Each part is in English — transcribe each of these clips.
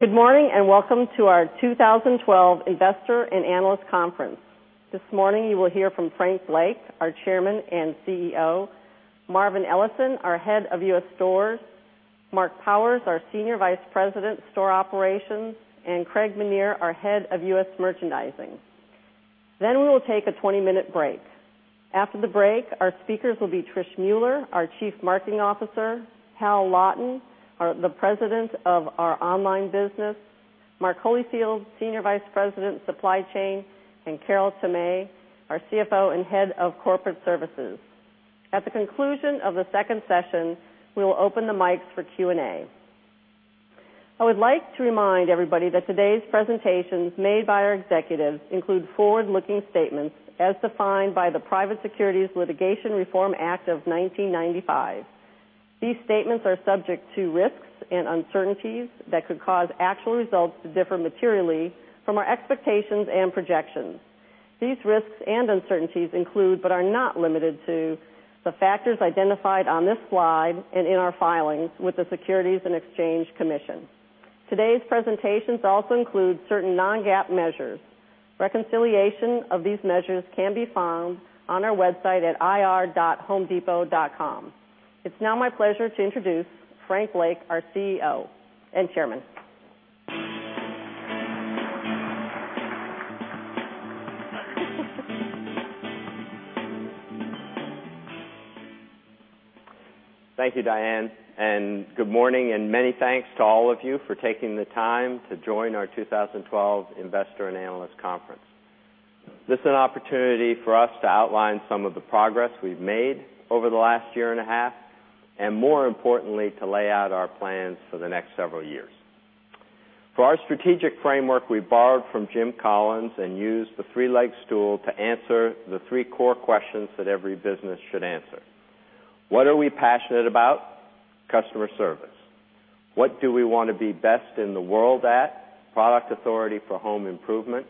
Good morning. Welcome to our 2012 Investor and Analyst Conference. This morning, you will hear from Frank Blake, our Chairman and CEO, Marvin Ellison, our Head of U.S. Stores, Marc Powers, our Senior Vice President, Store Operations, and Craig Menear, our Head of U.S. Merchandising. We will take a 20-minute break. After the break, our speakers will be Trish Mueller, our Chief Marketing Officer, Hal Lawton, the President of our online business, Mark Holifield, Senior Vice President, Supply Chain, and Carol Tomé, our CFO and Head of Corporate Services. At the conclusion of the second session, we will open the mics for Q&A. I would like to remind everybody that today's presentations made by our executives include forward-looking statements as defined by the Private Securities Litigation Reform Act of 1995. These statements are subject to risks and uncertainties that could cause actual results to differ materially from our expectations and projections. These risks and uncertainties include, but are not limited to, the factors identified on this slide and in our filings with the Securities and Exchange Commission. Today's presentations also include certain non-GAAP measures. Reconciliation of these measures can be found on our website at ir.homedepot.com. It's now my pleasure to introduce Frank Blake, our CEO and Chairman. Thank you, Diane. Good morning, and many thanks to all of you for taking the time to join our 2012 Investor and Analyst Conference. This is an opportunity for us to outline some of the progress we've made over the last year and a half, and more importantly, to lay out our plans for the next several years. For our strategic framework, we borrowed from Jim Collins and used the three-leg stool to answer the three core questions that every business should answer. What are we passionate about? Customer service. What do we want to be best in the world at? Product authority for home improvement.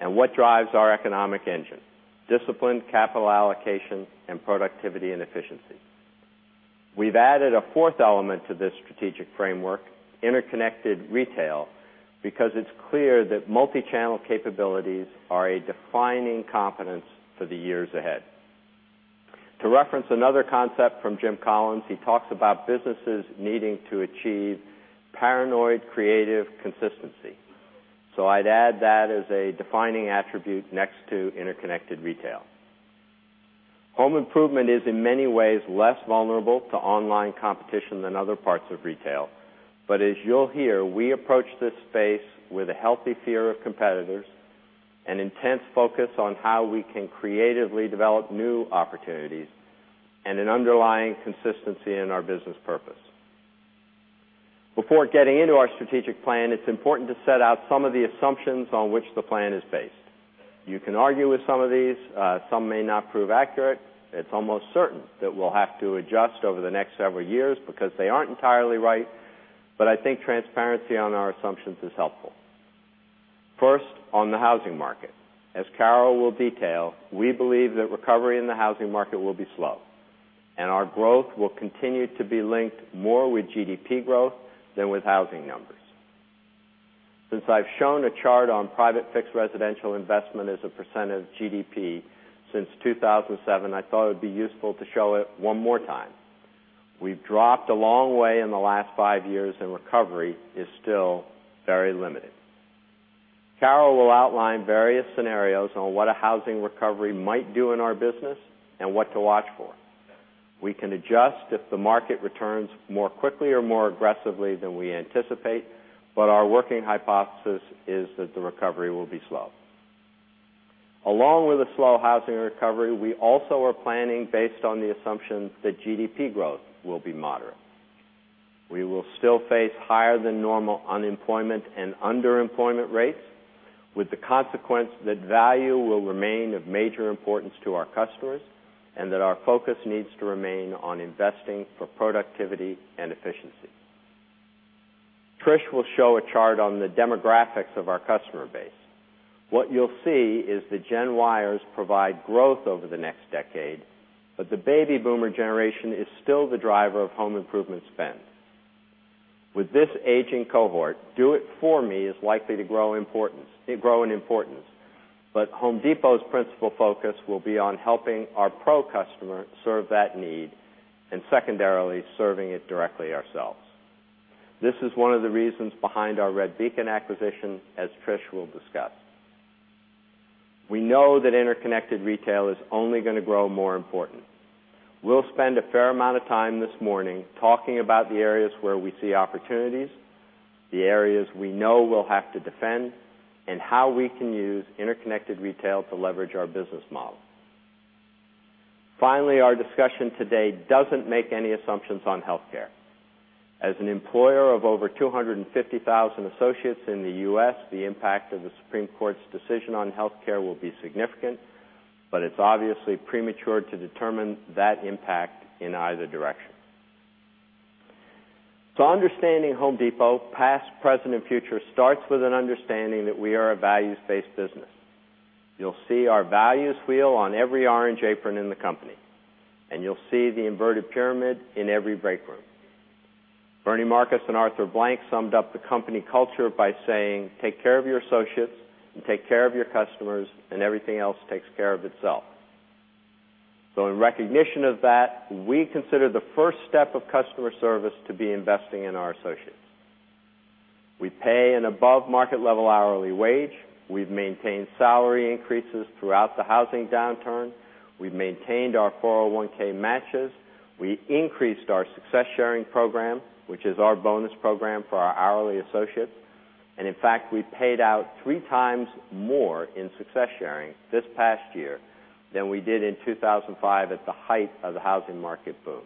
What drives our economic engine? Disciplined capital allocation and productivity and efficiency. We've added a fourth element to this strategic framework, interconnected retail, because it's clear that multi-channel capabilities are a defining competence for the years ahead. To reference another concept from Jim Collins, he talks about businesses needing to achieve paranoid creative consistency. I'd add that as a defining attribute next to interconnected retail. Home improvement is, in many ways, less vulnerable to online competition than other parts of retail. As you'll hear, we approach this space with a healthy fear of competitors, an intense focus on how we can creatively develop new opportunities, and an underlying consistency in our business purpose. Before getting into our strategic plan, it's important to set out some of the assumptions on which the plan is based. You can argue with some of these. Some may not prove accurate. It's almost certain that we'll have to adjust over the next several years because they aren't entirely right, but I think transparency on our assumptions is helpful. First, on the housing market. As Carol will detail, we believe that recovery in the housing market will be slow. Our growth will continue to be linked more with GDP growth than with housing numbers. Since I've shown a chart on private fixed residential investment as a percent of GDP since 2007, I thought it would be useful to show it one more time. We've dropped a long way in the last five years. Recovery is still very limited. Carol will outline various scenarios on what a housing recovery might do in our business and what to watch for. We can adjust if the market returns more quickly or more aggressively than we anticipate, but our working hypothesis is that the recovery will be slow. Along with a slow housing recovery, we also are planning based on the assumption that GDP growth will be moderate. We will still face higher than normal unemployment and underemployment rates with the consequence that value will remain of major importance to our customers and that our focus needs to remain on investing for productivity and efficiency. Trish will show a chart on the demographics of our customer base. What you'll see is the Gen Yers provide growth over the next decade, but the baby boomer generation is still the driver of home improvement spend. With this aging cohort, do it for me is likely to grow in importance, but The Home Depot's principal focus will be on helping our pro customer serve that need and secondarily, serving it directly ourselves. This is one of the reasons behind our Redbeacon acquisition, as Trish will discuss. We know that interconnected retail is only going to grow more important. We'll spend a fair amount of time this morning talking about the areas where we see opportunities, the areas we know we'll have to defend, and how we can use interconnected retail to leverage our business model. Finally, our discussion today doesn't make any assumptions on healthcare. As an employer of over 250,000 associates in the U.S., the impact of the Supreme Court's decision on healthcare will be significant, but it's obviously premature to determine that impact in either direction. Understanding The Home Depot, past, present, and future, starts with an understanding that we are a values-based business. You'll see our values wheel on every orange apron in the company, and you'll see the inverted pyramid in every break room. Bernie Marcus and Arthur Blank summed up the company culture by saying, "Take care of your associates, and take care of your customers, and everything else takes care of itself." In recognition of that, we consider the first step of customer service to be investing in our associates. We pay an above market level hourly wage. We've maintained salary increases throughout the housing downturn. We've maintained our 401 matches. We increased our Success Sharing program, which is our bonus program for our hourly associates. In fact, we paid out three times more in Success Sharing this past year than we did in 2005 at the height of the housing market boom.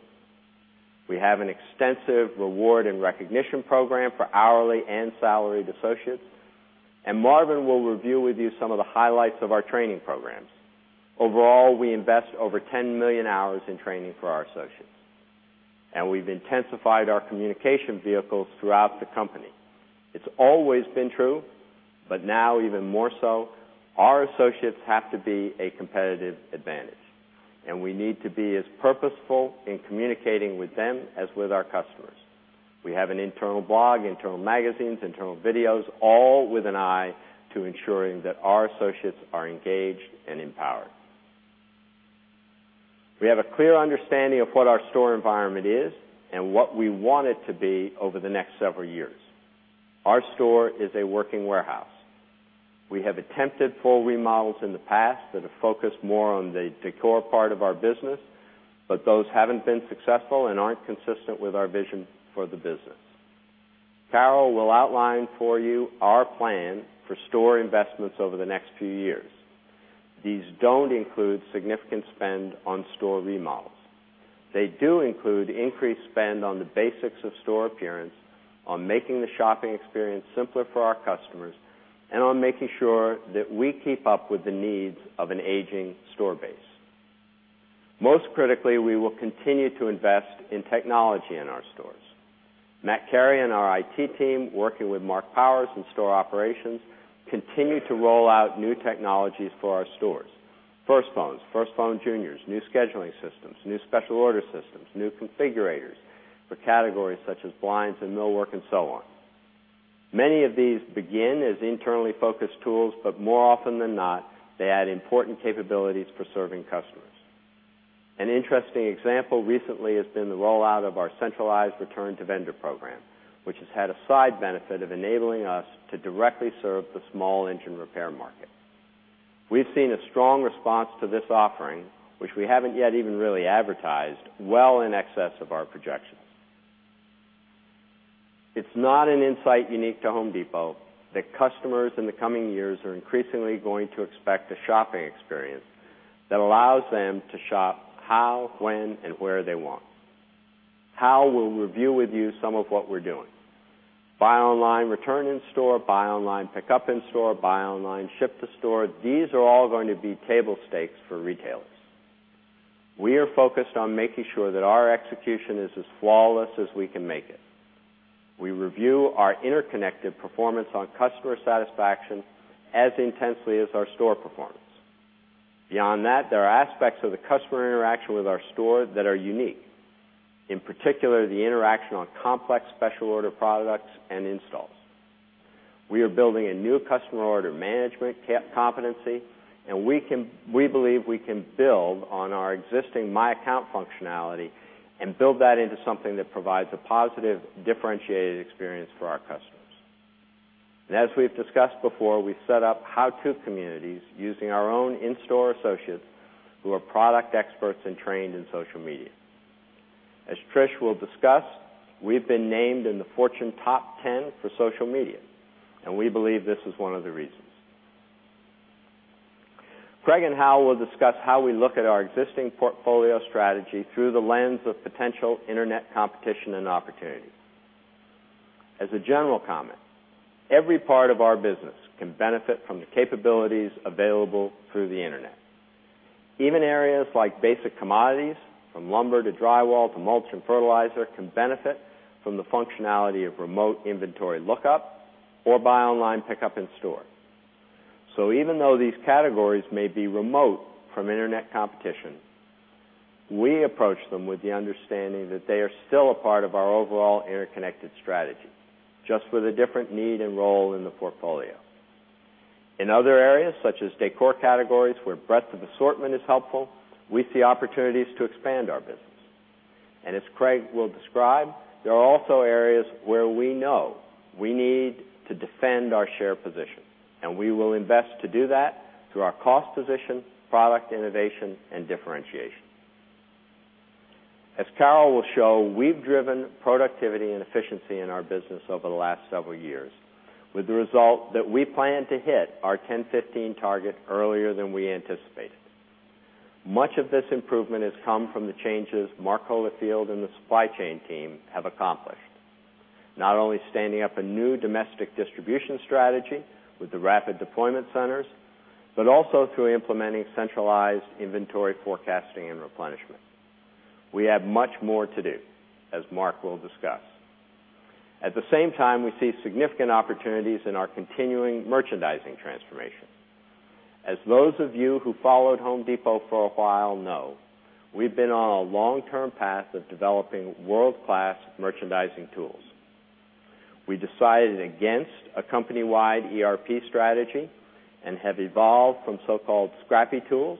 We have an extensive reward and recognition program for hourly and salaried associates. Marvin will review with you some of the highlights of our training programs. Overall, we invest over 10 million hours in training for our associates, and we've intensified our communication vehicles throughout the company. It's always been true, but now even more so, our associates have to be a competitive advantage, and we need to be as purposeful in communicating with them as with our customers. We have an internal blog, internal magazines, internal videos, all with an eye to ensuring that our associates are engaged and empowered. We have a clear understanding of what our store environment is and what we want it to be over the next several years. Our store is a working warehouse. We have attempted full remodels in the past that have focused more on the decor part of our business, but those haven't been successful and aren't consistent with our vision for the business. Carol will outline for you our plan for store investments over the next few years. These don't include significant spend on store remodels. They do include increased spend on the basics of store appearance, on making the shopping experience simpler for our customers, and on making sure that we keep up with the needs of an aging store base. Most critically, we will continue to invest in technology in our stores. Matt Carey and our IT team, working with Marc Powers in store operations, continue to roll out new technologies for our stores. FIRST Phones, FIRST Phone Juniors, new scheduling systems, new special order systems, new configurators for categories such as blinds and millwork, and so on. Many of these begin as internally focused tools, but more often than not, they add important capabilities for serving customers. An interesting example recently has been the rollout of our centralized return to vendor program, which has had a side benefit of enabling us to directly serve the small engine repair market. We've seen a strong response to this offering, which we haven't yet even really advertised, well in excess of our projections. It's not an insight unique to The Home Depot that customers in the coming years are increasingly going to expect a shopping experience that allows them to shop how, when, and where they want. Hal will review with you some of what we're doing. Buy online, return in store, buy online, pick up in store, buy online, ship to store. These are all going to be table stakes for retailers. We are focused on making sure that our execution is as flawless as we can make it. We review our interconnected performance on customer satisfaction as intensely as our store performance. Beyond that, there are aspects of the customer interaction with our store that are unique. In particular, the interaction on complex special order products and installs. We are building a new customer order management competency, and we believe we can build on our existing My Account functionality and build that into something that provides a positive, differentiated experience for our customers. As we've discussed before, we set up how-to communities using our own in-store associates who are product experts and trained in social media. As Trish will discuss, we've been named in the Fortune top 10 for social media, and we believe this is one of the reasons. Craig and Hal will discuss how we look at our existing portfolio strategy through the lens of potential internet competition and opportunities. As a general comment, every part of our business can benefit from the capabilities available through the internet. Even areas like basic commodities, from lumber to drywall to mulch and fertilizer, can benefit from the functionality of remote inventory lookup or buy online pickup in store. Even though these categories may be remote from internet competition, we approach them with the understanding that they are still a part of our overall interconnected strategy, just with a different need and role in the portfolio. In other areas, such as decor categories where breadth of assortment is helpful, we see opportunities to expand our business. As Craig will describe, there are also areas where we know we need to defend our share position, and we will invest to do that through our cost position, product innovation, and differentiation. As Carol will show, we've driven productivity and efficiency in our business over the last several years with the result that we plan to hit our 10-15 target earlier than we anticipated. Much of this improvement has come from the changes Mark Holifield and the supply chain team have accomplished. Not only standing up a new domestic distribution strategy with the rapid deployment centers, but also through implementing centralized inventory forecasting and replenishment. We have much more to do, as Mark will discuss. At the same time, we see significant opportunities in our continuing merchandising transformation. As those of you who followed Home Depot for a while know, we've been on a long-term path of developing world-class merchandising tools. We decided against a company-wide ERP strategy and have evolved from so-called scrappy tools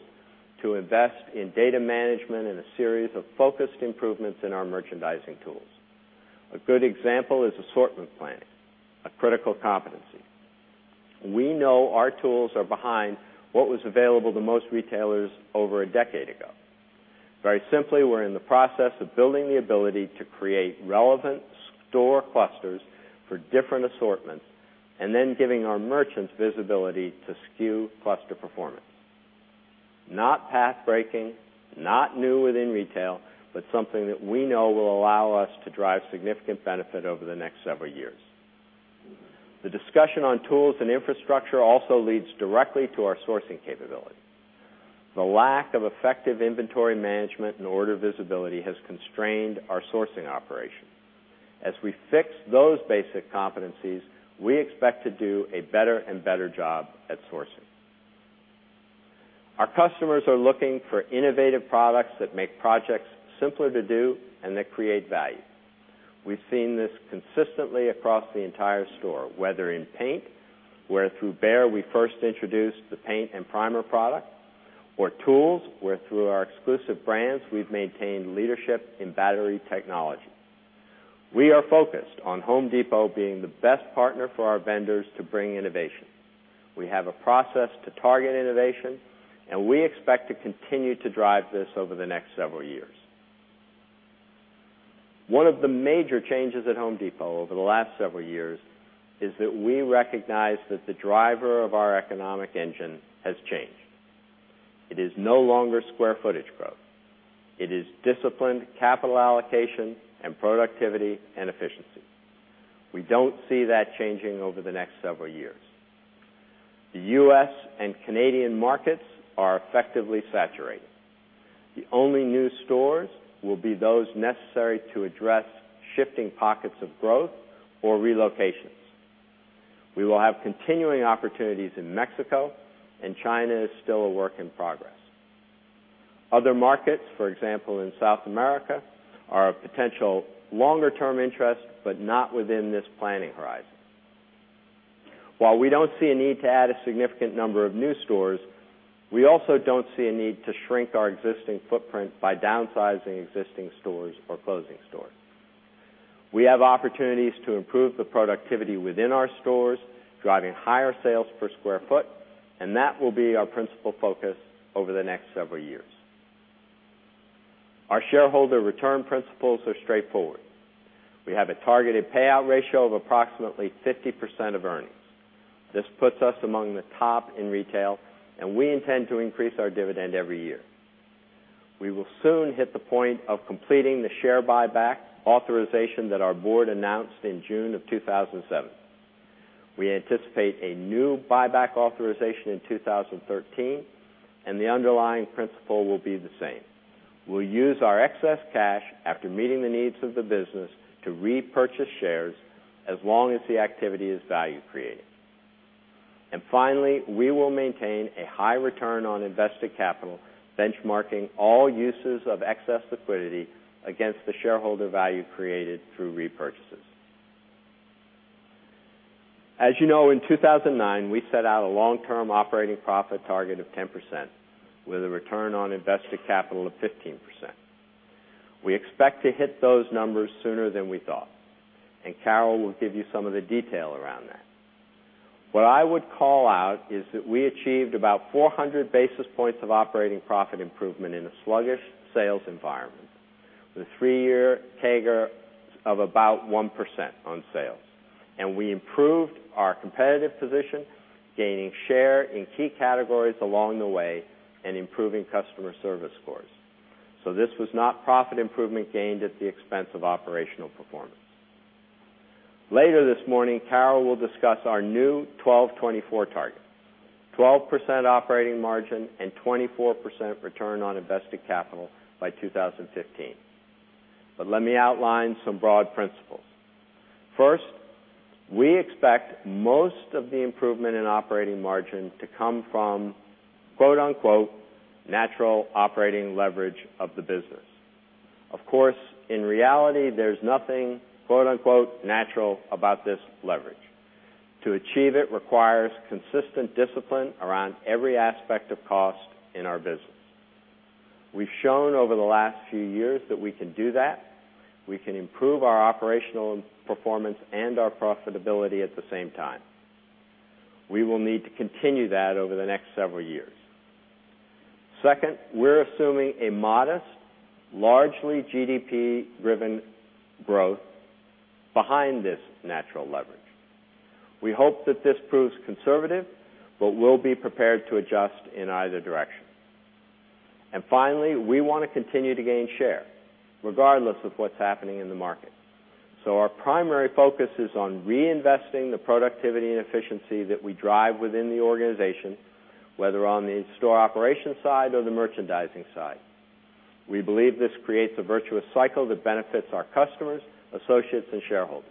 to invest in data management and a series of focused improvements in our merchandising tools. A good example is assortment planning, a critical competency. We know our tools are behind what was available to most retailers over a decade ago. Very simply, we're in the process of building the ability to create relevant store clusters for different assortments and then giving our merchants visibility to SKU cluster performance. Not pathbreaking, not new within retail, but something that we know will allow us to drive significant benefit over the next several years. The discussion on tools and infrastructure also leads directly to our sourcing capability. The lack of effective inventory management and order visibility has constrained our sourcing operation. As we fix those basic competencies, we expect to do a better and better job at sourcing. Our customers are looking for innovative products that make projects simpler to do and that create value. We've seen this consistently across the entire store, whether in paint, where through BEHR, we first introduced the paint and primer product, or tools, where through our exclusive brands, we've maintained leadership in battery technology. We are focused on Home Depot being the best partner for our vendors to bring innovation. We have a process to target innovation, and we expect to continue to drive this over the next several years. One of the major changes at Home Depot over the last several years is that we recognize that the driver of our economic engine has changed. It is no longer square footage growth. It is disciplined capital allocation and productivity and efficiency. We don't see that changing over the next several years. The U.S. and Canadian markets are effectively saturated. The only new stores will be those necessary to address shifting pockets of growth or relocations. We will have continuing opportunities in Mexico. China is still a work in progress. Other markets, for example, in South America, are of potential longer-term interest, but not within this planning horizon. While we don't see a need to add a significant number of new stores, we also don't see a need to shrink our existing footprint by downsizing existing stores or closing stores. We have opportunities to improve the productivity within our stores, driving higher sales per square foot. That will be our principal focus over the next several years. Our shareholder return principles are straightforward. We have a targeted payout ratio of approximately 50% of earnings. This puts us among the top in retail. We intend to increase our dividend every year. We will soon hit the point of completing the share buyback authorization that our board announced in June of 2007. We anticipate a new buyback authorization in 2013. The underlying principle will be the same. We'll use our excess cash after meeting the needs of the business to repurchase shares as long as the activity is value-creating. Finally, we will maintain a high return on invested capital, benchmarking all uses of excess liquidity against the shareholder value created through repurchases. As you know, in 2009, we set out a long-term operating profit target of 10% with a return on invested capital of 15%. We expect to hit those numbers sooner than we thought. Carol will give you some of the detail around that. What I would call out is that we achieved about 400 basis points of operating profit improvement in a sluggish sales environment with a three-year CAGR of about 1% on sales. We improved our competitive position, gaining share in key categories along the way and improving customer service scores. This was not profit improvement gained at the expense of operational performance. Later this morning, Carol will discuss our new 12/24 target, 12% operating margin and 24% return on invested capital by 2015. Let me outline some broad principles. First, we expect most of the improvement in operating margin to come from "natural operating leverage of the business." Of course, in reality, there's nothing "natural" about this leverage. To achieve it requires consistent discipline around every aspect of cost in our business. We've shown over the last few years that we can do that. We can improve our operational performance and our profitability at the same time. We will need to continue that over the next several years. Second, we're assuming a modest, largely GDP-driven growth behind this natural leverage. We hope that this proves conservative, but we'll be prepared to adjust in either direction. Finally, we want to continue to gain share regardless of what's happening in the market. Our primary focus is on reinvesting the productivity and efficiency that we drive within the organization, whether on the store operation side or the merchandising side. We believe this creates a virtuous cycle that benefits our customers, associates, and shareholders.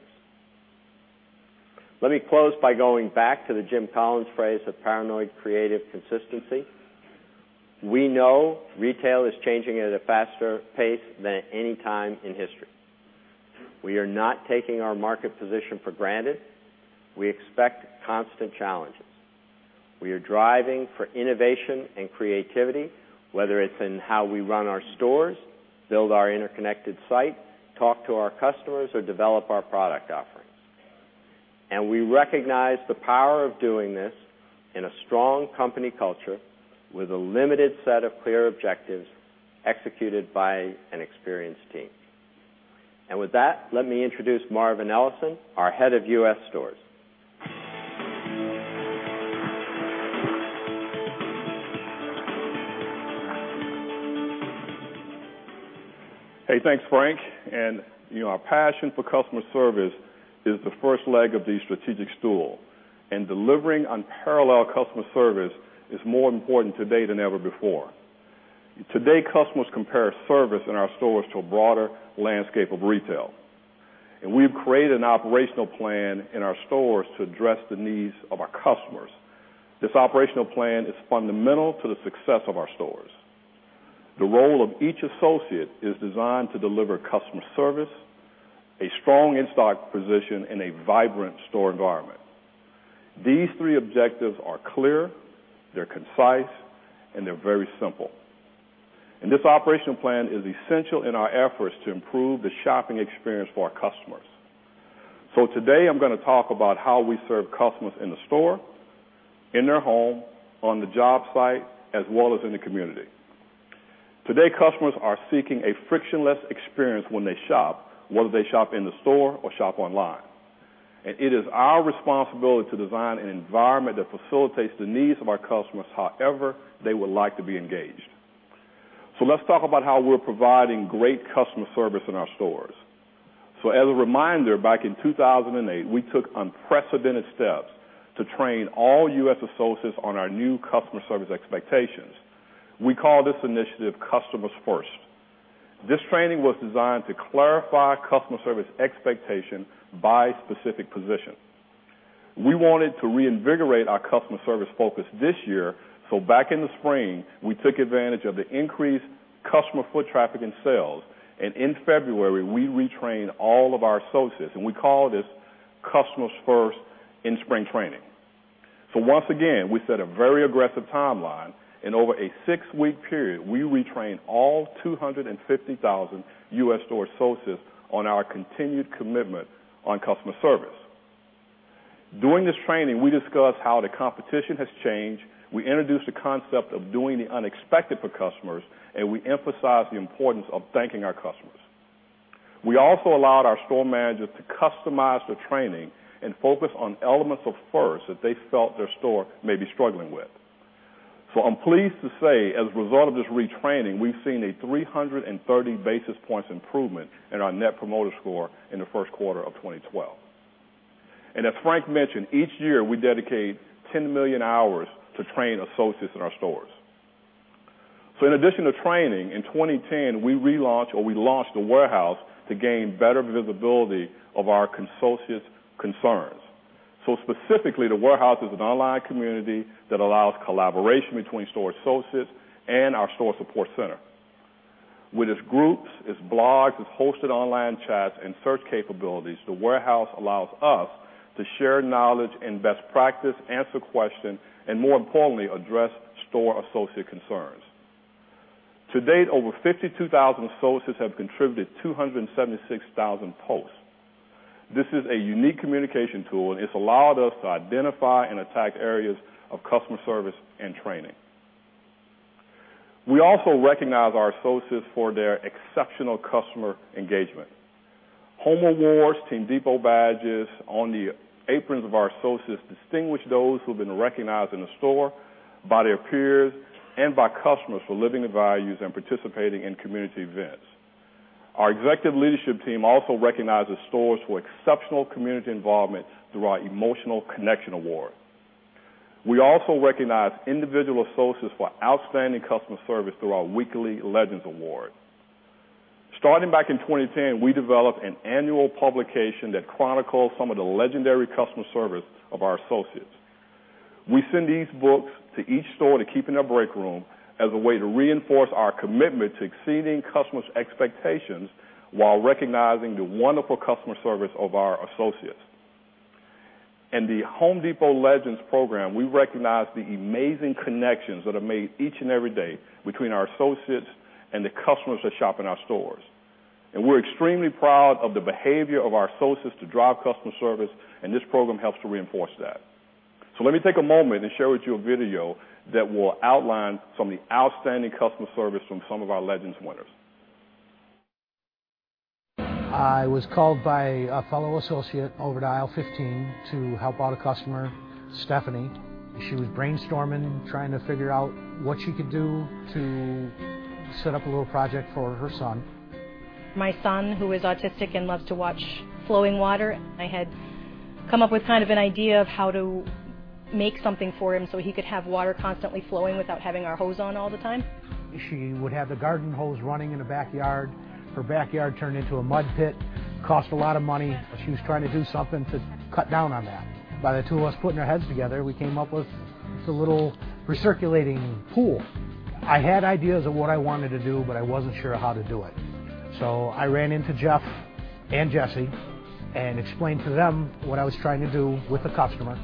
Let me close by going back to the Jim Collins phrase of paranoid creative consistency. We know retail is changing at a faster pace than at any time in history. We are not taking our market position for granted. We expect constant challenges. We are driving for innovation and creativity, whether it's in how we run our stores, build our interconnected site, talk to our customers, or develop our product offerings. We recognize the power of doing this in a strong company culture with a limited set of clear objectives executed by an experienced team. With that, let me introduce Marvin Ellison, our head of U.S. stores. Hey, thanks, Frank. Our passion for customer service is the first leg of the strategic stool, and delivering unparalleled customer service is more important today than ever before. Today, customers compare service in our stores to a broader landscape of retail. We have created an operational plan in our stores to address the needs of our customers. This operational plan is fundamental to the success of our stores. The role of each associate is designed to deliver customer service, a strong in-stock position, and a vibrant store environment. These three objectives are clear, they're concise, and they're very simple. This operational plan is essential in our efforts to improve the shopping experience for our customers. Today, I'm going to talk about how we serve customers in the store, in their home, on the job site, as well as in the community. Today, customers are seeking a frictionless experience when they shop, whether they shop in the store or shop online. It is our responsibility to design an environment that facilitates the needs of our customers however they would like to be engaged. Let's talk about how we're providing great customer service in our stores. As a reminder, back in 2008, we took unprecedented steps to train all U.S. associates on our new customer service expectations. We called this initiative Customers FIRST. This training was designed to clarify customer service expectations by specific position. We wanted to reinvigorate our customer service focus this year. Back in the spring, we took advantage of the increased customer foot traffic and sales, and in February, we retrained all of our associates, and we called it Customers First in Spring Training. Once again, we set a very aggressive timeline. In over a six-week period, we retrained all 250,000 U.S. store associates on our continued commitment to customer service. During this training, we discussed how the competition has changed. We introduced the concept of doing the unexpected for customers, and we emphasized the importance of thanking our customers. We also allowed our store managers to customize the training and focus on elements of service that they felt their store may be struggling with. I'm pleased to say, as a result of this retraining, we've seen a 330 basis point improvement in our Net Promoter Score in the first quarter of 2012. As Frank mentioned, each year we dedicate 10 million hours to train associates in our stores. In addition to training, in 2010, we relaunched or we launched The Warehouse to gain better visibility of our associates' concerns. Specifically, The Warehouse is an online community that allows collaboration between store associates and our store support center. With its groups, its blogs, its hosted online chats, and search capabilities, The Warehouse allows us to share knowledge and best practice, answer questions, and more importantly, address store associate concerns. To date, over 52,000 associates have contributed 276,000 posts. This is a unique communication tool, and it's allowed us to identify and attack areas of customer service and training. We also recognize our associates for their exceptional customer engagement. Homer Award and Team Depot badges on the aprons of our associates distinguish those who've been recognized in the store by their peers and by customers for living the values and participating in community events. Our executive leadership team also recognizes stores for exceptional community involvement through our Emotional Connection Award. We also recognize individual associates for outstanding customer service through our weekly Legends Award. Starting back in 2010, we developed an annual publication that chronicles some of the legendary customer service of our associates. We send these books to each store to keep in their break room as a way to reinforce our commitment to exceeding customers' expectations while recognizing the wonderful customer service of our associates. In The Home Depot Legends program, we recognize the amazing connections that are made each and every day between our associates and the customers that shop in our stores. We're extremely proud of the behavior of our associates to drive customer service, and this program helps to reinforce that. Let me take a moment and share with you a video that will outline some of the outstanding customer service from some of our Legends winners. I was called by a fellow associate over to aisle 15 to help out a customer, Stephanie. She was brainstorming, trying to figure out what she could do to set up a little project for her son. My son, who is autistic and loves to watch flowing water, I had come up with kind of an idea of how to make something for him so he could have water constantly flowing without having our hose on all the time. She would have the garden hose running in the backyard. Her backyard turned into a mud pit, cost a lot of money. She was trying to do something to cut down on that. By the two of us putting our heads together, we came up with this little recirculating pool. I had ideas of what I wanted to do, but I wasn't sure how to do it. I ran into Jeff and Jesse and explained to them what I was trying to do with the customer.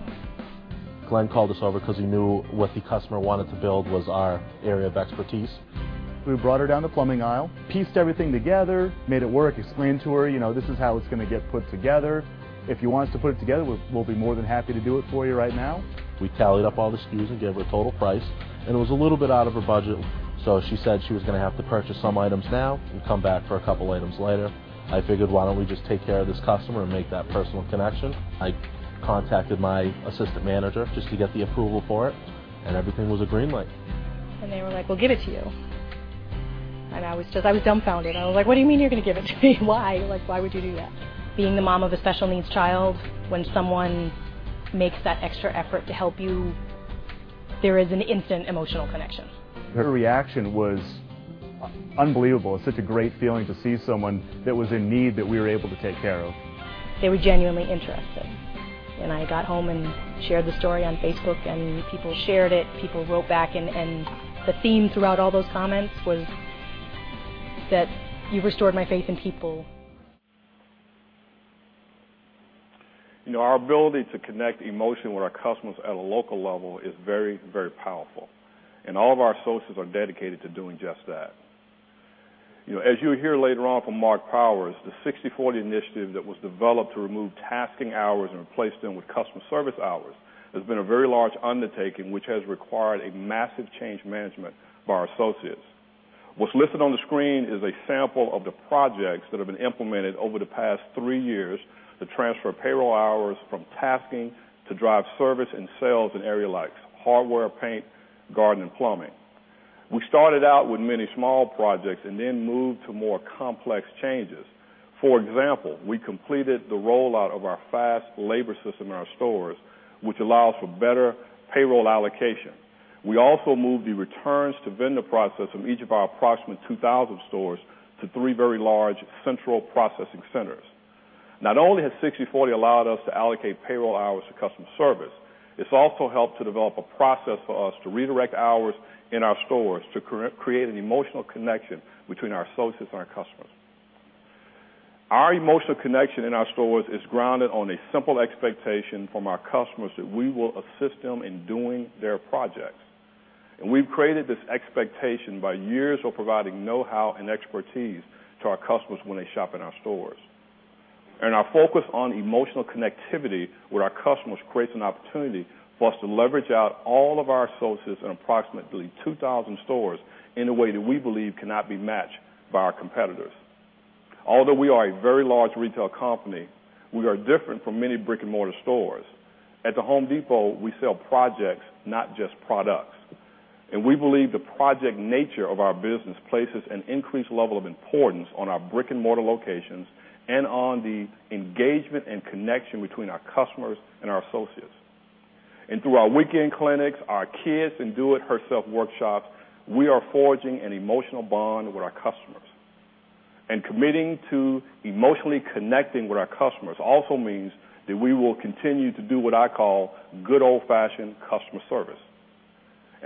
Glen called us over because he knew what the customer wanted to build was our area of expertise. We brought her down the plumbing aisle, pieced everything together, made it work, explained to her, "This is how it's going to get put together. If you want us to put it together, we'll be more than happy to do it for you right now. We tallied up all the SKUs and gave her a total price, and it was a little bit out of her budget. She said she was going to have to purchase some items now and come back for a couple items later. I figured, why don't we just take care of this customer and make that personal connection? I contacted my assistant manager just to get the approval for it, and everything was a green light. They were like, "We'll give it to you." I was dumbfounded. I was like, "What do you mean you're going to give it to me? Why? Why would you do that?" Being the mom of a special needs child, when someone makes that extra effort to help you, there is an instant emotional connection. Her reaction was unbelievable. It's such a great feeling to see someone that was in need that we were able to take care of. They were genuinely interested. I got home and shared the story on Facebook, and people shared it. People wrote back, and the theme throughout all those comments was that, "You've restored my faith in people. Our ability to connect emotionally with our customers at a local level is very, very powerful, and all of our associates are dedicated to doing just that. As you will hear later on from Marc Powers, the 60/40 initiative that was developed to remove staffing hours and replace them with customer service hours has been a very large undertaking, which has required a massive change management for our associates. What's listed on the screen is a sample of the projects that have been implemented over the past three years to transfer payroll hours from staffing to drive service and sales in area like hardware, paint, garden, and plumbing. We started out with many small projects and then moved to more complex changes. For example, we completed the rollout of our fast labor system in our stores, which allows for better payroll allocation. We also moved the returns to vendor process in each of our approximately 2,000 stores to three very large central processing centers. Not only has 60/40 allowed us to allocate payroll hours to customer service, it's also helped to develop a process for us to redirect hours in our stores to create an emotional connection between our associates and our customers. Our emotional connection in our stores is grounded on a simple expectation from our customers that we will assist them in doing their projects. We've created this expectation by years of providing know-how and expertise to our customers when they shop in our stores. Our focus on emotional connectivity with our customers creates an opportunity for us to leverage out all of our associates in approximately 2,000 stores in a way that we believe cannot be matched by our competitors. Although we are a very large retail company, we are different from many brick-and-mortar stores. At The Home Depot, we sell projects, not just products. We believe the project nature of our business places an increased level of importance on our brick-and-mortar locations and on the engagement and connection between our customers and our associates. Through our weekend clinics, our kids, and do-it-yourself workshops, we are forging an emotional bond with our customers. Committing to emotionally connecting with our customers also means that we will continue to do what I call good old-fashioned customer service.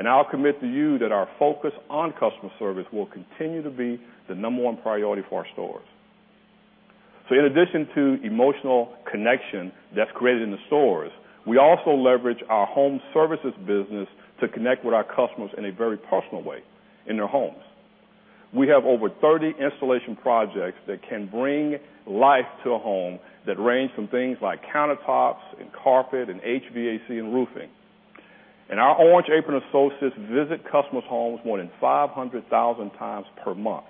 I'll commit to you that our focus on customer service will continue to be the number 1 priority for our stores. In addition to emotional connection that's created in the stores, we also leverage our home services business to connect with our customers in a very personal way, in their homes. We have over 30 installation projects that can bring life to a home that range from things like countertops and carpet and HVAC and roofing. Our orange-aproned associates visit customers' homes more than 500,000 times per month.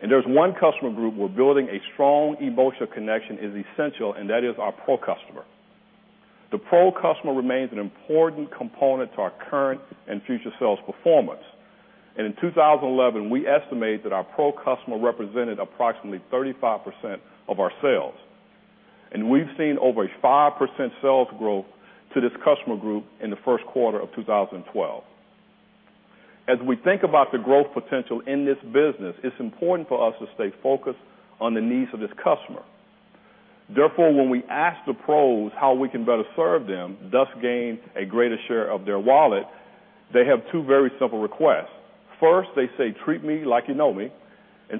There's 1 customer group we're building a strong emotional connection is essential, and that is our Pro customer. The Pro customer remains an important component to our current and future sales performance. In 2011, we estimate that our Pro customer represented approximately 35% of our sales. We've seen over 5% sales growth to this customer group in the first quarter of 2012. As we think about the growth potential in this business, it's important for us to stay focused on the needs of this customer. Therefore, when we ask the Pros how we can better serve them, thus gain a greater share of their wallet, they have two very simple requests. First, they say, "Treat me like you know me."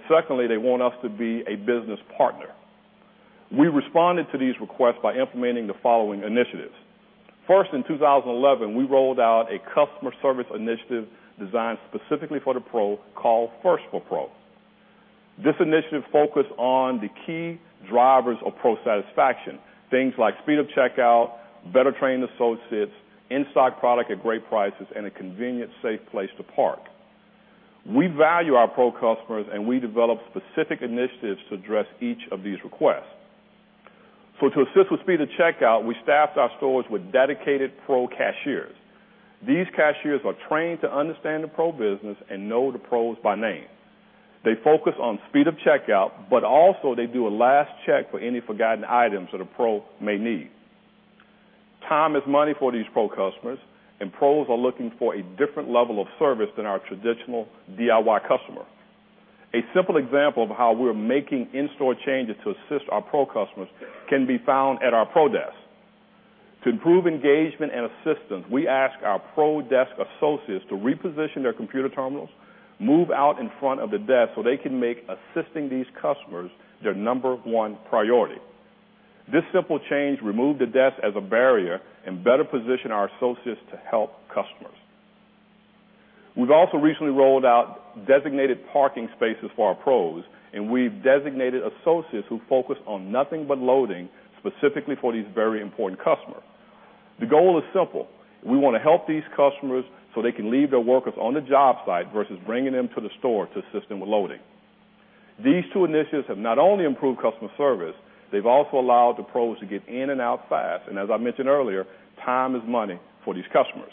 Secondly, they want us to be a business partner. We responded to these requests by implementing the following initiatives. First, in 2011, we rolled out a customer service initiative designed specifically for the Pro called First for Pros. This initiative focused on the key drivers of Pro satisfaction, things like speed of checkout, better-trained associates, in-stock product at great prices, and a convenient, safe place to park. We value our Pro customers, and we developed specific initiatives to address each of these requests. To assist with speed of checkout, we staffed our stores with dedicated pro cashiers. These cashiers are trained to understand the pro business and know the pros by name. They focus on speed of checkout, but also they do a last check for any forgotten items that a pro may need. Time is money for these pro customers, and pros are looking for a different level of service than our traditional DIY customer. A simple example of how we're making in-store changes to assist our pro customers can be found at our pro desk. To improve engagement and assistance, we ask our pro desk associates to reposition their computer terminals, move out in front of the desk so they can make assisting these customers their number 1 priority. This simple change removed the desk as a barrier and better position our associates to help customers. We've also recently rolled out designated parking spaces for our pros. We've designated associates who focus on nothing but loading specifically for these very important customers. The goal is simple. We want to help these customers so they can leave their workers on the job site versus bringing them to the store to assist them with loading. These two initiatives have not only improved customer service, they've also allowed the pros to get in and out fast. As I mentioned earlier, time is money for these customers.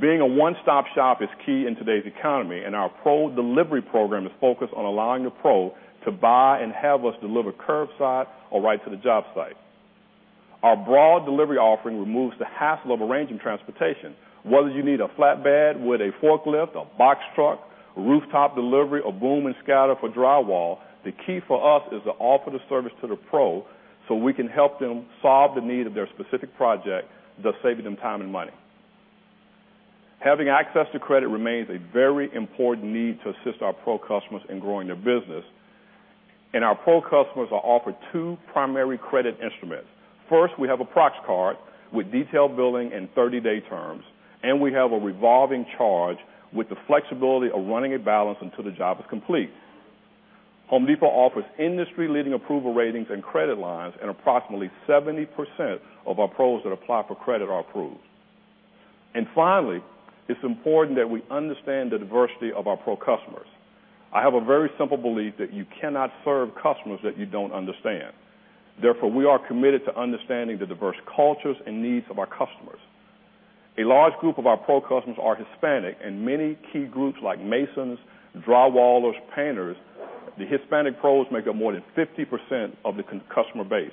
Being a one-stop shop is key in today's economy, and our Pro Delivery Program is focused on allowing the pro to buy and have us deliver curbside or right to the job site. Our broad delivery offering removes the hassle of arranging transportation, whether you need a flatbed with a forklift, a box truck, rooftop delivery, or boom and scaffold for drywall. The key for us is to offer the service to the pro so we can help them solve the need of their specific project that saves them time and money. Having access to credit remains a very important need to assist our pro customers in growing their business. Our pro customers are offered two primary credit instruments. First, we have a Pro Xtra card with detailed billing and 30-day terms, and we have a revolving charge with the flexibility of running a balance until the job is complete. Home Depot offers industry-leading approval ratings and credit lines, and approximately 70% of our pros that apply for credit are approved. Finally, it's important that we understand the diversity of our pro customers. I have a very simple belief that you cannot serve customers that you don't understand. Therefore, we are committed to understanding the diverse cultures and needs of our customers. A large group of our pro customers are Hispanic, and many key groups like masons, drywallers, painters, the Hispanic pros make up more than 50% of the customer base.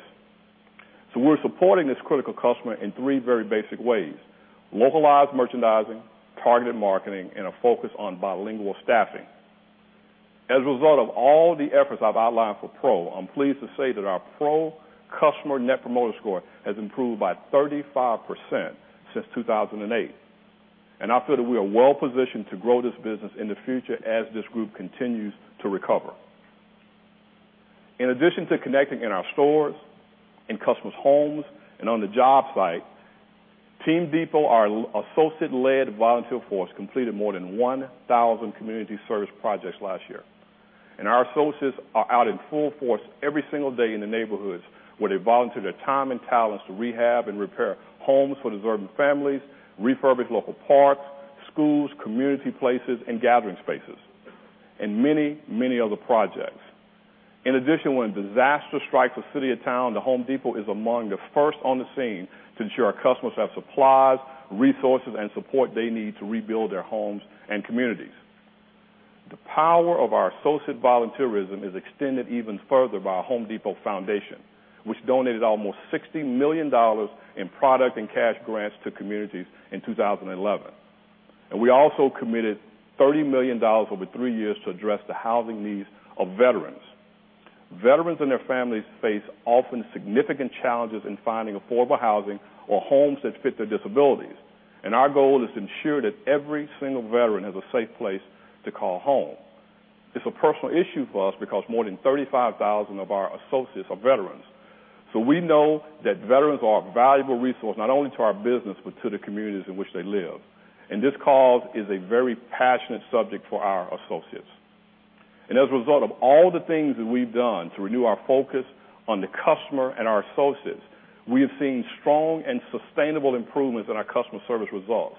We're supporting this critical customer in three very basic ways: localized merchandising, targeted marketing, and a focus on bilingual staffing. As a result of all the efforts I've outlined for pro, I'm pleased to say that our pro customer Net Promoter Score has improved by 35% since 2008. I feel that we are well positioned to grow this business in the future as this group continues to recover. In addition to connecting in our stores, in customers' homes, and on the job site, Team Depot, our associate-led volunteer force, completed more than 1,000 community service projects last year. Our associates are out in full force every single day in the neighborhoods where they volunteer their time and talents to rehab and repair homes for deserving families, refurbish local parks, schools, community places, and gathering spaces, and many, many other projects. In addition, when disaster strikes a city or town, The Home Depot is among the first on the scene to ensure our customers have supplies, resources, and support they need to rebuild their homes and communities. The power of our associate volunteerism is extended even further by The Home Depot Foundation, which donated almost $60 million in product and cash grants to communities in 2011. We also committed $30 million over three years to address the housing needs of veterans. Veterans and their families face often significant challenges in finding affordable housing or homes that fit their disabilities. Our goal is to ensure that every single veteran has a safe place to call home. This is a personal issue for us because more than 35,000 of our associates are veterans. We know that veterans are a valuable resource, not only to our business, but to the communities in which they live. This cause is a very passionate subject for our associates. As a result of all the things that we've done to renew our focus on the customer and our associates, we have seen strong and sustainable improvements in our customer service results.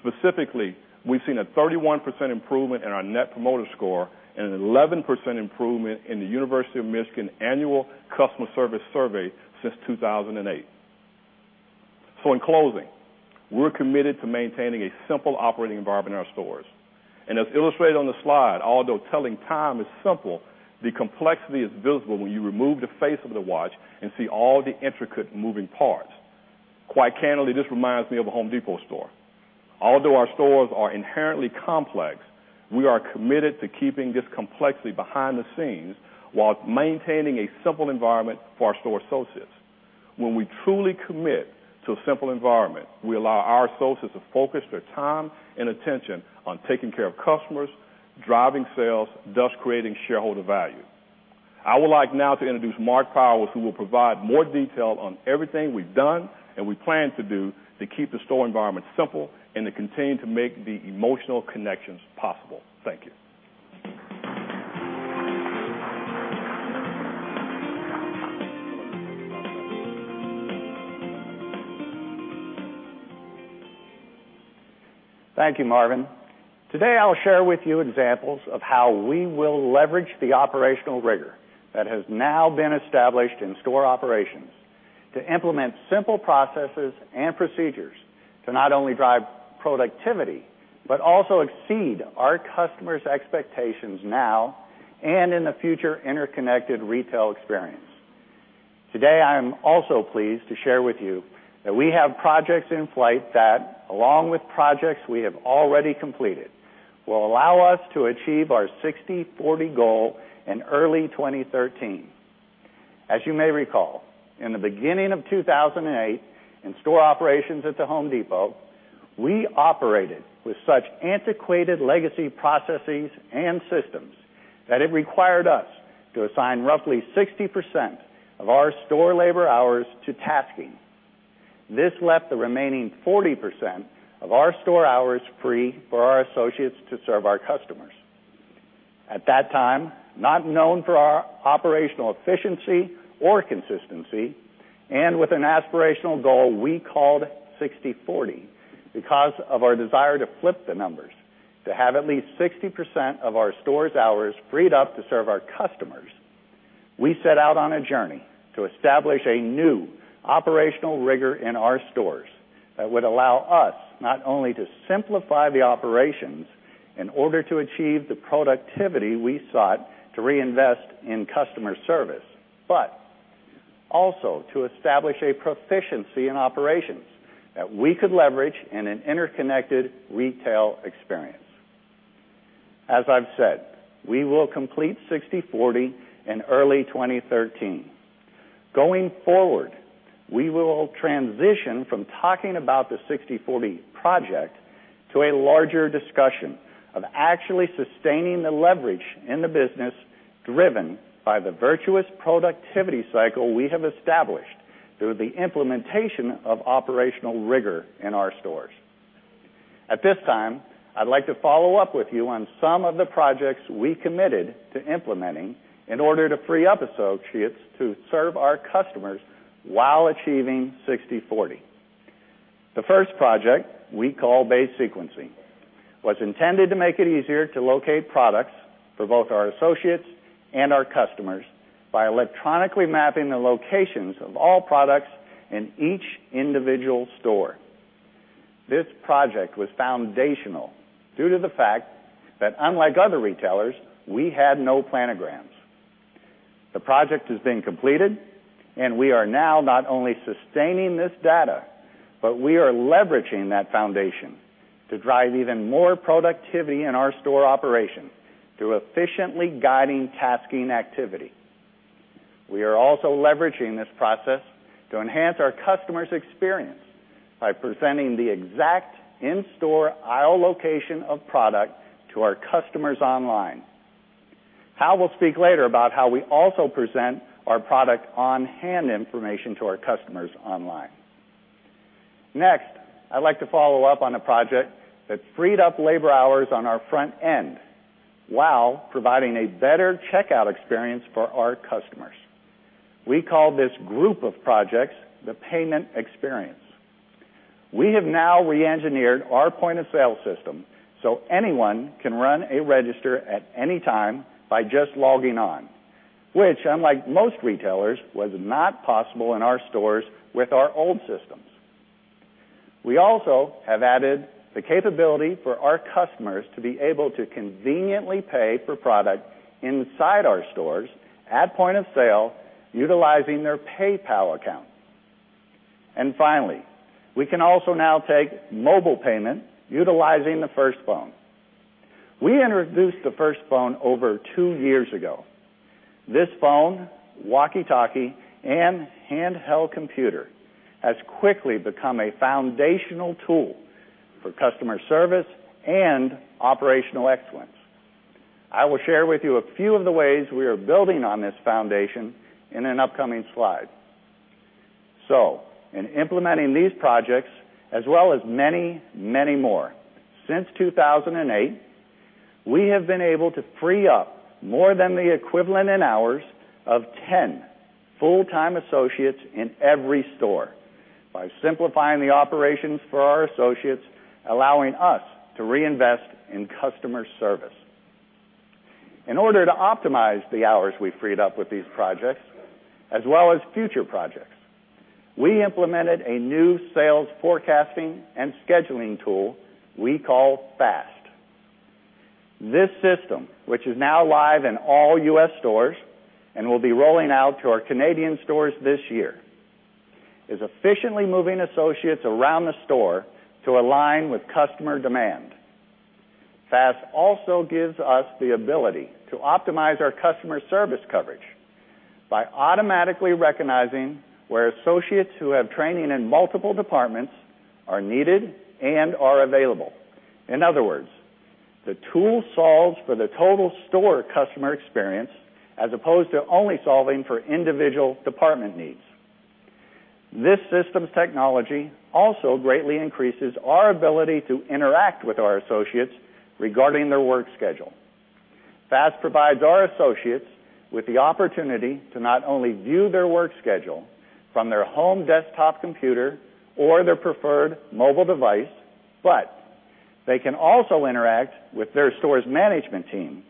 Specifically, we've seen a 31% improvement in our Net Promoter Score and an 11% improvement in the University of Michigan annual customer service survey since 2008. In closing, we're committed to maintaining a simple operating environment in our stores. As illustrated on the slide, although telling time is simple, the complexity is built when you remove the face of the watch and see all the intricate moving parts. Quite candidly, this reminds me of a Home Depot store. Although our stores are inherently complex, we are committed to keeping this complexity behind the scenes while maintaining a simple environment for our store associates. When we truly commit to a simple environment, we allow our associates to focus their time and attention on taking care of customers, driving sales, thus creating shareholder value. I would like now to introduce Marc Powers, who will provide more detail on everything we've done and we plan to do to keep the store environment simple and to continue to make the emotional connections possible. Thank you. Thank you, Marvin. Today, I'll share with you examples of how we will leverage the operational rigor that has now been established in store operations to implement simple processes and procedures to not only drive productivity but also exceed our customers' expectations now and in the future interconnected retail experience. Today, I am also pleased to share with you that we have projects in flight that, along with projects we have already completed, will allow us to achieve our 60/40 goal in early 2013. As you may recall, in the beginning of 2008, in store operations at The Home Depot, we operated with such antiquated legacy processes and systems that it required us to assign roughly 60% of our store labor hours to tasking. This left the remaining 40% of our store hours free for our associates to serve our customers. At that time, not known for our operational efficiency or consistency, and with an aspirational goal we called 60/40 because of our desire to flip the numbers, to have at least 60% of our stores' hours freed up to serve our customers, we set out on a journey to establish a new operational rigor in our stores that would allow us not only to simplify the operations in order to achieve the productivity we sought to reinvest in customer service, but also to establish a proficiency in operations that we could leverage in an interconnected retail experience. As I've said, we will complete 60/40 in early 2013. Going forward, we will transition from talking about the 60/40 project to a larger discussion of actually sustaining the leverage in the business driven by the virtuous productivity cycle we have established through the implementation of operational rigor in our stores. At this time, I'd like to follow up with you on some of the projects we committed to implementing in order to free up associates to serve our customers while achieving 60/40. The first project we call bay sequencing was intended to make it easier to locate products for both our associates and our customers by electronically mapping the locations of all products in each individual store. This project was foundational due to the fact that unlike other retailers, we had no planograms. The project has been completed, and we are now not only sustaining this data, but we are leveraging that foundation to drive even more productivity in our store operation through efficiently guiding tasking activity. We are also leveraging this process to enhance our customer's experience by presenting the exact in-store aisle location of product to our customers online. Hal will speak later about how we also present our product on hand information to our customers online. Next, I'd like to follow up on a project that freed up labor hours on our front end while providing a better checkout experience for our customers. We call this group of projects the payment experience. We have now reengineered our point-of-sale system so anyone can run a register at any time by just logging on, which unlike most retailers, was not possible in our stores with our old systems. We also have added the capability for our customers to be able to conveniently pay for product inside our stores at point of sale, utilizing their PayPal account. Finally, we can also now take mobile payment utilizing the First Phone. We introduced the First Phone over two years ago. This phone, walkie-talkie, and handheld computer has quickly become a foundational tool for customer service and operational excellence. I will share with you a few of the ways we are building on this foundation in an upcoming slide. In implementing these projects, as well as many, many more, since 2008, we have been able to free up more than the equivalent in hours of 10 full-time associates in every store by simplifying the operations for our associates, allowing us to reinvest in customer service. In order to optimize the hours we freed up with these projects, as well as future projects, we implemented a new sales forecasting and scheduling tool we call FAST. This system, which is now live in all U.S. stores and will be rolling out to our Canadian stores this year, is efficiently moving associates around the store to align with customer demand. FAST also gives us the ability to optimize our customer service coverage by automatically recognizing where associates who have training in multiple departments are needed and are available. In other words, the tool solves for the total store customer experience as opposed to only solving for individual department needs. This system technology also greatly increases our ability to interact with our associates regarding their work schedule. FAST provides our associates with the opportunity to not only view their work schedule from their home desktop computer or their preferred mobile device, but they can also interact with their store's management team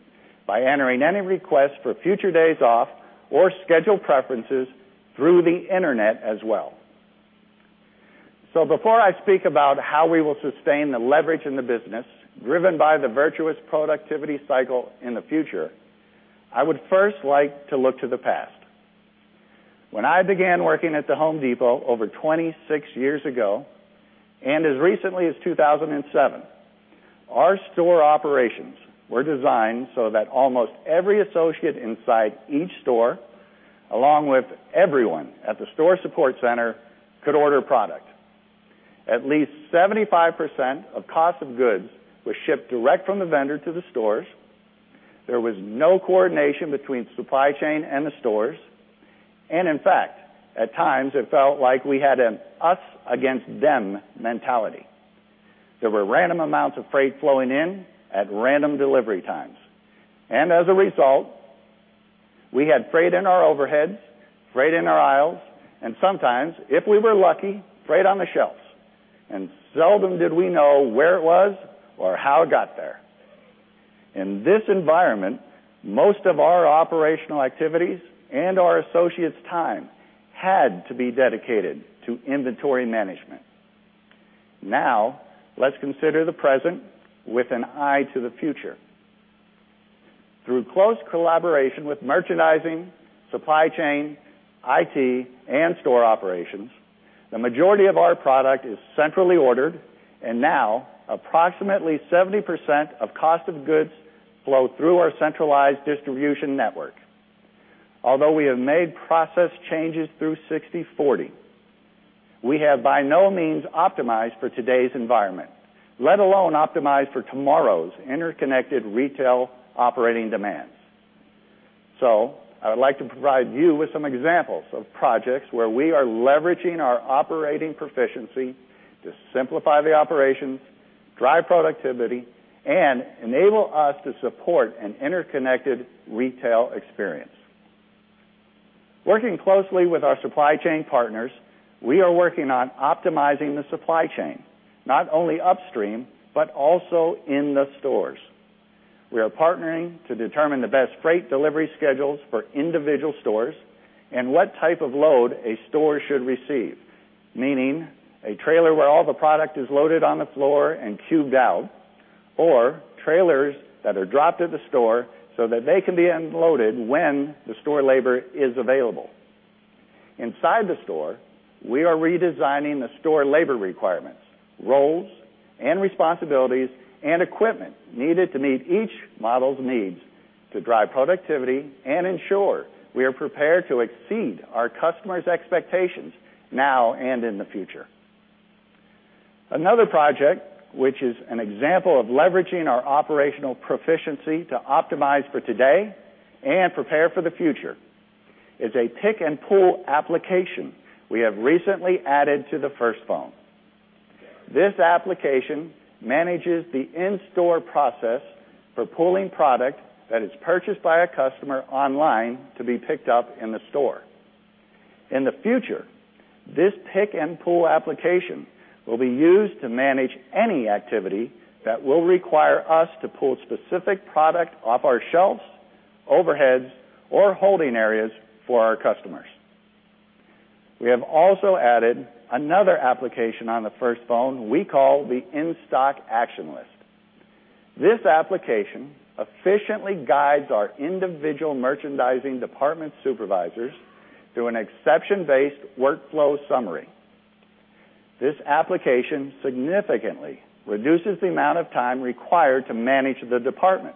by entering any request for future days off or schedule preferences through the internet as well. Before I speak about how we will sustain the leverage in the business driven by the virtuous productivity cycle in the future, I would first like to look to the past. When I began working at The Home Depot over 26 years ago, and as recently as 2007, our store operations were designed so that almost every associate inside each store, along with everyone at the store support center, could order product. At least 75% of cost of goods was shipped direct from the vendor to the stores. There was no coordination between supply chain and the stores, and in fact, at times it felt like we had an us against them mentality. There were random amounts of freight flowing in at random delivery times, and as a result, we had freight in our overheads, freight in our aisles, and sometimes, if we were lucky, freight on the shelves, and seldom did we know where it was or how it got there. In this environment, most of our operational activities and our associates' time had to be dedicated to inventory management. Now, let's consider the present with an eye to the future. Through close collaboration with merchandising, supply chain, IT, and store operations, the majority of our product is centrally ordered, and now approximately 70% of cost of goods flow through our centralized distribution network. Although we have made process changes through 60/40, we have by no means optimized for today's environment, let alone optimized for tomorrow's interconnected retail operating demands. I would like to provide you with some examples of projects where we are leveraging our operating proficiency to simplify the operation, drive productivity, and enable us to support an interconnected retail experience. Working closely with our supply chain partners, we are working on optimizing the supply chain, not only upstream but also in the stores. We are partnering to determine the best freight delivery schedules for individual stores and what type of load a store should receive, meaning a trailer where all the product is loaded on the floor and cubed out, or trailers that are dropped at the store so that they can be unloaded when the store labor is available. Inside the store, we are redesigning the store labor requirements, roles and responsibilities, and equipment needed to meet each model's needs to drive productivity and ensure we are prepared to exceed our customers' expectations now and in the future. Another project which is an example of leveraging our operational proficiency to optimize for today and prepare for the future is a pick-and-pull application we have recently added to the FIRST Phone. This application manages the in-store process for pulling product that is purchased by a customer online to be picked up in the store. In the future, this pick-and-pull application will be used to manage any activity that will require us to pull specific product off our shelves, overheads, or holding areas for our customers. We have also added another application on the FIRST Phone we call the in-stock action list. This application efficiently guides our individual merchandising department supervisors through an exception-based workflow summary. This application significantly reduces the amount of time required to manage the department,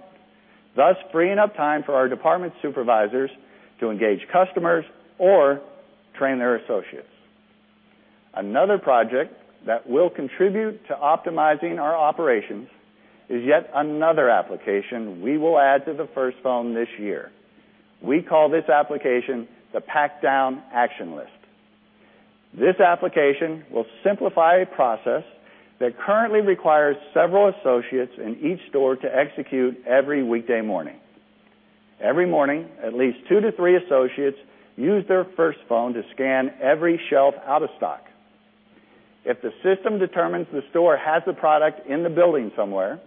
thus freeing up time for our department supervisors to engage customers or train their associates. Another project that will contribute to optimizing our operations is yet another application we will add to the FIRST Phone this year. We call this application the pack-down action list. This application will simplify a process that currently requires several associates in each store to execute every weekday morning. Every morning, at least two to three associates use their FIRST Phone to scan every shelf out of stock. If the system determines the store has the product in the building somewhere,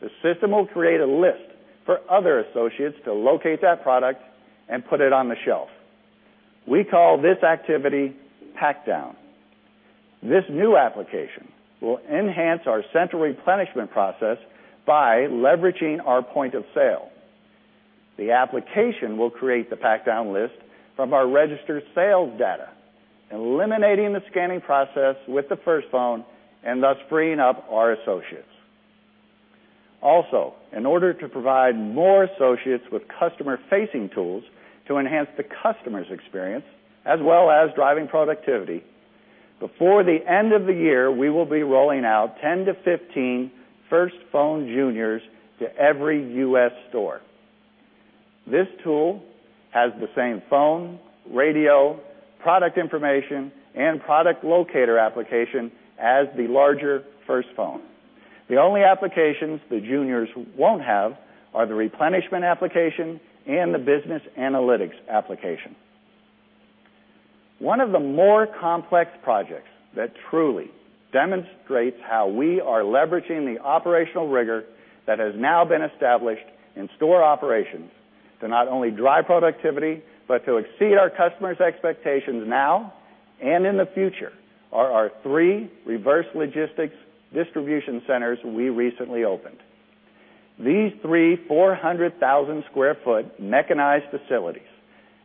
the system will create a list for other associates to locate that product and put it on the shelf. We call this activity pack down. This new application will enhance our central replenishment process by leveraging our point of sale. The application will create the pack-down list from our registered sales data, eliminating the scanning process with the FIRST Phone and thus freeing up our associates. In order to provide more associates with customer-facing tools to enhance the customer's experience as well as driving productivity, before the end of the year, we will be rolling out 10 to 15 FIRST Phone Juniors to every U.S. store. This tool has the same phone, radio, product information, and product locator application as the larger FIRST Phone. The only applications the juniors won't have are the replenishment application and the business analytics application. One of the more complex projects that truly demonstrates how we are leveraging the operational rigor that has now been established in store operations to not only drive productivity, but to exceed our customers' expectations now and in the future, are our three reverse logistics distribution centers we recently opened. These three 400,000 sq ft mechanized facilities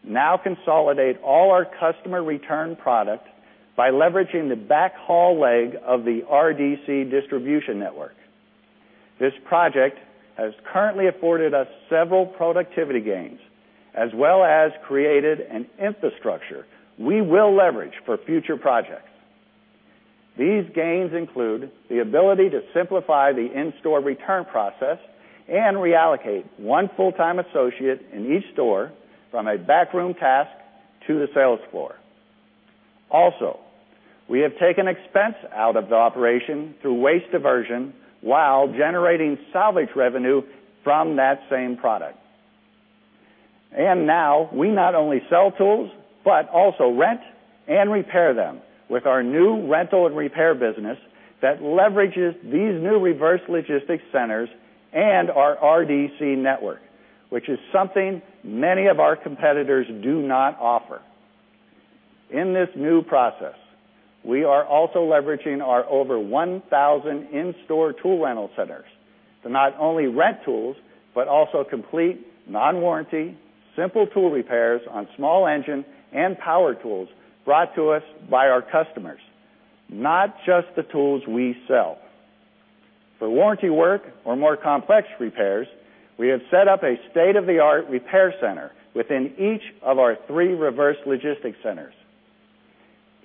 now consolidate all our customer return product by leveraging the back-haul leg of the RDC distribution network. This project has currently afforded us several productivity gains, as well as created an infrastructure we will leverage for future projects. These gains include the ability to simplify the in-store return process and reallocate one full-time associate in each store from a backroom task to the sales floor. Also, we have taken expense out of the operation through waste diversion while generating salvage revenue from that same product. Now we not only sell tools, but also rent and repair them with our new rental and repair business that leverages these new reverse logistics centers and our RDC network, which is something many of our competitors do not offer. In this new process, we are also leveraging our over 1,000 in-store tool rental centers to not only rent tools, but also complete non-warranty, simple tool repairs on small engine and power tools brought to us by our customers, not just the tools we sell. For warranty work or more complex repairs, we have set up a state-of-the-art repair center within each of our three reverse logistics centers.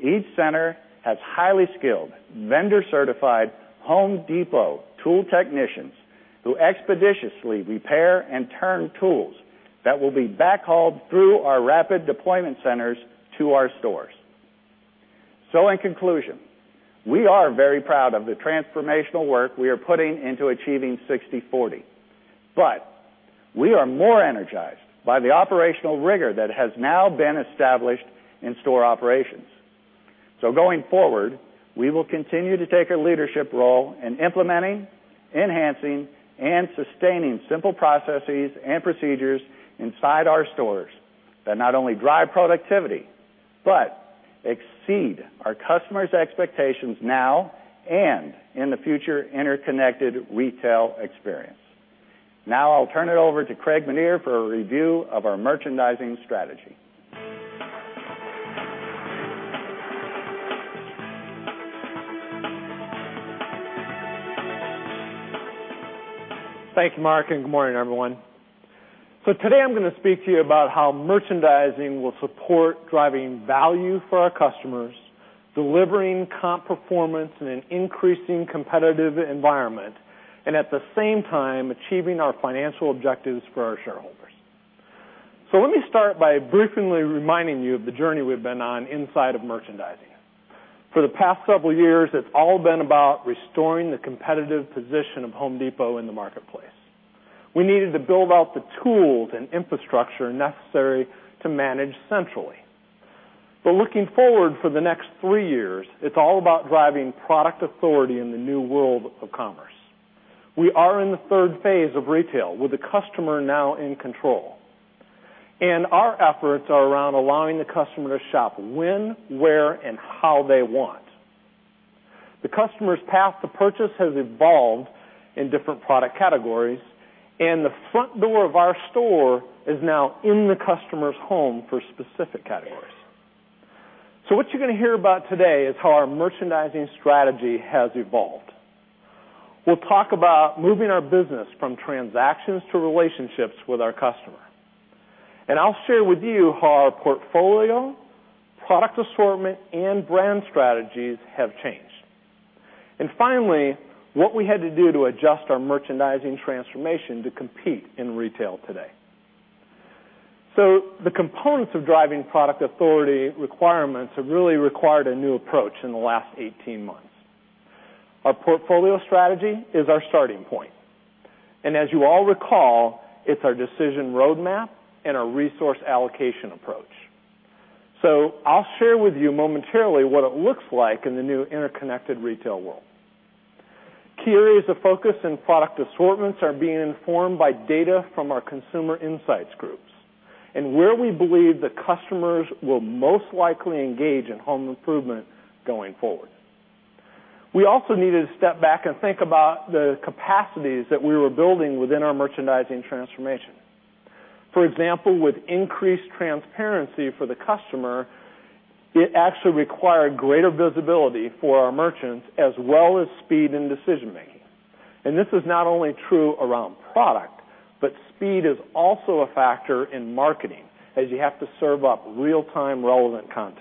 Each center has highly skilled, vendor-certified The Home Depot tool technicians who expeditiously repair and turn tools that will be backhauled through our rapid deployment centers to our stores. In conclusion, we are very proud of the transformational work we are putting into achieving 60/40, but we are more energized by the operational rigor that has now been established in store operations. Going forward, we will continue to take a leadership role in implementing, enhancing, and sustaining simple processes and procedures inside our stores that not only drive productivity, but exceed our customers' expectations now and in the future interconnected retail experience. Now I'll turn it over to Craig Menear for a review of our merchandising strategy. Thank you, Marc, and good morning, everyone. Today I'm going to speak to you about how merchandising will support driving value for our customers, delivering comp performance in an increasing competitive environment, and at the same time, achieving our financial objectives for our shareholders. Let me start by briefly reminding you of the journey we've been on inside of merchandising. For the past couple years, it's all been about restoring the competitive position of The Home Depot in the marketplace. We needed to build out the tools and infrastructure necessary to manage centrally. But looking forward for the next three years, it's all about driving product authority in the new world of commerce. We are in the third phase of retail, with the customer now in control, and our efforts are around allowing the customer to shop when, where, and how they want. The customer's path to purchase has evolved in different product categories, and the front door of our store is now in the customer's home for specific categories. What you're going to hear about today is how our merchandising strategy has evolved. We'll talk about moving our business from transactions to relationships with our customer. I'll share with you how our portfolio, product assortment, and brand strategies have changed. Finally, what we had to do to adjust our merchandising transformation to compete in retail today. The components of driving product authority requirements have really required a new approach in the last 18 months. Our portfolio strategy is our starting point, and as you all recall, it's our decision roadmap and our resource allocation approach. I'll share with you momentarily what it looks like in the new interconnected retail world. Key areas of focus in product assortments are being informed by data from our consumer insights groups and where we believe the customers will most likely engage in home improvement going forward. We also needed to step back and think about the capacities that we were building within our merchandising transformation. For example, with increased transparency for the customer, it actually required greater visibility for our merchants, as well as speed in decision-making. This is not only true around product, but speed is also a factor in marketing, as you have to serve up real-time relevant content.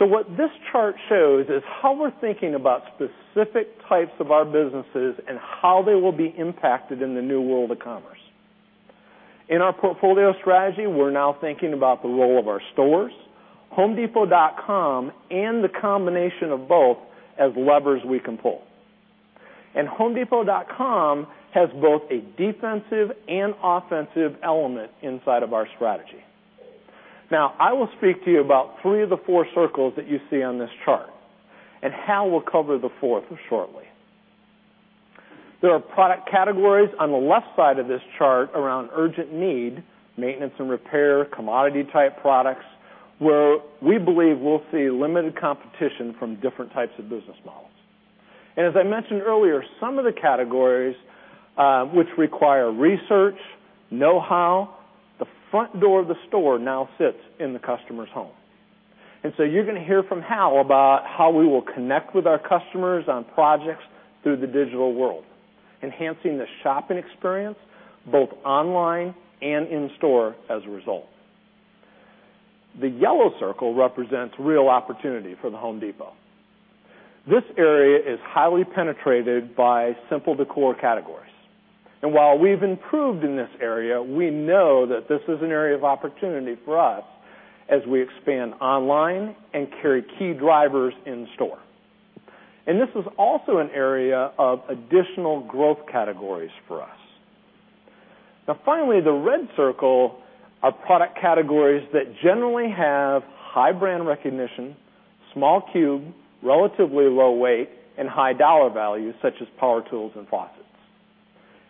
What this chart shows is how we're thinking about specific types of our businesses and how they will be impacted in the new world of commerce. In our portfolio strategy, we're now thinking about the role of our stores, homedepot.com, and the combination of both as levers we can pull. homedepot.com has both a defensive and offensive element inside of our strategy. I will speak to you about 3 of the 4 circles that you see on this chart, and Hal will cover the fourth shortly. There are product categories on the left side of this chart around urgent need, maintenance and repair, commodity-type products, where we believe we'll see limited competition from different types of business models. As I mentioned earlier, some of the categories which require research, know-how, the front door of the store now sits in the customer's home. You're going to hear from Hal about how we will connect with our customers on projects through the digital world, enhancing the shopping experience both online and in store as a result. The yellow circle represents real opportunity for The Home Depot. This area is highly penetrated by simple decor categories. While we've improved in this area, we know that this is an area of opportunity for us as we expand online and carry key drivers in store. This is also an area of additional growth categories for us. The red circle are product categories that generally have high brand recognition, small cube, relatively low weight, and high dollar value, such as power tools and faucets.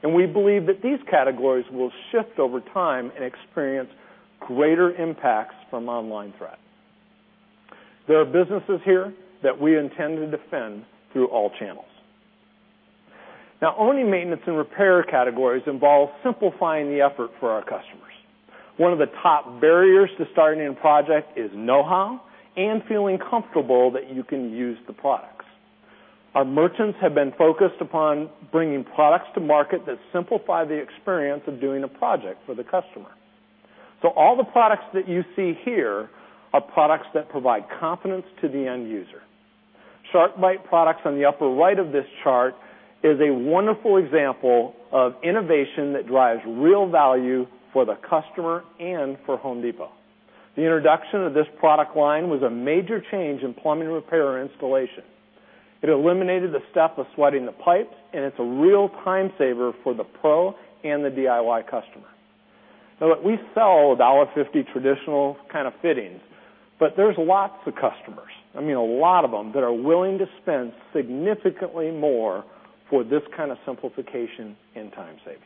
We believe that these categories will shift over time and experience greater impacts from online threat. There are businesses here that we intend to defend through all channels. Owning maintenance and repair categories involves simplifying the effort for our customers. One of the top barriers to starting a project is know-how and feeling comfortable that you can use the products. Our merchants have been focused upon bringing products to market that simplify the experience of doing a project for the customer. All the products that you see here are products that provide confidence to the end user. SharkBite products on the upper right of this chart is a wonderful example of innovation that drives real value for the customer and for The Home Depot. The introduction of this product line was a major change in plumbing repair installation. It eliminated the step of sweating the pipes, and it is a real time saver for the pro and the DIY customer. Look, we sell $1.50 traditional kind of fittings, but there is lots of customers, I mean a lot of them, that are willing to spend significantly more for this kind of simplification and time savings.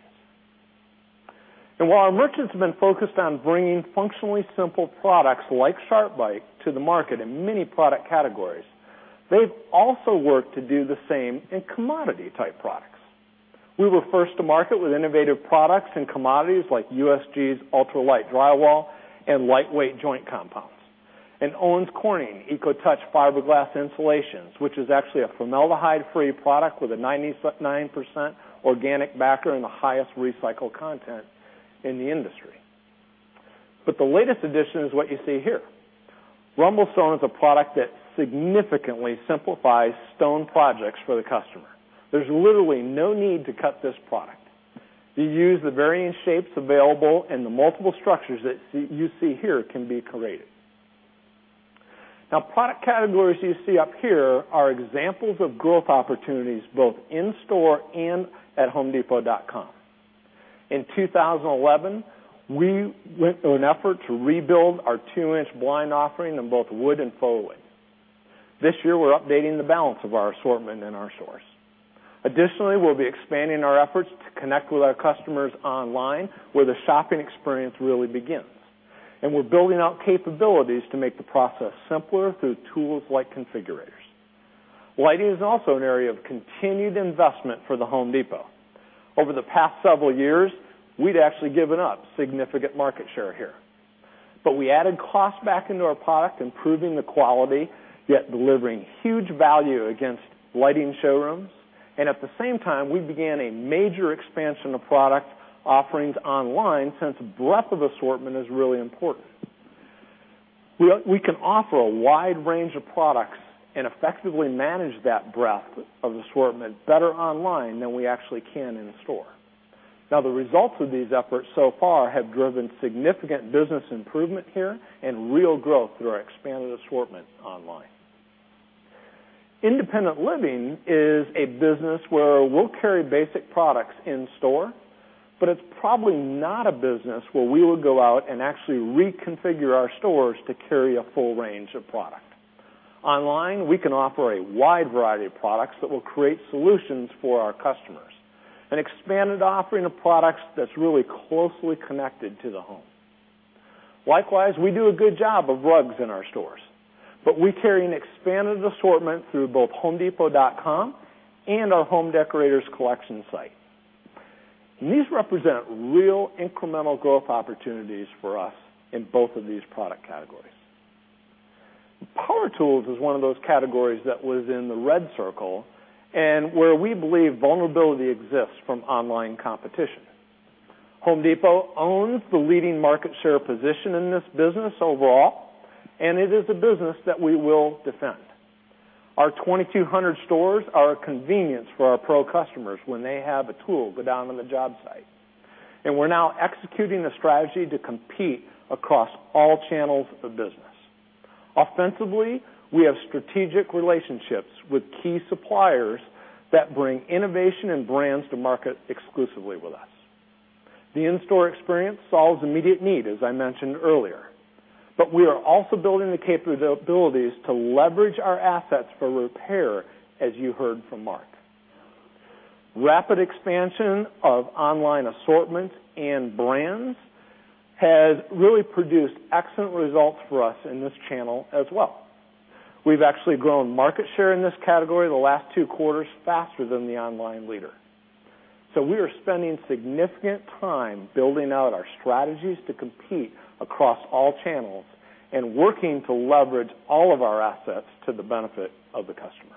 While our merchants have been focused on bringing functionally simple products like SharkBite to the market in many product categories, they have also worked to do the same in commodity-type products. We were first to market with innovative products and commodities like USG's ultralight drywall and lightweight joint compounds, and Owens Corning EcoTouch fiberglass insulations, which is actually a formaldehyde-free product with a 99% organic backing and the highest recycled content in the industry. The latest addition is what you see here. RumbleStone is a product that significantly simplifies stone projects for the customer. There is literally no need to cut this product. You use the varying shapes available and the multiple structures that you see here can be created. Product categories you see up here are examples of growth opportunities both in store and at homedepot.com. In 2011, we went through an effort to rebuild our two-inch blind offering in both wood and faux wood. This year, we are updating the balance of our assortment in our stores. Additionally, we will be expanding our efforts to connect with our customers online, where the shopping experience really begins. We are building out capabilities to make the process simpler through tools like configurators. Lighting is also an area of continued investment for The Home Depot. Over the past several years, we had actually given up significant market share here. We added cost back into our product, improving the quality, yet delivering huge value against lighting showrooms. At the same time, we began a major expansion of product offerings online since the breadth of assortment is really important. We can offer a wide range of products and effectively manage that breadth of assortment better online than we actually can in store. The results of these efforts so far have driven significant business improvement here and real growth through our expanded assortment online. Independent living is a business where we will carry basic products in store, but it is probably not a business where we will go out and actually reconfigure our stores to carry a full range of product. Online, we can offer a wide variety of products that will create solutions for our customers, an expanded offering of products that is really closely connected to the home. Likewise, we do a good job of rugs in our stores, but we carry an expanded assortment through both homedepot.com and our Home Decorators Collection site. These represent real incremental growth opportunities for us in both of these product categories. Power tools is one of those categories that was in the red circle and where we believe vulnerability exists from online competition. The Home Depot owns the leading market share position in this business overall, it is a business that we will defend. Our 2,200 stores are a convenience for our pro customers when they have a tool go down on the job site. We're now executing a strategy to compete across all channels of the business. Offensively, we have strategic relationships with key suppliers that bring innovation and brands to market exclusively with us. The in-store experience solves immediate need, as I mentioned earlier, we are also building the capabilities to leverage our assets for repair, as you heard from Marc. Rapid expansion of online assortment and brands has really produced excellent results for us in this channel as well. We've actually grown market share in this category the last two quarters faster than the online leader. We are spending significant time building out our strategies to compete across all channels and working to leverage all of our assets to the benefit of the customer.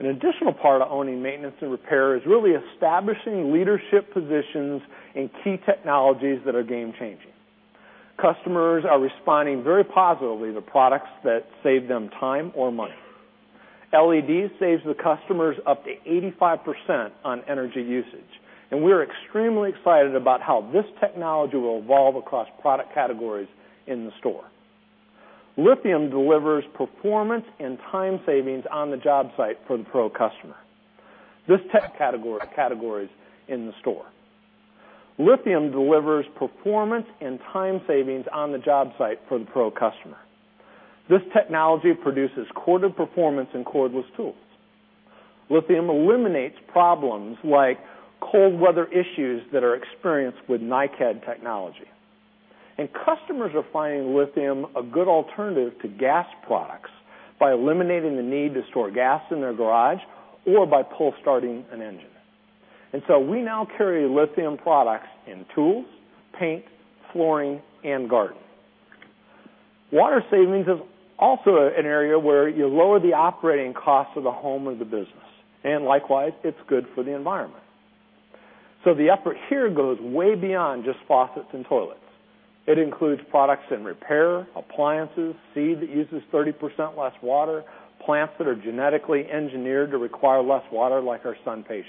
An additional part of owning maintenance and repair is really establishing leadership positions in key technologies that are game-changing. Customers are responding very positively to products that save them time or money. LEDs saves the customers up to 85% on energy usage, we're extremely excited about how this technology will evolve across product categories in the store. Lithium delivers performance and time savings on the job site for the pro customer. This technology produces corded performance in cordless tools. Lithium eliminates problems like cold weather issues that are experienced with NiCad technology. Customers are finding lithium a good alternative to gas products by eliminating the need to store gas in their garage or by pull-starting an engine. We now carry lithium products in tools, paint, flooring, and garden. Water savings is also an area where you lower the operating cost of the home or the business, and likewise, it's good for the environment. The effort here goes way beyond just faucets and toilets. It includes products in repair, appliances, seed that uses 30% less water, plants that are genetically engineered to require less water, like our SunPatiens.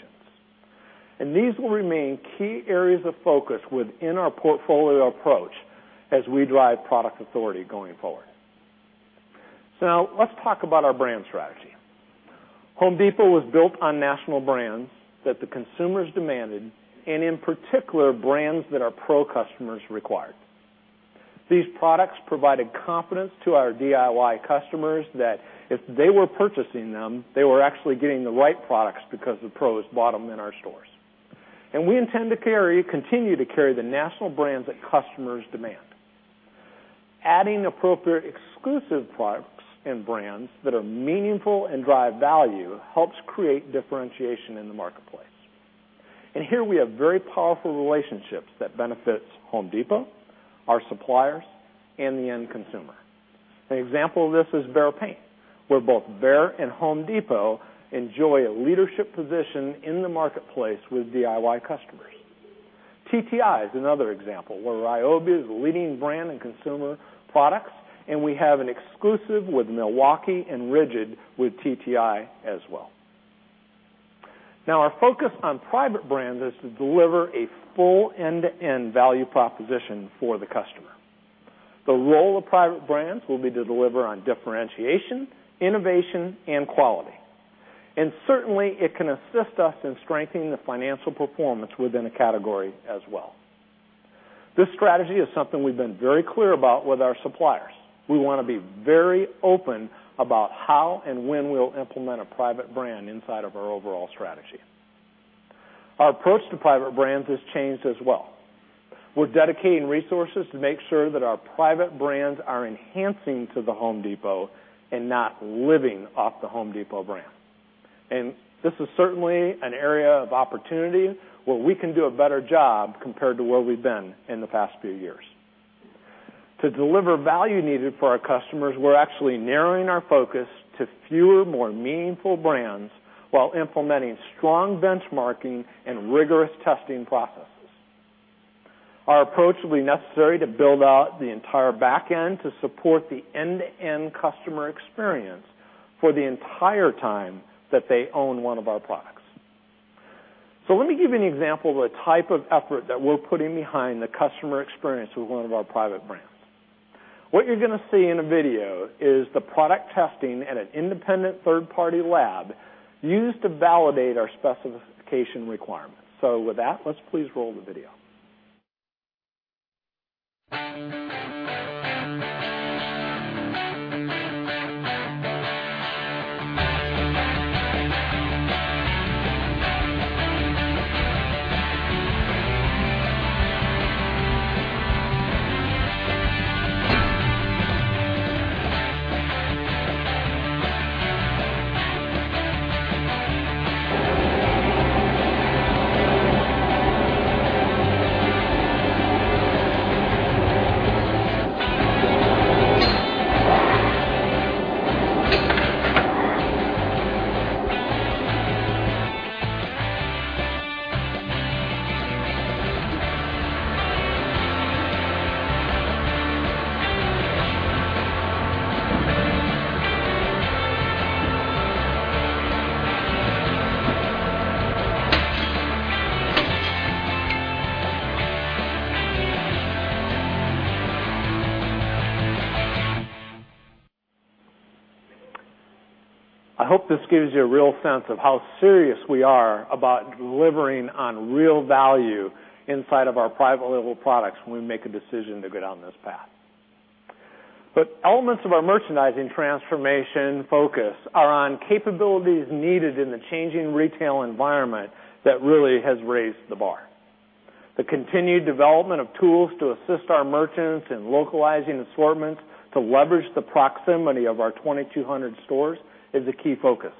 These will remain key areas of focus within our portfolio approach as we drive product authority going forward. Now let's talk about our brand strategy. The Home Depot was built on national brands that the consumers demanded, in particular, brands that our pro customers required. These products provided confidence to our DIY customers that if they were purchasing them, they were actually getting the right products because the pros bought them in our stores. We intend to continue to carry the national brands that customers demand. Adding appropriate exclusive products and brands that are meaningful and drive value helps create differentiation in the marketplace. Here we have very powerful relationships that benefits The Home Depot, our suppliers, and the end consumer. An example of this is BEHR paint, where both BEHR and The Home Depot enjoy a leadership position in the marketplace with DIY customers. TTI is another example where RYOBI is a leading brand in consumer products, and we have an exclusive with Milwaukee and RIDGID with TTI as well. Our focus on private brands is to deliver a full end-to-end value proposition for the customer. The role of private brands will be to deliver on differentiation, innovation, and quality. Certainly it can assist us in strengthening the financial performance within a category as well. This strategy is something we've been very clear about with our suppliers. We want to be very open about how and when we'll implement a private brand inside of our overall strategy. Our approach to private brands has changed as well. We're dedicating resources to make sure that our private brands are enhancing to The Home Depot and not living off The Home Depot brand. This is certainly an area of opportunity where we can do a better job compared to where we've been in the past few years. To deliver value needed for our customers, we're actually narrowing our focus to fewer, more meaningful brands while implementing strong benchmarking and rigorous testing processes. Our approach will be necessary to build out the entire back end to support the end-to-end customer experience for the entire time that they own one of our products. Let me give you an example of the type of effort that we're putting behind the customer experience with one of our private brands. What you're going to see in a video is the product testing at an independent third-party lab used to validate our specification requirements. With that, let's please roll the video. I hope this gives you a real sense of how serious we are about delivering on real value inside of our private label products when we make a decision to go down this path. Elements of our Merchandising Transformation focus are on capabilities needed in the changing retail environment that really has raised the bar. The continued development of tools to assist our merchants in localizing assortments to leverage the proximity of our 2,200 stores is a key focus.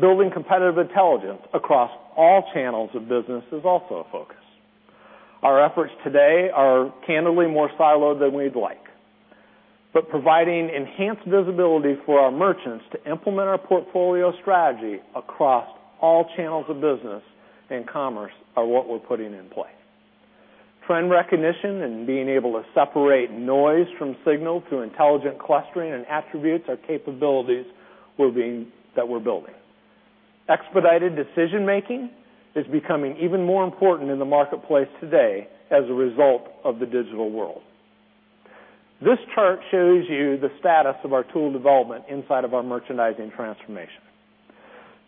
Building competitive intelligence across all channels of business is also a focus. Our efforts today are candidly more siloed than we'd like. Providing enhanced visibility for our merchants to implement our portfolio strategy across all channels of business and commerce are what we're putting in play. Trend recognition and being able to separate noise from signal through intelligent clustering and attributes are capabilities that we're building. Expedited decision-making is becoming even more important in the marketplace today as a result of the digital world. This chart shows you the status of our tool development inside of our Merchandising Transformation.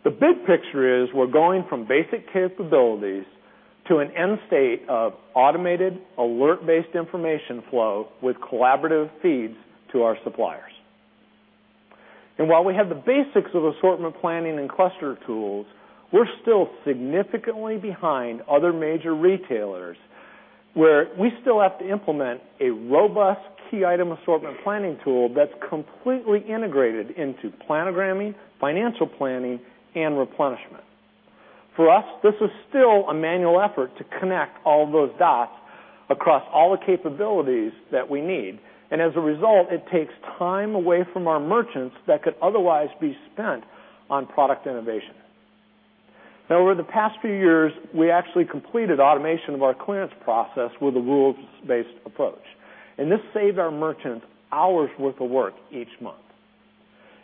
The big picture is we're going from basic capabilities to an end state of automated, alert-based information flow with collaborative feeds to our suppliers. While we have the basics of assortment planning and cluster tools, we're still significantly behind other major retailers, where we still have to implement a robust key item assortment planning tool that's completely integrated into planogramming, financial planning, and replenishment. For us, this is still a manual effort to connect all those dots across all the capabilities that we need. As a result, it takes time away from our merchants that could otherwise be spent on product innovation. Over the past few years, we actually completed automation of our Clearance Process with a rules-based approach, and this saved our merchants hours worth of work each month.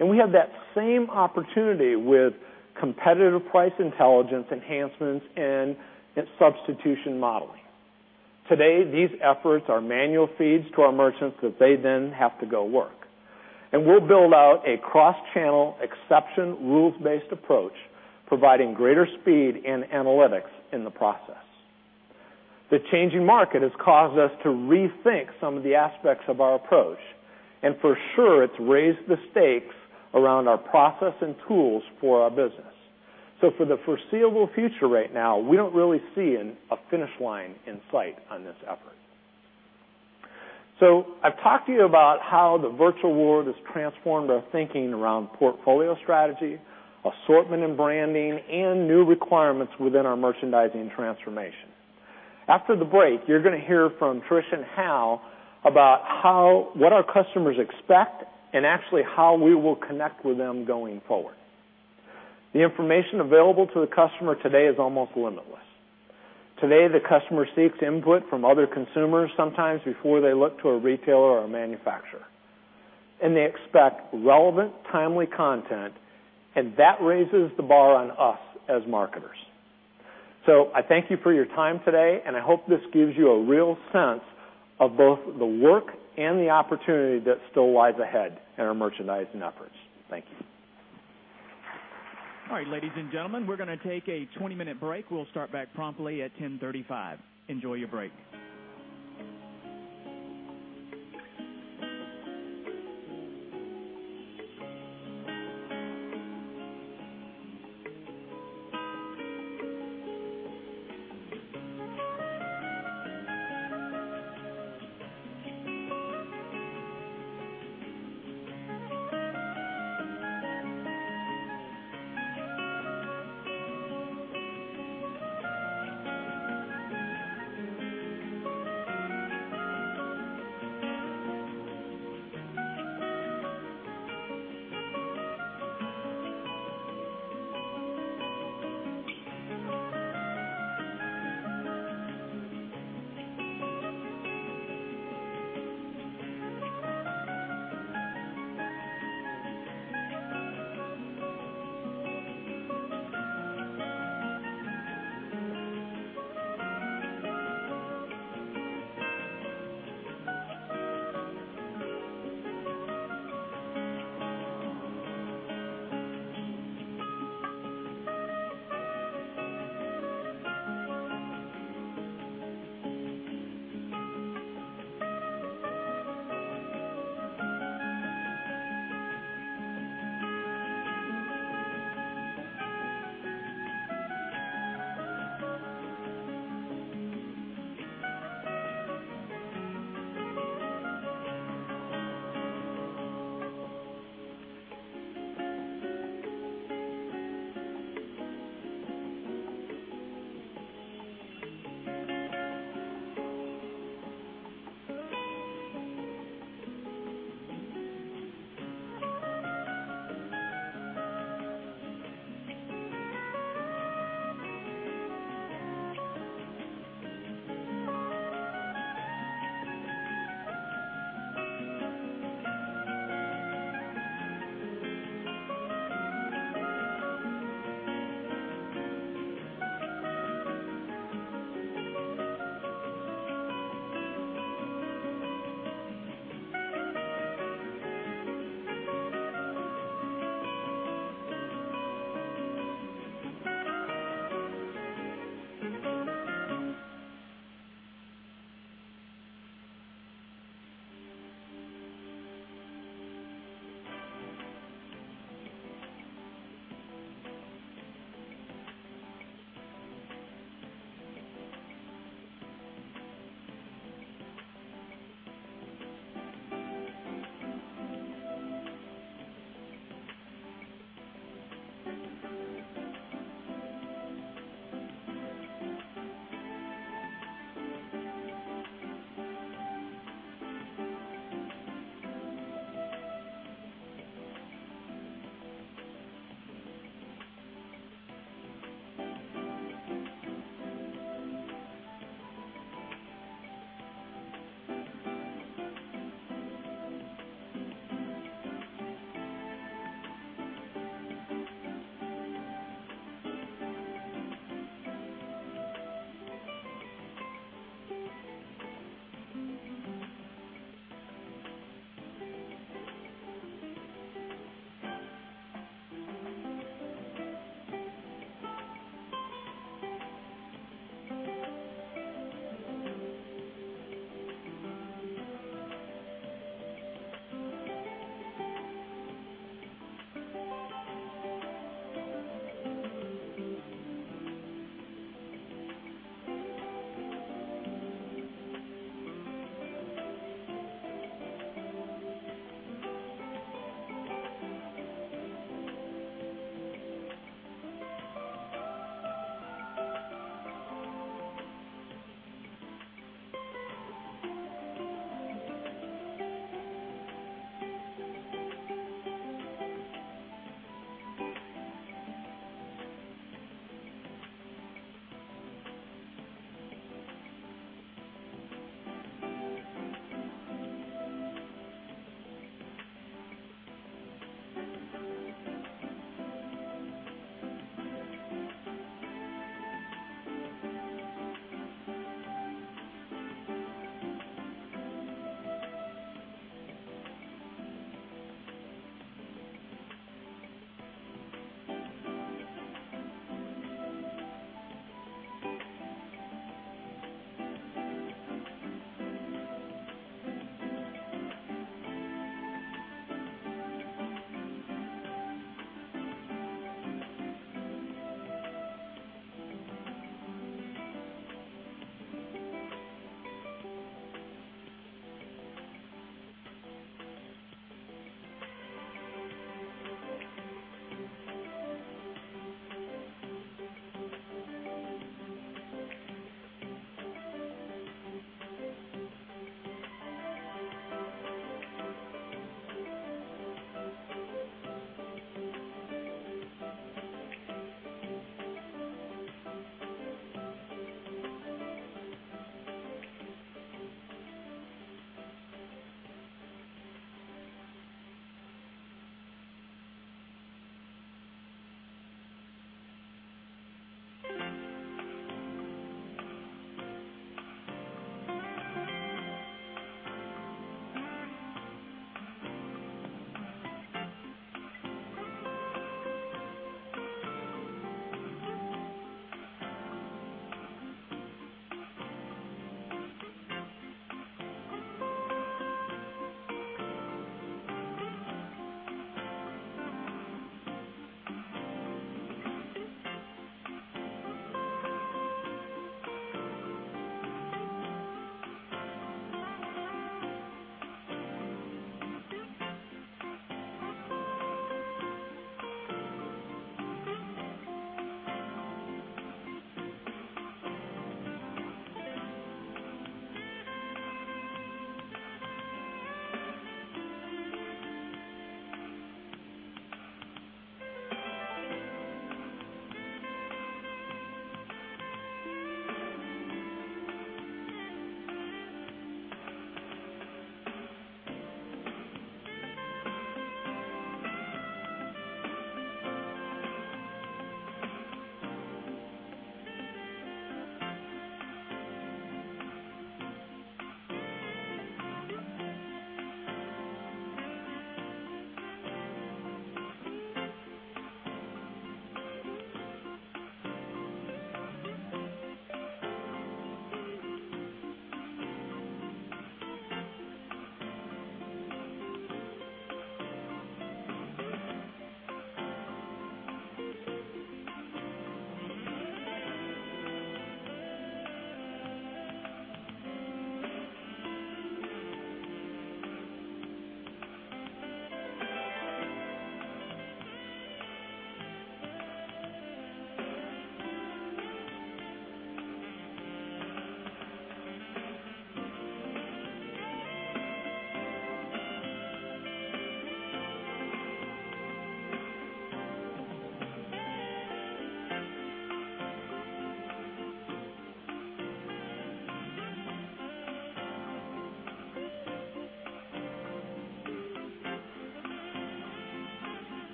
We have that same opportunity with competitive price intelligence enhancements and substitution modeling. Today, these efforts are manual feeds to our merchants that they then have to go work. We'll build out a cross-channel exception rules-based approach, providing greater speed and analytics in the process. The changing market has caused us to rethink some of the aspects of our approach, and for sure, it's raised the stakes around our process and tools for our business. For the foreseeable future right now, we don't really see a finish line in sight on this effort. I've talked to you about how the virtual world has transformed our thinking around portfolio strategy, assortment and branding, and new requirements within our merchandising transformation. After the break, you're going to hear from Trish and Hal about what our customers expect and actually how we will connect with them going forward. The information available to the customer today is almost limitless. Today, the customer seeks input from other consumers sometimes before they look to a retailer or a manufacturer. They expect relevant, timely content, and that raises the bar on us as marketers. I thank you for your time today, and I hope this gives you a real sense of both the work and the opportunity that still lies ahead in our merchandising efforts. Thank you. All right, ladies and gentlemen, we're going to take a 20-minute break. We'll start back promptly at 10:35 A.M. Enjoy your break.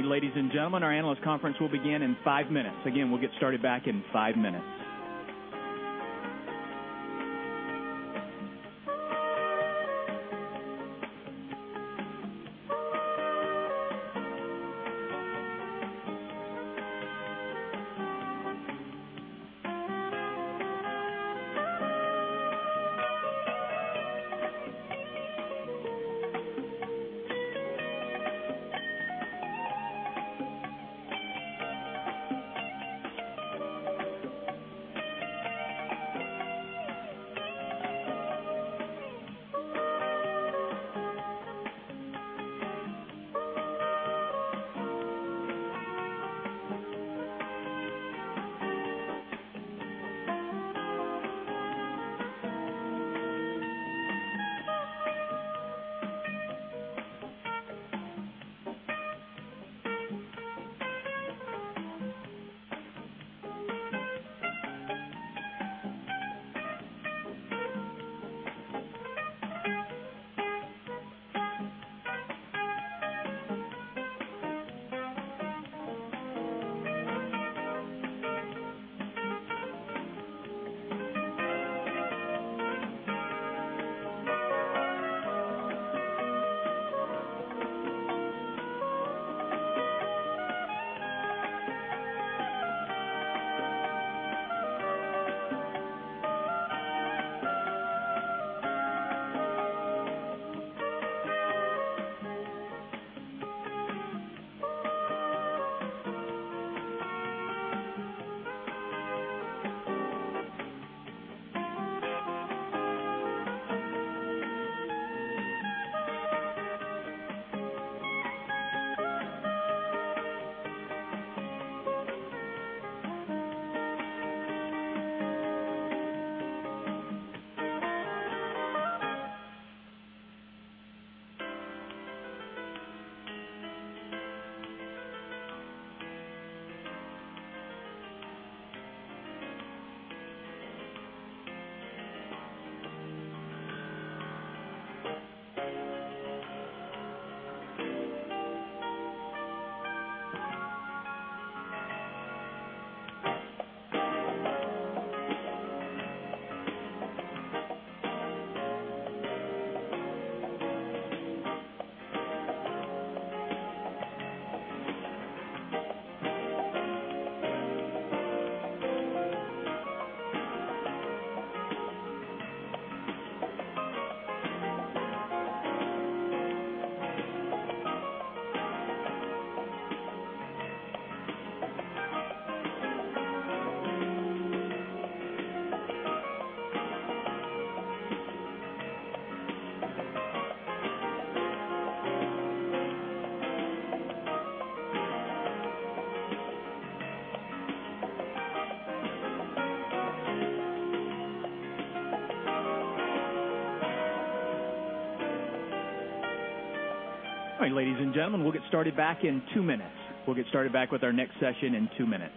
Ladies and gentlemen, our analyst conference will begin in five minutes. Again, we'll get started back in five minutes. All right, ladies and gentlemen, we'll get started back in two minutes. We'll get started back with our next session in two minutes.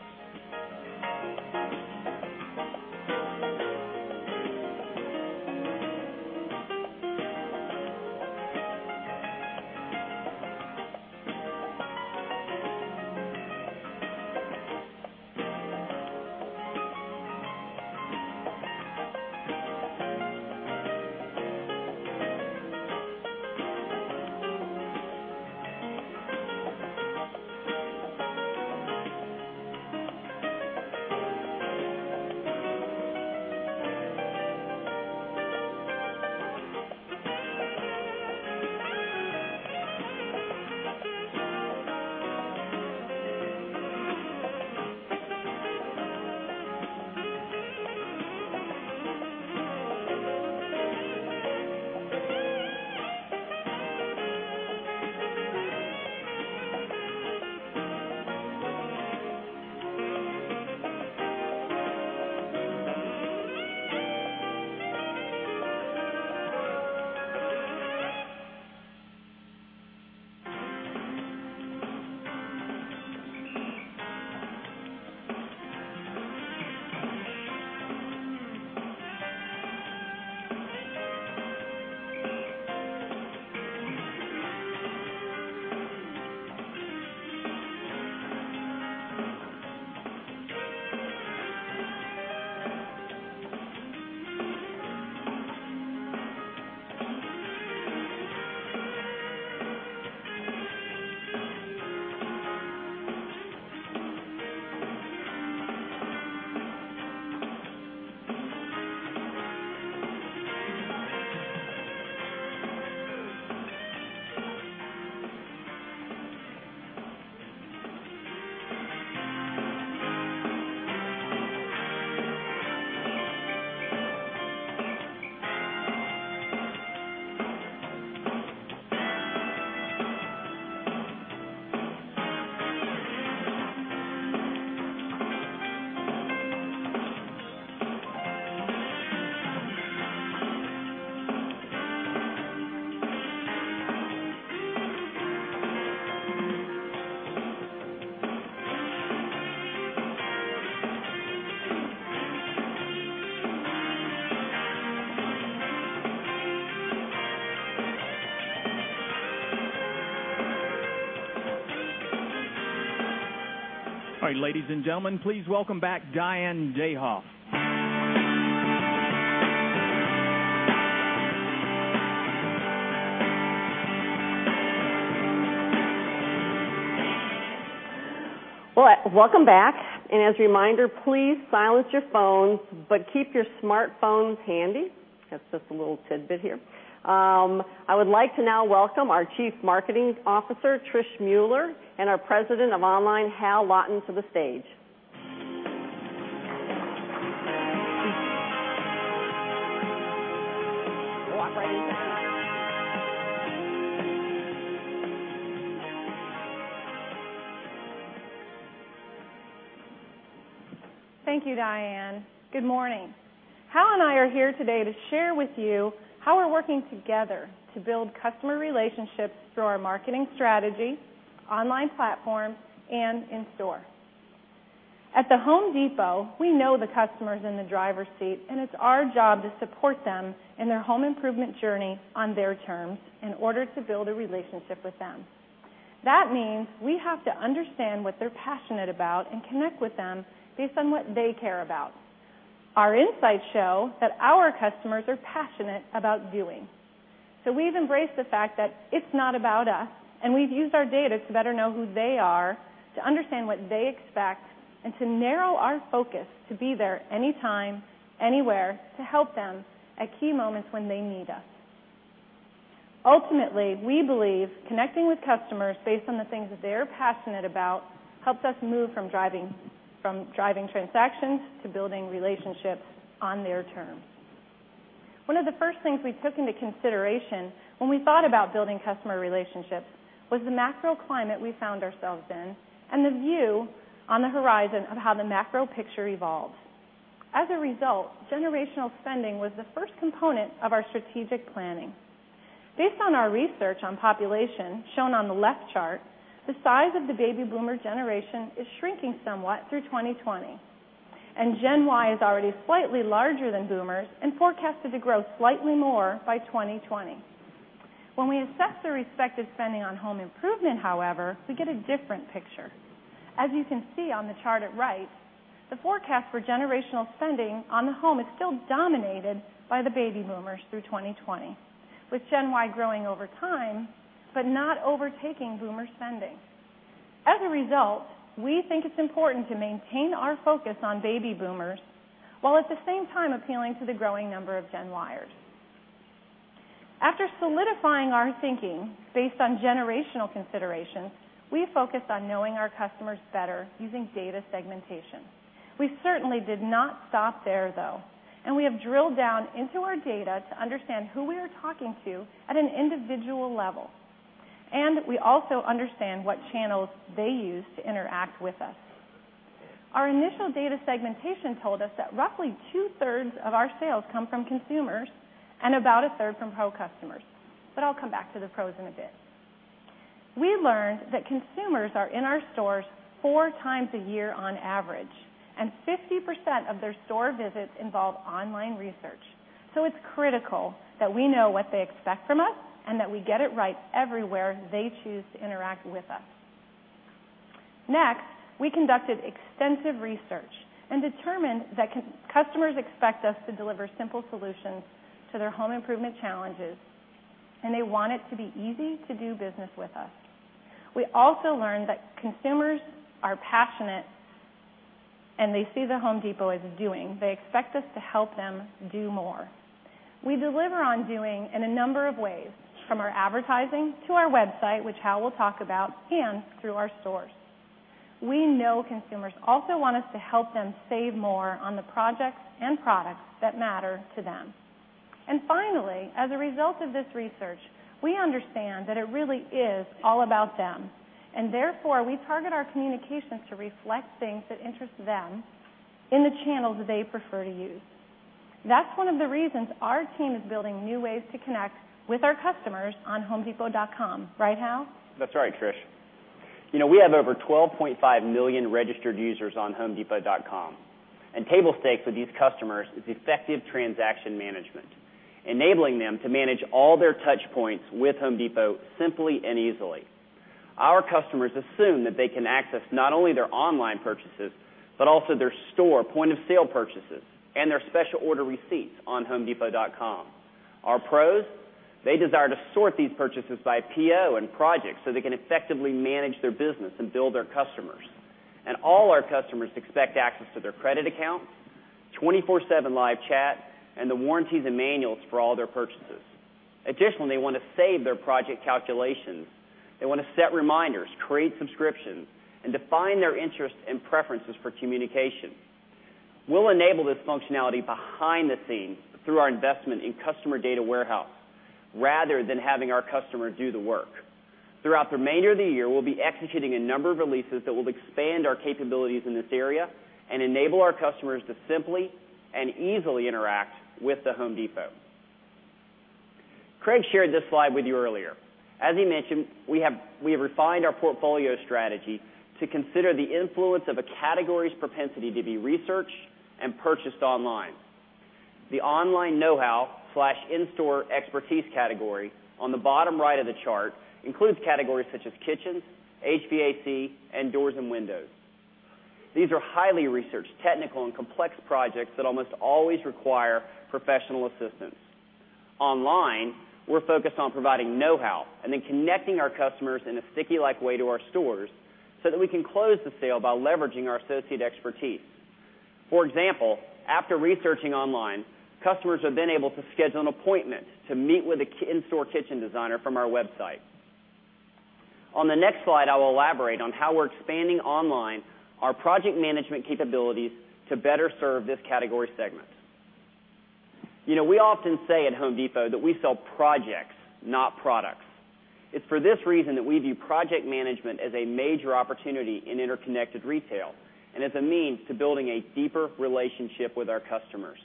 All right, ladies and gentlemen, please welcome back Diane DeHoff. Well, welcome back. As a reminder, please silence your phones, but keep your smartphones handy. That's just a little tidbit here. I would like to now welcome our Chief Marketing Officer, Trish Mueller, and our President of Online, Hal Lawton, to the stage. Thank you, Diane. Good morning. Hal and I are here today to share with you how we're working together to build customer relationships through our marketing strategy, online platform, and in store. At The Home Depot, we know the customer is in the driver's seat, and it's our job to support them in their home improvement journey on their terms in order to build a relationship with them. That means we have to understand what they're passionate about and connect with them based on what they care about. Our insights show that our customers are passionate about doing. We've embraced the fact that it's not about us, and we've used our data to better know who they are, to understand what they expect, and to narrow our focus to be there anytime, anywhere to help them at key moments when they need us. Ultimately, we believe connecting with customers based on the things that they are passionate about helps us move from driving transactions to building relationships on their terms. One of the first things we took into consideration when we thought about building customer relationships was the macro climate we found ourselves in and the view on the horizon of how the macro picture evolves. As a result, generational spending was the first component of our strategic planning. Based on our research on population, shown on the left chart, the size of the baby boomer generation is shrinking somewhat through 2020, and Gen Y is already slightly larger than boomers and forecasted to grow slightly more by 2020. When we assess their respective spending on home improvement, however, we get a different picture. You can see on the chart at right, the forecast for generational spending on the home is still dominated by the baby boomers through 2020, with Gen Y growing over time but not overtaking boomer spending. As a result, we think it's important to maintain our focus on baby boomers, while at the same time appealing to the growing number of Gen Yers. After solidifying our thinking based on generational considerations, we focused on knowing our customers better using data segmentation. We certainly did not stop there, though, and we have drilled down into our data to understand who we are talking to at an individual level. We also understand what channels they use to interact with us. Our initial data segmentation told us that roughly two-thirds of our sales come from consumers and about a third from pro customers, but I'll come back to the pros in a bit. We learned that consumers are in our stores four times a year on average, and 50% of their store visits involve online research. It's critical that we know what they expect from us and that we get it right everywhere they choose to interact with us. Next, we conducted extensive research and determined that customers expect us to deliver simple solutions to their home improvement challenges, and they want it to be easy to do business with us. We also learned that consumers are passionate, and they see The Home Depot as doing. They expect us to help them do more. We deliver on doing in a number of ways, from our advertising to our website, which Hal will talk about, and through our stores. We know consumers also want us to help them save more on the projects and products that matter to them. Finally, as a result of this research, we understand that it really is all about them, and therefore, we target our communications to reflect things that interest them in the channels they prefer to use. That's one of the reasons our team is building new ways to connect with our customers on homedepot.com. Right, Hal? That's right, Trish. We have over 12.5 million registered users on homedepot.com. Table stakes with these customers is effective transaction management, enabling them to manage all their touch points with The Home Depot simply and easily. Our customers assume that they can access not only their online purchases, but also their store point-of-sale purchases and their special order receipts on homedepot.com. Our pros, they desire to sort these purchases by PO and project so they can effectively manage their business and build their customers. All our customers expect access to their credit account, 24/7 live chat, and the warranties and manuals for all their purchases. Additionally, they want to save their project calculations. They want to set reminders, create subscriptions, and define their interests and preferences for communication. We'll enable this functionality behind the scenes through our investment in customer data warehouse rather than having our customer do the work. Throughout the remainder of the year, we'll be executing a number of releases that will expand our capabilities in this area and enable our customers to simply and easily interact with The Home Depot. Craig shared this slide with you earlier. As he mentioned, we have refined our portfolio strategy to consider the influence of a category's propensity to be researched and purchased online. The online know-how/in-store expertise category on the bottom right of the chart includes categories such as kitchen, HVAC, and doors and windows. These are highly researched, technical, and complex projects that almost always require professional assistance. Online, we're focused on providing know-how and then connecting our customers in a sticky-like way to our stores so that we can close the sale by leveraging our associate expertise. For example, after researching online, customers have been able to schedule an appointment to meet with an in-store kitchen designer from our website. On the next slide, I will elaborate on how we're expanding online our project management capabilities to better serve this category segment. We often say at The Home Depot that we sell projects, not products. It's for this reason that we view project management as a major opportunity in interconnected retail and as a means to building a deeper relationship with our customers.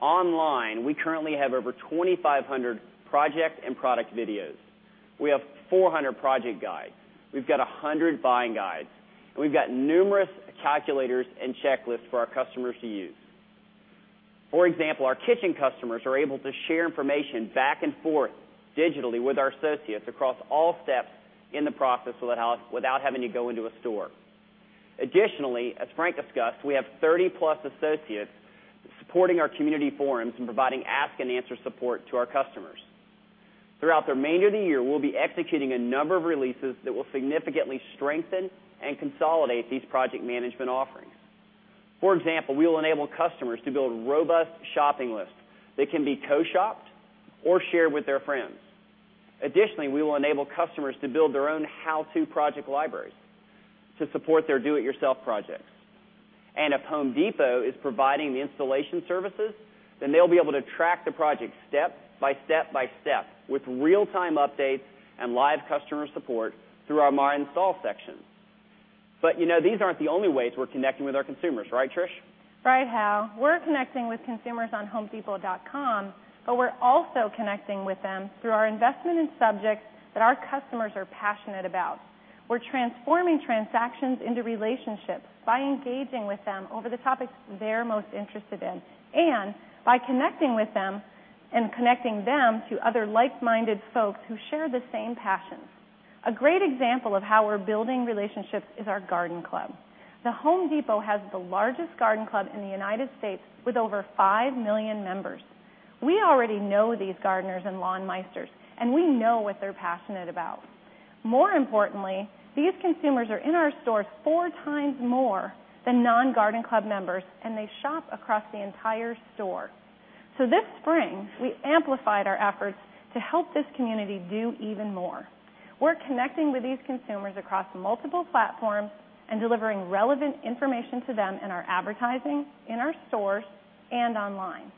Online, we currently have over 2,500 project and product videos. We have 400 project guides. We've got 100 buying guides. We've got numerous calculators and checklists for our customers to use. For example, our kitchen customers are able to share information back and forth digitally with our associates across all steps in the process without having to go into a store. Additionally, as Frank discussed, we have 30-plus associates supporting our community forums and providing ask-and-answer support to our customers. Throughout the remainder of the year, we will be executing a number of releases that will significantly strengthen and consolidate these project management offerings. For example, we will enable customers to build robust shopping lists that can be co-shopped or shared with their friends. Additionally, we will enable customers to build their own how-to project libraries to support their do-it-yourself projects. If Home Depot is providing the installation services, they will be able to track the project step by step by step with real-time updates and live customer support through our My Install section. These aren't the only ways we are connecting with our consumers. Right, Trish? Right, Hal. We are connecting with consumers on homedepot.com, but we are also connecting with them through our investment in subjects that our customers are passionate about. We are transforming transactions into relationships by engaging with them over the topics they are most interested in and by connecting with them and connecting them to other like-minded folks who share the same passions. A great example of how we are building relationships is our Garden Club. The Home Depot has the largest Garden Club in the U.S. with over five million members. We already know these gardeners and lawn meisters, and we know what they are passionate about. More importantly, these consumers are in our stores four times more than non-Garden Club members, and they shop across the entire store. This spring, we amplified our efforts to help this community do even more. We are connecting with these consumers across multiple platforms and delivering relevant information to them in our advertising, in our stores, and online.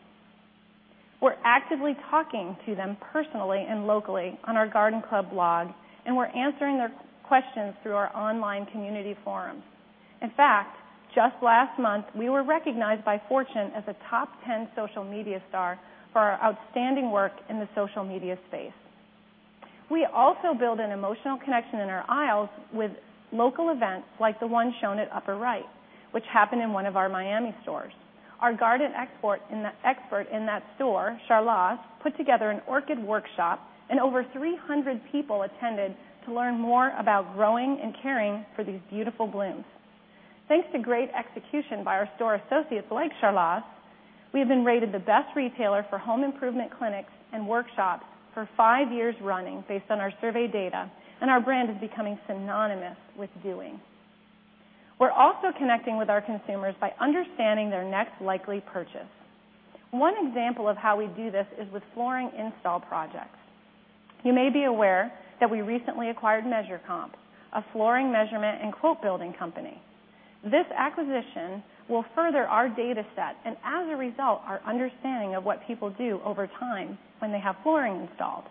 We are actively talking to them personally and locally on our Garden Club blog, and we are answering their questions through our online community forums. In fact, just last month, we were recognized by Fortune as a top 10 social media star for our outstanding work in the social media space. We also build an emotional connection in our aisles with local events like the one shown at upper right, which happened in one of our Miami stores. Our garden expert in that store, Carlos, put together an orchid workshop, and over 300 people attended to learn more about growing and caring for these beautiful blooms. Thanks to great execution by our store associates like Carlos, we have been rated the best retailer for home improvement clinics and workshops for five years running based on our survey data, and our brand is becoming synonymous with doing. We're also connecting with our consumers by understanding their next likely purchase. One example of how we do this is with flooring install projects. You may be aware that we recently acquired MeasureComp, a flooring measurement and quote building company. This acquisition will further our data set, and as a result, our understanding of what people do over time when they have flooring installed.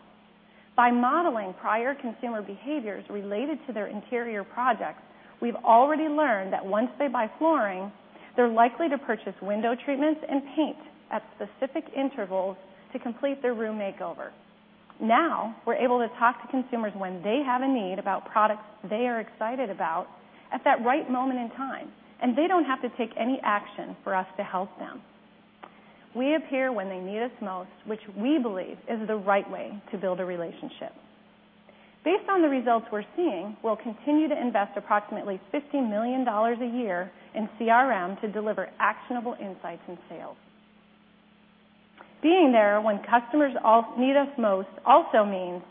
By modeling prior consumer behaviors related to their interior projects, we've already learned that once they buy flooring, they're likely to purchase window treatments and paint at specific intervals to complete their room makeover. We're able to talk to consumers when they have a need about products they are excited about at that right moment in time, and they don't have to take any action for us to help them. We appear when they need us most, which we believe is the right way to build a relationship. Based on the results we're seeing, we'll continue to invest approximately $50 million a year in CRM to deliver actionable insights and sales. Being there when customers need us most also means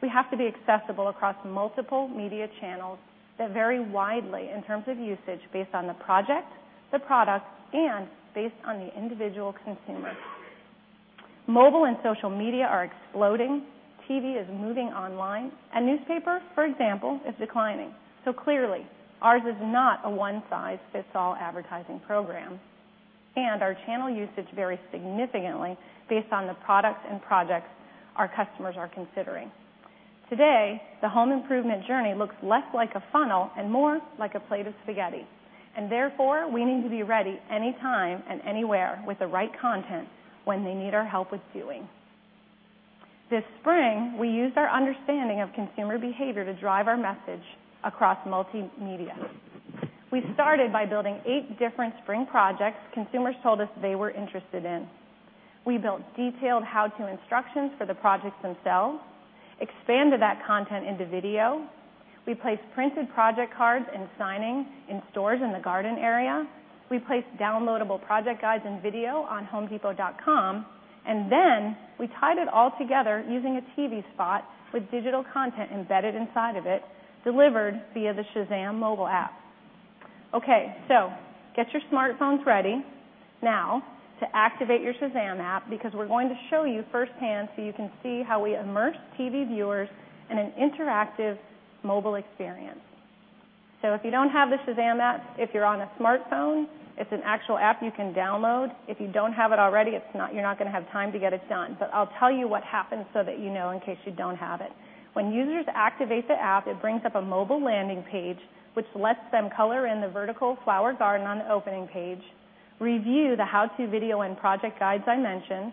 we have to be accessible across multiple media channels that vary widely in terms of usage based on the project, the product, and based on the individual consumer. Mobile and social media are exploding, TV is moving online, and newspaper, for example, is declining. Clearly, ours is not a one-size-fits-all advertising program. Our channel usage varies significantly based on the products and projects our customers are considering. Today, the home improvement journey looks less like a funnel and more like a plate of spaghetti. Therefore, we need to be ready anytime and anywhere with the right content when they need our help with doing. This spring, we used our understanding of consumer behavior to drive our message across multimedia. We started by building eight different spring projects consumers told us they were interested in. We built detailed how-to instructions for the projects themselves, expanded that content into video. We placed printed project cards and signing in stores in the garden area. We placed downloadable project guides and video on homedepot.com. Then we tied it all together using a TV spot with digital content embedded inside of it, delivered via the Shazam mobile app. Get your smartphones ready now to activate your Shazam app because we're going to show you firsthand so you can see how we immersed TV viewers in an interactive mobile experience. If you don't have the Shazam app, if you're on a smartphone, it's an actual app you can download. If you don't have it already, you're not going to have time to get it done. I'll tell you what happens so that you know in case you don't have it. When users activate the app, it brings up a mobile landing page, which lets them color in the vertical flower garden on the opening page, review the how-to video and project guides I mentioned,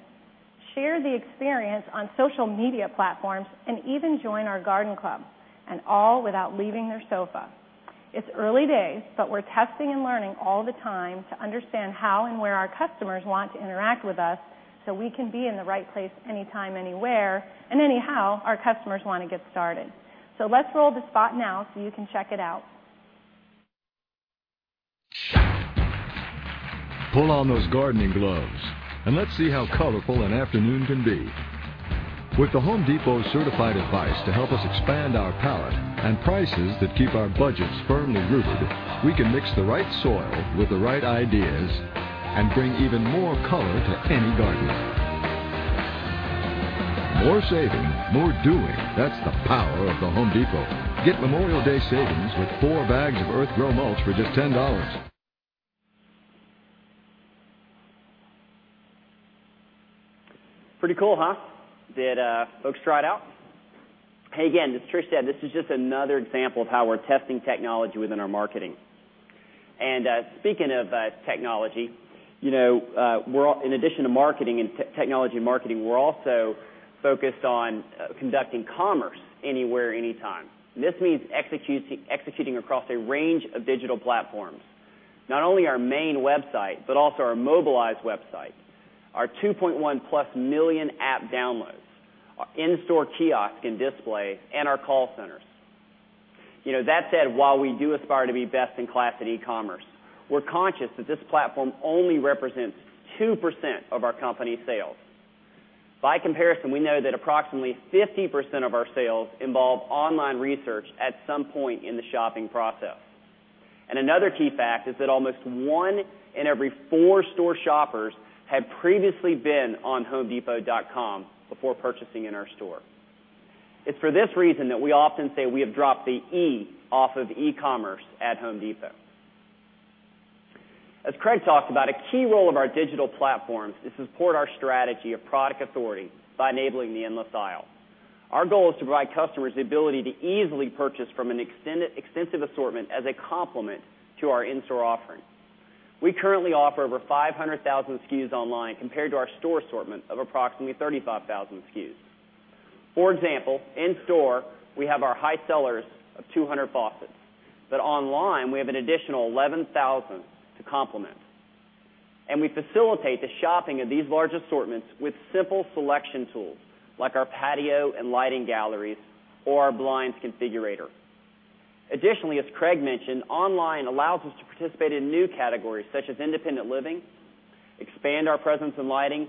share the experience on social media platforms, and even join our Garden Club, all without leaving their sofa. It's early days, but we're testing and learning all the time to understand how and where our customers want to interact with us so we can be in the right place anytime, anywhere, and anyhow our customers want to get started. Let's roll the spot now so you can check it out. Pull on those gardening gloves, and let's see how colorful an afternoon can be. With The Home Depot certified advice to help us expand our palette and prices that keep our budgets firmly rooted, we can mix the right soil with the right ideas and bring even more color to any garden. More saving, more doing. That's the power of The Home Depot. Get Memorial Day savings with four bags of Earthgro Mulch for just $10. Pretty cool, huh? Did folks try it out? Again, as Trish said, this is just another example of how we're testing technology within our marketing. Speaking of technology, in addition to marketing and technology marketing, we're also focused on conducting commerce anywhere, anytime. This means executing across a range of digital platforms. Not only our main website but also our mobilized website, our 2.1-plus million app downloads, in-store kiosk and display, and our call centers. That said, while we do aspire to be best in class at e-commerce, we're conscious that this platform only represents 2% of our company's sales. By comparison, we know that approximately 50% of our sales involve online research at some point in the shopping process. Another key fact is that almost one in every four store shoppers had previously been on homedepot.com before purchasing in our store. It's for this reason that we often say we have dropped the E off of e-commerce at The Home Depot. As Craig talked about, a key role of our digital platform is to support our strategy of product authority by enabling the endless aisle. Our goal is to provide customers the ability to easily purchase from an extensive assortment as a complement to our in-store offerings. We currently offer over 500,000 SKUs online, compared to our store assortment of approximately 35,000 SKUs. For example, in store, we have our high sellers of 200 faucets, but online, we have an additional 11,000 to complement. We facilitate the shopping of these large assortments with simple selection tools like our patio and lighting galleries or our blinds configurator. Additionally, as Craig mentioned, online allows us to participate in new categories such as independent living, expand our presence in lighting,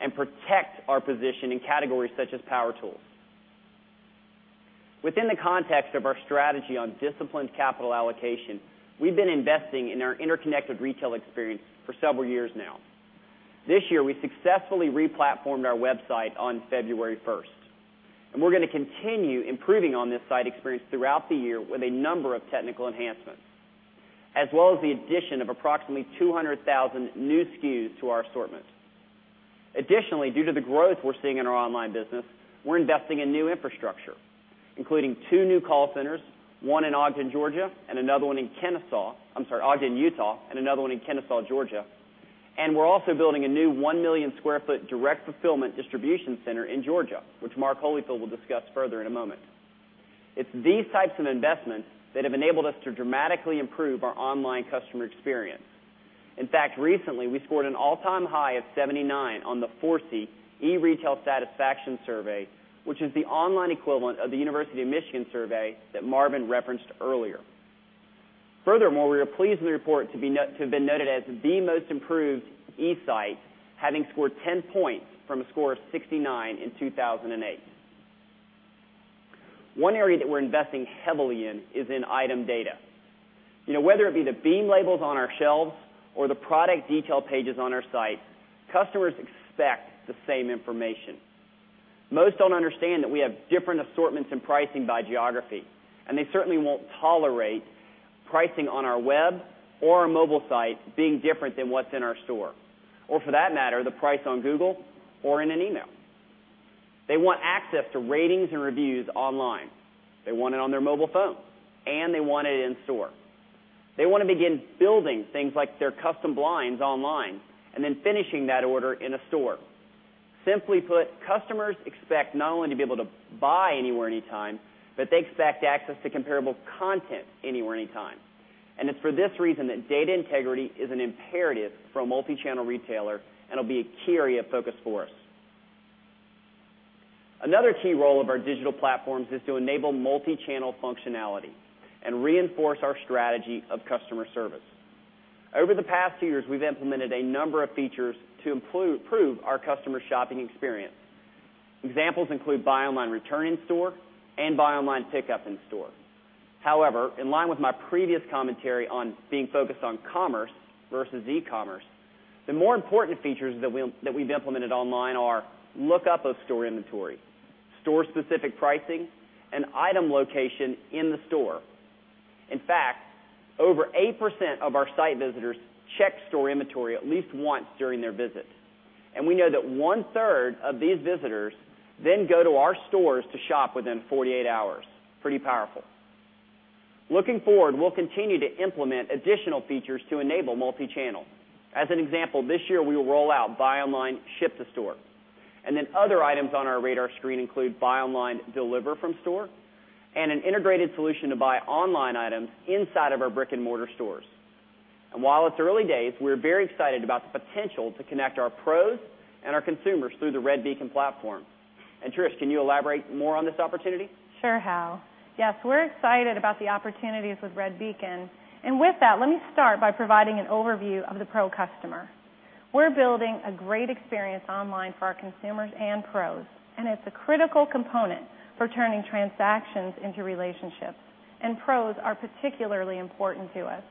and protect our position in categories such as power tools. Within the context of our strategy on disciplined capital allocation, we've been investing in our interconnected retail experience for several years now. This year, we successfully re-platformed our website on February 1st, and we're going to continue improving on this site experience throughout the year with a number of technical enhancements, as well as the addition of approximately 200,000 new SKUs to our assortment. Additionally, due to the growth we're seeing in our online business, we're investing in new infrastructure, including two new call centers, one in Ogden, Utah, and another one in Kennesaw, Georgia. I'm sorry, Ogden, Utah, and another one in Kennesaw, Georgia. We're also building a new 1 million sq ft direct fulfillment distribution center in Georgia, which Mark Holifield will discuss further in a moment. It's these types of investments that have enabled us to dramatically improve our online customer experience. In fact, recently, we scored an all-time high of 79 on the ForeSee e-Retail Satisfaction Survey, which is the online equivalent of the University of Michigan survey that Marvin referenced earlier. Furthermore, we are pleased to be noted as the most improved e-site, having scored 10 points from a score of 69 in 2008. One area that we're investing heavily in is in item data. Whether it be the bay labels on our shelves or the product detail pages on our site, customers expect the same information. Most don't understand that we have different assortments and pricing by geography. They certainly won't tolerate pricing on our web or our mobile site being different than what's in our store, or for that matter, the price on Google or in an email. They want access to ratings and reviews online. They want it on their mobile phone, and they want it in store. They want to begin building things like their custom blinds online, then finishing that order in a store. Simply put, customers expect not only to be able to buy anywhere, anytime, but they expect access to comparable content anywhere, anytime. It's for this reason that data integrity is an imperative for a multi-channel retailer and will be a key area of focus for us. Another key role of our digital platforms is to enable multi-channel functionality and reinforce our strategy of customer service. Over the past few years, we've implemented a number of features to improve our customer shopping experience. Examples include buy online, return in store, and buy online, pickup in store. However, in line with my previous commentary on being focused on commerce versus e-commerce, the more important features that we've implemented online are lookup of store inventory, store-specific pricing, and item location in the store. In fact, over 8% of our site visitors check store inventory at least once during their visit. We know that one-third of these visitors then go to our stores to shop within 48 hours. Pretty powerful. Looking forward, we'll continue to implement additional features to enable multi-channel. As an example, this year we will roll out buy online, ship to store. Other items on our radar screen include buy online, deliver from store, and an integrated solution to buy online items inside of our brick-and-mortar stores. While it's early days, we're very excited about the potential to connect our pros and our consumers through the Redbeacon platform. Trish, can you elaborate more on this opportunity? Sure, Hal. Yes, we're excited about the opportunities with Redbeacon. With that, let me start by providing an overview of the pro customer. We're building a great experience online for our consumers and pros, and it's a critical component for turning transactions into relationships. Pros are particularly important to us.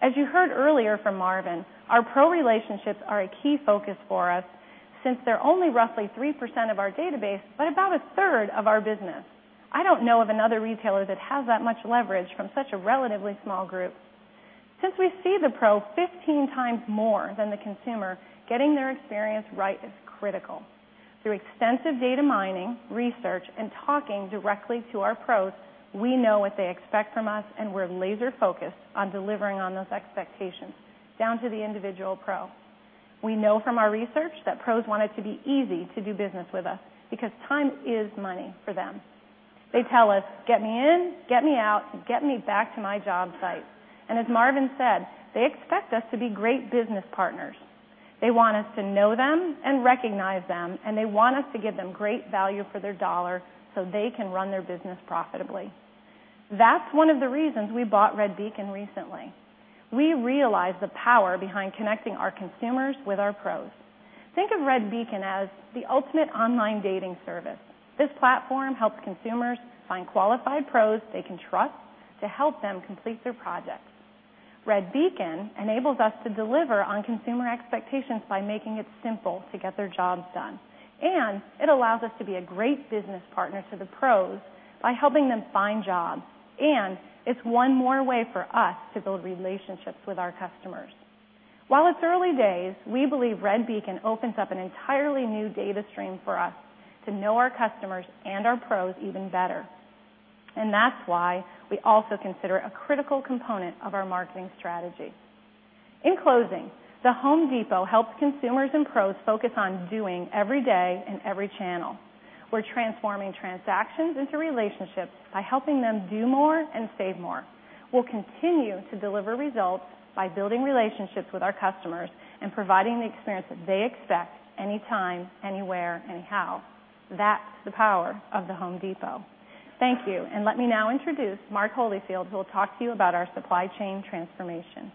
As you heard earlier from Marvin, our pro relationships are a key focus for us since they're only roughly 3% of our database, but about a third of our business. I don't know of another retailer that has that much leverage from such a relatively small group. Since we see the pro 15 times more than the consumer, getting their experience right is critical. Through extensive data mining, research, and talking directly to our pros, we know what they expect from us, and we're laser-focused on delivering on those expectations, down to the individual pro. We know from our research that pros want it to be easy to do business with us because time is money for them. They tell us, "Get me in, get me out, and get me back to my job site." As Marvin said, they expect us to be great business partners. They want us to know them and recognize them, and they want us to give them great value for their dollar so they can run their business profitably. That's one of the reasons we bought Redbeacon recently. We realize the power behind connecting our consumers with our pros. Think of Redbeacon as the ultimate online dating service. This platform helps consumers find qualified pros they can trust to help them complete their projects. Redbeacon enables us to deliver on consumer expectations by making it simple to get their jobs done. It allows us to be a great business partner to the pros by helping them find jobs. It's one more way for us to build relationships with our customers. While it's early days, we believe Redbeacon opens up an entirely new data stream for us to know our customers and our pros even better. That's why we also consider it a critical component of our marketing strategy. In closing, The Home Depot helps consumers and pros focus on doing every day in every channel. We're transforming transactions into relationships by helping them do more and save more. We'll continue to deliver results by building relationships with our customers and providing the experience that they expect anytime, anywhere, anyhow. That's the power of The Home Depot. Thank you. Let me now introduce Mark Holifield, who will talk to you about our supply chain transformation.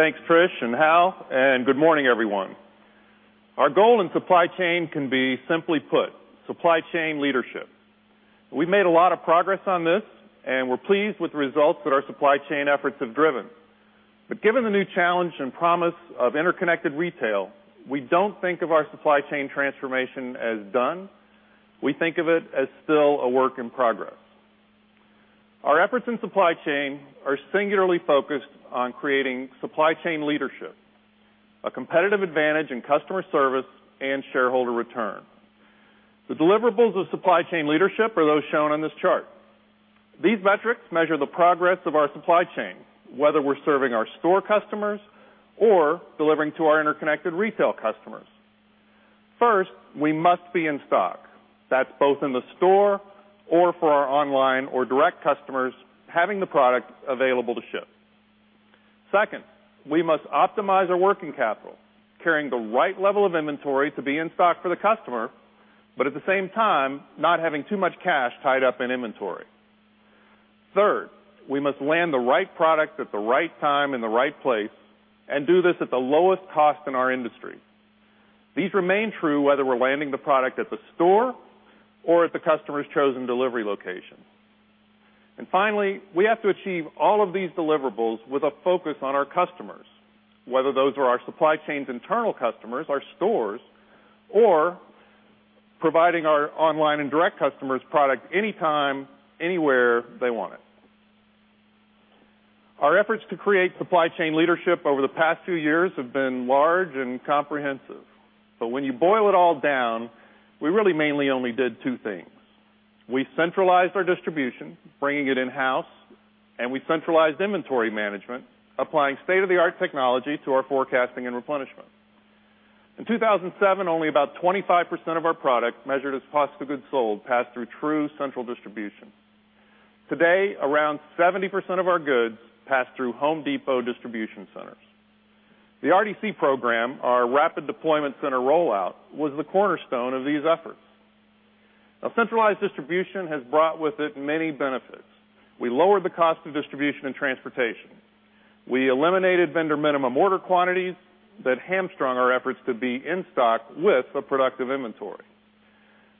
Thanks, Trish and Hal, good morning, everyone. Our goal in supply chain can be simply put, supply chain leadership. We've made a lot of progress on this, and we're pleased with the results that our supply chain efforts have driven. Given the new challenge and promise of interconnected retail, we don't think of our supply chain transformation as done. We think of it as still a work in progress. Our efforts in supply chain are singularly focused on creating supply chain leadership, a competitive advantage in customer service, and shareholder return. The deliverables of supply chain leadership are those shown on this chart. These metrics measure the progress of our supply chain, whether we're serving our store customers or delivering to our interconnected retail customers. First, we must be in stock. That's both in the store or for our online or direct customers, having the product available to ship. Second, we must optimize our working capital, carrying the right level of inventory to be in stock for the customer, but at the same time, not having too much cash tied up in inventory. Third, we must land the right product at the right time in the right place and do this at the lowest cost in our industry. These remain true whether we're landing the product at the store or at the customer's chosen delivery location. Finally, we have to achieve all of these deliverables with a focus on our customers, whether those are our supply chain's internal customers, our stores, or providing our online and direct customers product anytime, anywhere they want it. Our efforts to create supply chain leadership over the past few years have been large and comprehensive. When you boil it all down, we really mainly only did two things. We centralized our distribution, bringing it in-house, and we centralized inventory management, applying state-of-the-art technology to our forecasting and replenishment. In 2007, only about 25% of our product measured as cost of goods sold passed through true central distribution. Today, around 70% of our goods pass through The Home Depot distribution centers. The RDC program, our rapid deployment center rollout, was the cornerstone of these efforts. A centralized distribution has brought with it many benefits. We lowered the cost of distribution and transportation. We eliminated vendor minimum order quantities that hamstrung our efforts to be in stock with a productive inventory.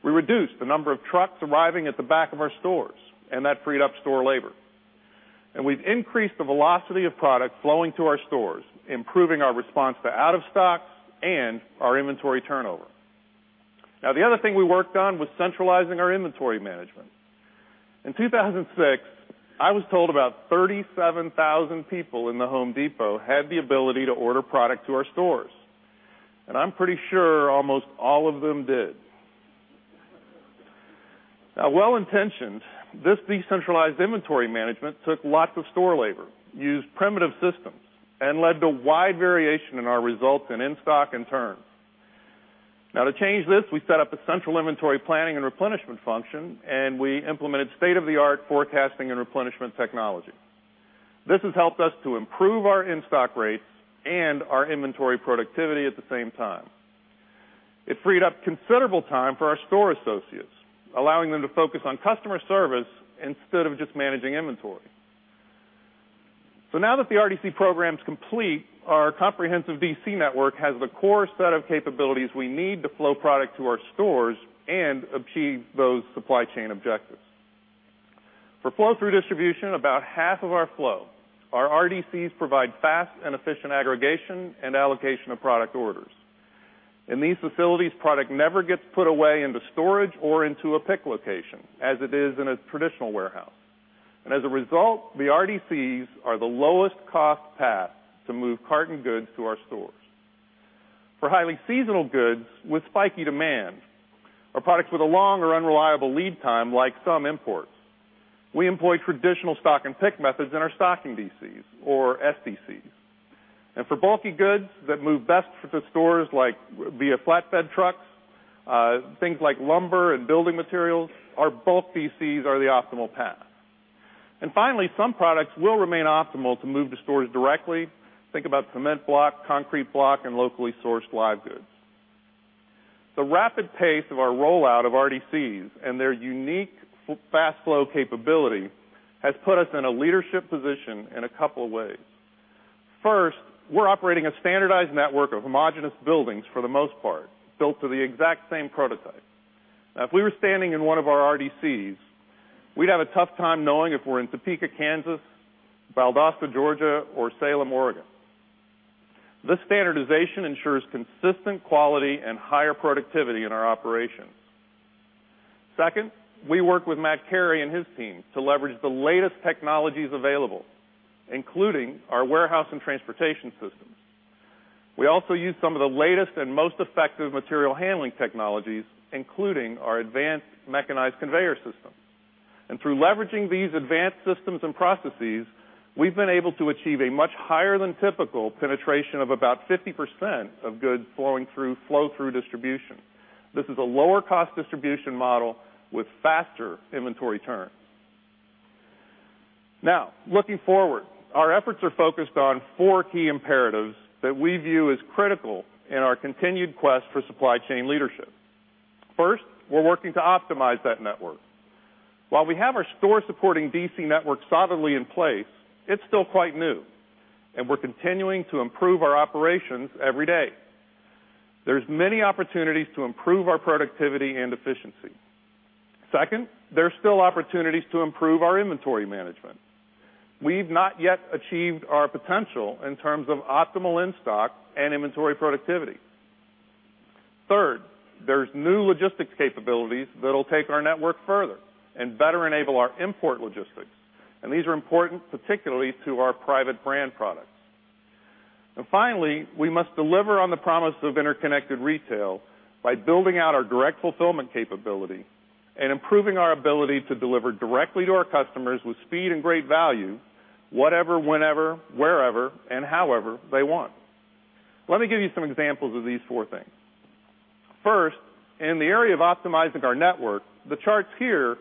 We reduced the number of trucks arriving at the back of our stores, and that freed up store labor. We've increased the velocity of product flowing to our stores, improving our response to out of stock and our inventory turnover. The other thing we worked on was centralizing our inventory management. In 2006, I was told about 37,000 people in The Home Depot had the ability to order product to our stores. I'm pretty sure almost all of them did. Well-intentioned, this decentralized inventory management took lots of store labor, used primitive systems, and led to wide variation in our results and in-stock in turn. To change this, we set up a central inventory planning and replenishment function, and we implemented state-of-the-art forecasting and replenishment technology. This has helped us to improve our in-stock rate and our inventory productivity at the same time. It freed up considerable time for our store associates, allowing them to focus on customer service instead of just managing inventory. Now that the RDC program is complete, our comprehensive DC network has the core set of capabilities we need to flow product to our stores and achieve those supply chain objectives. For flow-through distribution, about half of our flow, our RDCs provide fast and efficient aggregation and allocation of product orders. In these facilities, product never gets put away into storage or into a pick location as it is in a traditional warehouse. As a result, the RDCs are the lowest cost path to move carton goods to our stores. For highly seasonal goods with spiky demand or products with a long or unreliable lead time like some imports, we employ traditional stock and pick methods in our stocking DCs or SDCs. For bulky goods that move best to the stores like via flatbed truck, things like lumber and building materials are bulky. These are the optimal path. Finally, some products will remain optimal to move to stores directly. Think about cement block, concrete block, and locally sourced live goods. The rapid pace of our rollout of RDCs and their unique fast flow capability has put us in a leadership position in a couple of ways. First, we're operating a standardized network of homogenous buildings, for the most part, built to the exact same prototype. Now, if we were standing in one of our RDCs, we'd have a tough time knowing if we're in Topeka, Kansas; Valdosta, Georgia; or Salem, Oregon. This standardization ensures consistent quality and higher productivity in our operations. Second, we work with Matt Carey and his team to leverage the latest technologies available, including our warehouse and transportation systems. We also use some of the latest and most effective material handling technologies, including our advanced mechanized conveyor system. Through leveraging these advanced systems and processes, we've been able to achieve a much higher than typical penetration of about 50% of goods flowing through flow-through distribution. This is a lower cost distribution model with faster inventory turn. Now, looking forward, our efforts are focused on four key imperatives that we view as critical in our continued quest for supply chain leadership. First, we're working to optimize that network. While we have our store-supporting DC network solidly in place, it's still quite new, and we're continuing to improve our operations every day. There's many opportunities to improve our productivity and efficiency. Second, there are still opportunities to improve our inventory management. We've not yet achieved our potential in terms of optimal in-stock and inventory productivity. Third, there's new logistics capabilities that'll take our network further and better enable our import logistics. These are important, particularly to our private brand products. Finally, we must deliver on the promise of interconnected retail by building out our direct fulfillment capability and improving our ability to deliver directly to our customers with speed and great value, whatever, whenever, wherever, and however they want. Let me give you some examples of these four things. First, in the area of optimizing our network, the charts here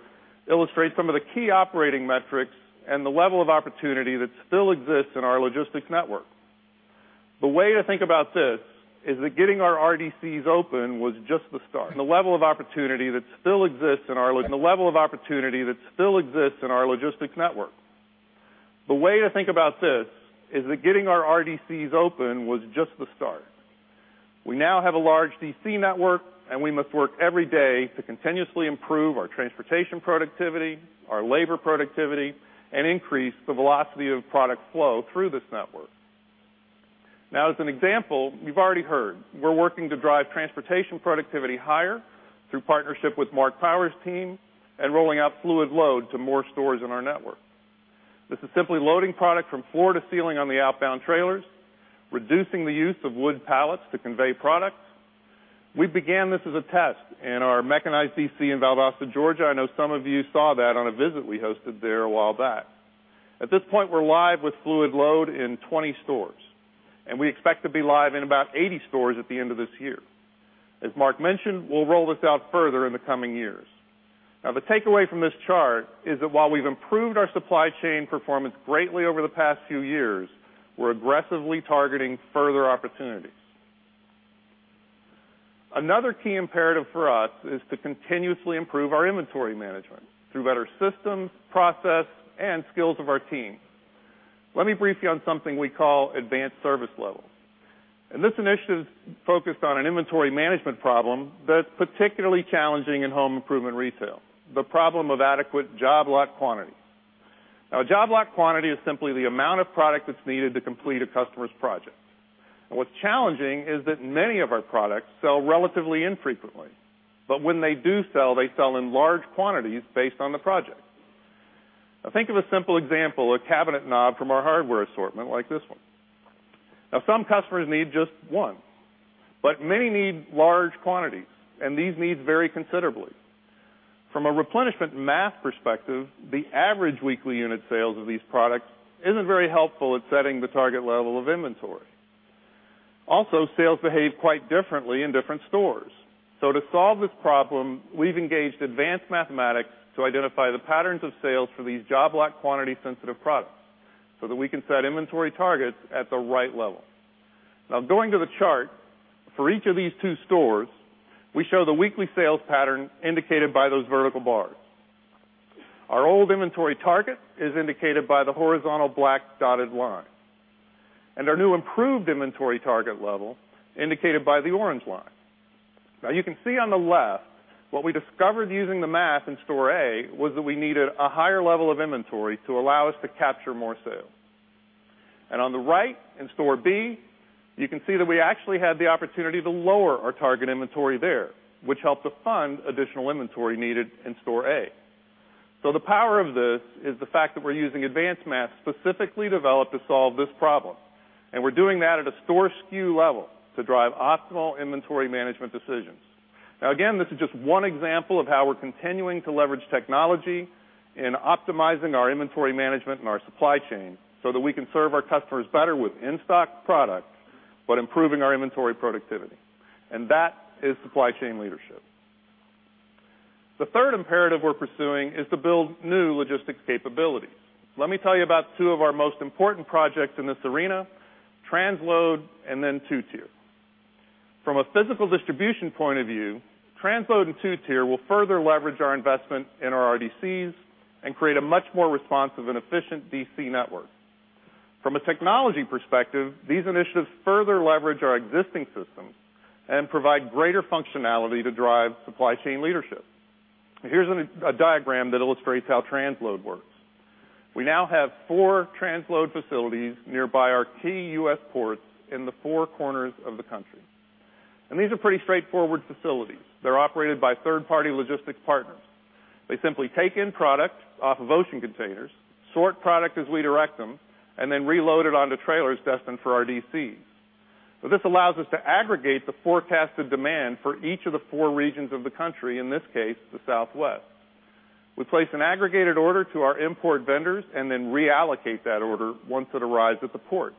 illustrate some of the key operating metrics and the level of opportunity that still exists in our logistics network. The way to think about this is that getting our RDCs open was just the start. We now have a large DC network, we must work every day to continuously improve our transportation productivity, our labor productivity, and increase the velocity of product flow through this network. As an example, you've already heard, we're working to drive transportation productivity higher through partnership with Marc Powers' team and rolling out fluid load to more stores in our network. This is simply loading product from floor to ceiling on the outbound trailers, reducing the use of wood pallets to convey product. We began this as a test in our mechanized DC in Valdosta, Georgia. I know some of you saw that on a visit we hosted there a while back. At this point, we're live with fluid load in 20 stores, and we expect to be live in about 80 stores at the end of this year. As Mark mentioned, we'll roll this out further in the coming years. The takeaway from this chart is that while we've improved our supply chain performance greatly over the past few years, we're aggressively targeting further opportunities. Another key imperative for us is to continuously improve our inventory management through better systems, process, and skills of our team. Let me brief you on something we call advanced service levels. This initiative is focused on an inventory management problem that's particularly challenging in home improvement retail, the problem of adequate job lot quantity. A job lot quantity is simply the amount of product that's needed to complete a customer's project. What's challenging is that many of our products sell relatively infrequently, but when they do sell, they sell in large quantities based on the project. Think of a simple example, a cabinet knob from our hardware assortment, like this one. Some customers need just one, but many need large quantities, and these need very considerably. From a replenishment math perspective, the average weekly unit sales of these products isn't very helpful at setting the target level of inventory. Sales behave quite differently in different stores. To solve this problem, we've engaged advanced mathematics to identify the patterns of sales for these job lot quantity-sensitive products so that we can set inventory targets at the right level. Going to the chart. For each of these two stores, we show the weekly sales pattern indicated by those vertical bars. Our old inventory target is indicated by the horizontal black dotted line, and our new improved inventory target level indicated by the orange line. You can see on the left what we discovered using the math in store A was that we needed a higher level of inventory to allow us to capture more sales. On the right, in store B, you can see that we actually had the opportunity to lower our target inventory there, which helped to fund additional inventory needed in store A. The power of this is the fact that we're using advanced math specifically developed to solve this problem, and we're doing that at a store SKU level to drive optimal inventory management decisions. Again, this is just one example of how we're continuing to leverage technology in optimizing our inventory management and our supply chain so that we can serve our customers better with in-stock product while improving our inventory productivity. That is supply chain leadership. The third imperative we're pursuing is to build new logistics capabilities. Let me tell you about two of our most important projects in this arena, transload and then two-tier. From a physical distribution point of view, transload and two-tier will further leverage our investment in our RDCs and create a much more responsive and efficient DC network. From a technology perspective, these initiatives further leverage our existing systems and provide greater functionality to drive supply chain leadership. Here's a diagram that illustrates how transload works. We now have four transload facilities nearby our key U.S. ports in the four corners of the country. These are pretty straightforward facilities. They're operated by third-party logistics partners. They simply take in product off of ocean containers, sort product as we direct them, and then reload it onto trailers destined for our DCs. This allows us to aggregate the forecasted demand for each of the four regions of the country, in this case, the Southwest. We place an aggregated order to our import vendors and then reallocate that order once it arrives at the port.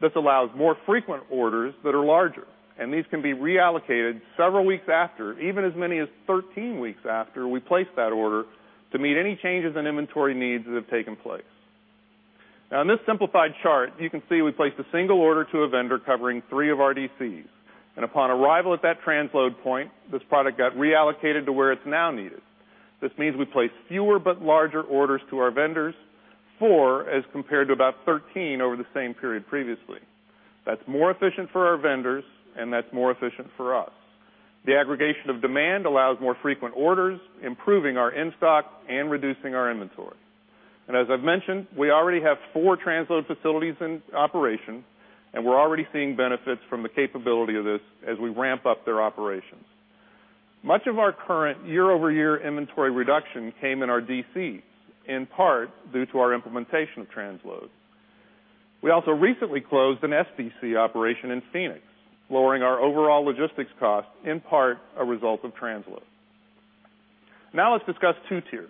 This allows more frequent orders that are larger, and these can be reallocated several weeks after, even as many as 13 weeks after we place that order to meet any changes in inventory needs that have taken place. In this simplified chart, you can see we placed a single order to a vendor covering three of our DCs. Upon arrival at that transload point, this product got reallocated to where it's now needed. This means we place fewer but larger orders to our vendors, four as compared to about 13 over the same period previously. That's more efficient for our vendors, and that's more efficient for us. The aggregation of demand allows more frequent orders, improving our in-stock and reducing our inventory. As I've mentioned, we already have four transload facilities in operation, and we're already seeing benefits from the capability of this as we ramp up their operations. Much of our current year-over-year inventory reduction came in our DC, in part due to our implementation of transload. We also recently closed an FDC operation in Phoenix, lowering our overall logistics cost, in part a result of transload. Let's discuss two-tier.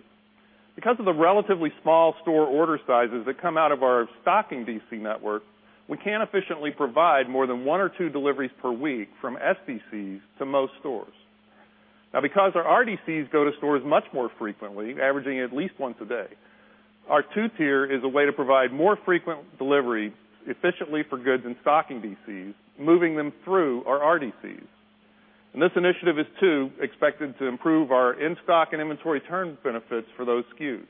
Because of the relatively small store order sizes that come out of our stocking DC network, we can efficiently provide more than one or two deliveries per week from SDCs to most stores. Because our RDCs go to stores much more frequently, averaging at least once a day, our two-tier is a way to provide more frequent delivery efficiently for goods in stocking DCs, moving them through our RDCs. This initiative is expected to improve our in-stock and inventory turn benefits for those SKUs,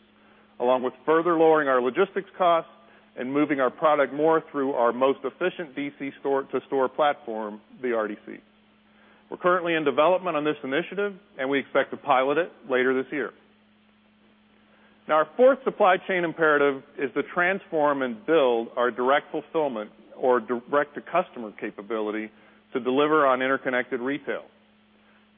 along with further lowering our logistics costs and moving our product more through our most efficient DC store-to-store platform, the RDC. We're currently in development on this initiative, and we expect to pilot it later this year. Our fourth supply chain imperative is to transform and build our direct fulfillment or direct-to-customer capability to deliver on interconnected retail.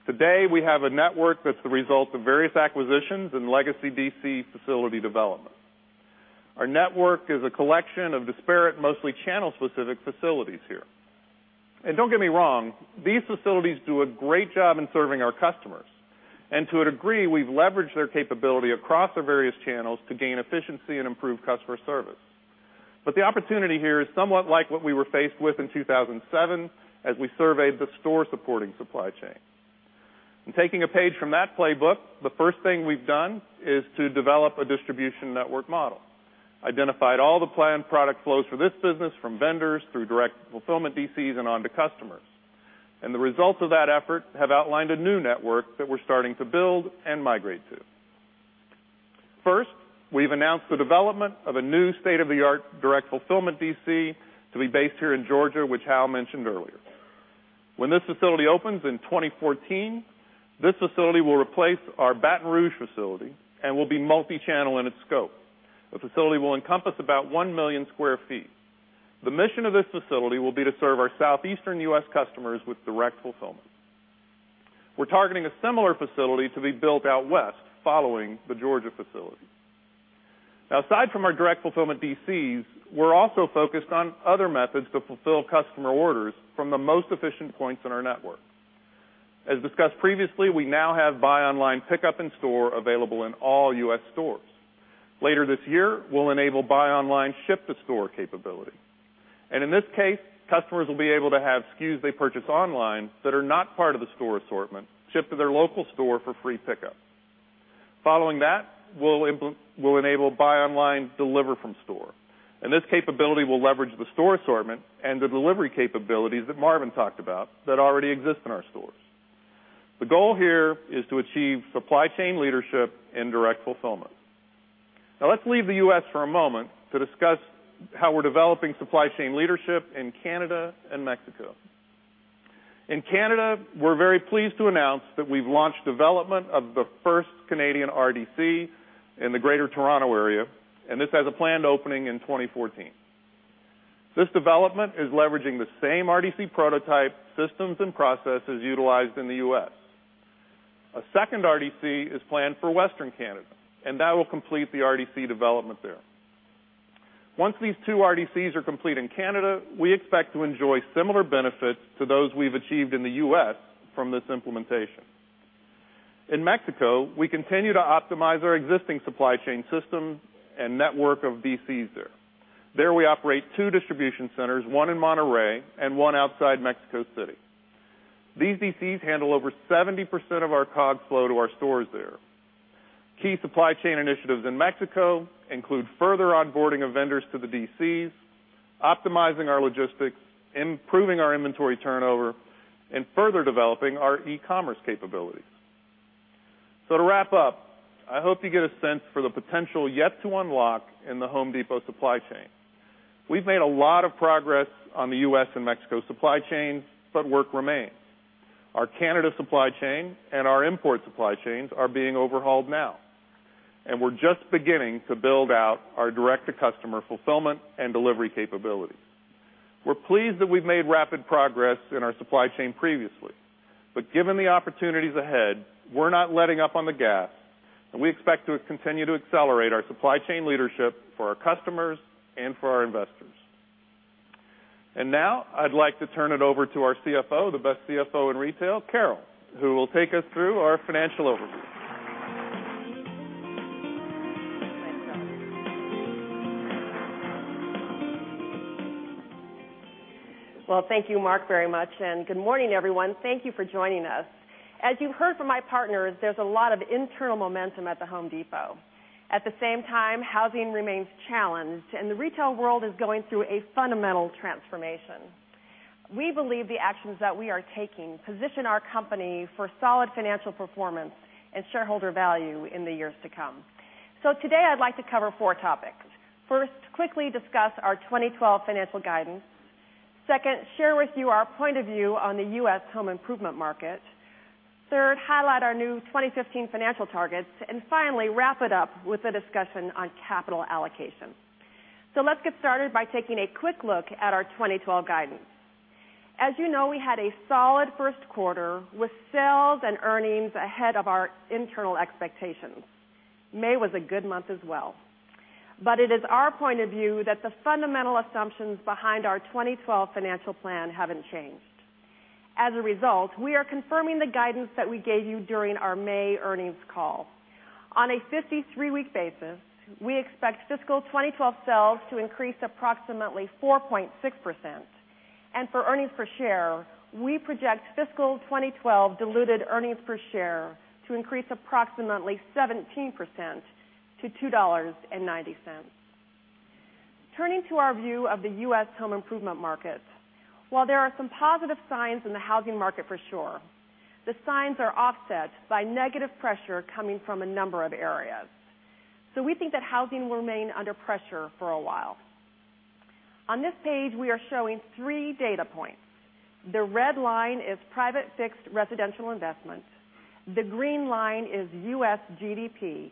Today, we have a network that's the result of various acquisitions and legacy DC facility development. Our network is a collection of disparate, mostly channel-specific facilities here. Don't get me wrong, these facilities do a great job in serving our customers. To a degree, we've leveraged their capability across our various channels to gain efficiency and improve customer service. But the opportunity here is somewhat like what we were faced with in 2007 as we surveyed the store supporting supply chain. In taking a page from that playbook, the first thing we've done is to develop a distribution network model. Identified all the planned product flows for this business from vendors through direct fulfillment DCs and on to customers. The results of that effort have outlined a new network that we're starting to build and migrate to. First, we've announced the development of a new state-of-the-art direct fulfillment DC to be based here in Georgia, which Hal mentioned earlier. When this facility opens in 2014, this facility will replace our Baton Rouge facility and will be multi-channel in its scope. The facility will encompass about 1 million sq ft. The mission of this facility will be to serve our Southeastern U.S. customers with direct fulfillment. We're targeting a similar facility to be built out west following the Georgia facility. Now, aside from our direct fulfillment DCs, we're also focused on other methods to fulfill customer orders from the most efficient points in our network. As discussed previously, we now have buy online pickup in-store available in all U.S. stores. Later this year, we'll enable buy online, ship to store capability. In this case, customers will be able to have SKUs they purchase online that are not part of the store assortment shipped to their local store for free pickup. Following that, we'll enable buy online, deliver from store. This capability will leverage the store assortment and the delivery capabilities that Marvin talked about that already exist in our stores. The goal here is to achieve supply chain leadership in direct fulfillment. Now let's leave the U.S. for a moment to discuss how we're developing supply chain leadership in Canada and Mexico. In Canada, we're very pleased to announce that we've launched development of the first Canadian RDC in the greater Toronto area. This has a planned opening in 2014. This development is leveraging the same RDC prototype systems and processes utilized in the U.S. A second RDC is planned for Western Canada, and that will complete the RDC development there. Once these two RDCs are complete in Canada, we expect to enjoy similar benefits to those we've achieved in the U.S. from this implementation. In Mexico, we continue to optimize our existing supply chain system and network of DCs there. There we operate two distribution centers, one in Monterrey and one outside Mexico City. These DCs handle over 70% of our COG flow to our stores there. Key supply chain initiatives in Mexico include further onboarding of vendors to the DCs, optimizing our logistics, improving our inventory turnover, and further developing our e-commerce capabilities. To wrap up, I hope you get a sense for the potential yet to unlock in The Home Depot supply chain. We've made a lot of progress on the U.S. and Mexico supply chain, but work remains. Our Canada supply chain and our import supply chains are being overhauled now, and we're just beginning to build out our direct-to-customer fulfillment and delivery capabilities. We're pleased that we've made rapid progress in our supply chain previously, given the opportunities ahead, we're not letting up on the gas, we expect to continue to accelerate our supply chain leadership for our customers and for our investors. Now I'd like to turn it over to our CFO, the best CFO in retail, Carol, who will take us through our financial overview. Thank you, Mark, very much, good morning, everyone. Thank you for joining us. As you've heard from my partners, there's a lot of internal momentum at The Home Depot. At the same time, housing remains challenged, the retail world is going through a fundamental transformation. We believe the actions that we are taking position our company for solid financial performance and shareholder value in the years to come. Today I'd like to cover four topics. First, quickly discuss our 2012 financial guidance. Second, share with you our point of view on the U.S. home improvement market. Third, highlight our new 2015 financial targets. Finally, wrap it up with a discussion on capital allocation. Let's get started by taking a quick look at our 2012 guidance. As you know, we had a solid first quarter with sales and earnings ahead of our internal expectations. May was a good month as well. It is our point of view that the fundamental assumptions behind our 2012 financial plan haven't changed. As a result, we are confirming the guidance that we gave you during our May earnings call. On a 53-week basis, we expect fiscal 2012 sales to increase approximately 4.6%. For earnings per share, we project fiscal 2012 diluted earnings per share to increase approximately 17% to $2.90. Turning to our view of the U.S. home improvement market. While there are some positive signs in the housing market for sure, the signs are offset by negative pressure coming from a number of areas. We think that housing will remain under pressure for a while. On this page, we are showing three data points. The red line is private fixed residential investment, the green line is U.S. GDP,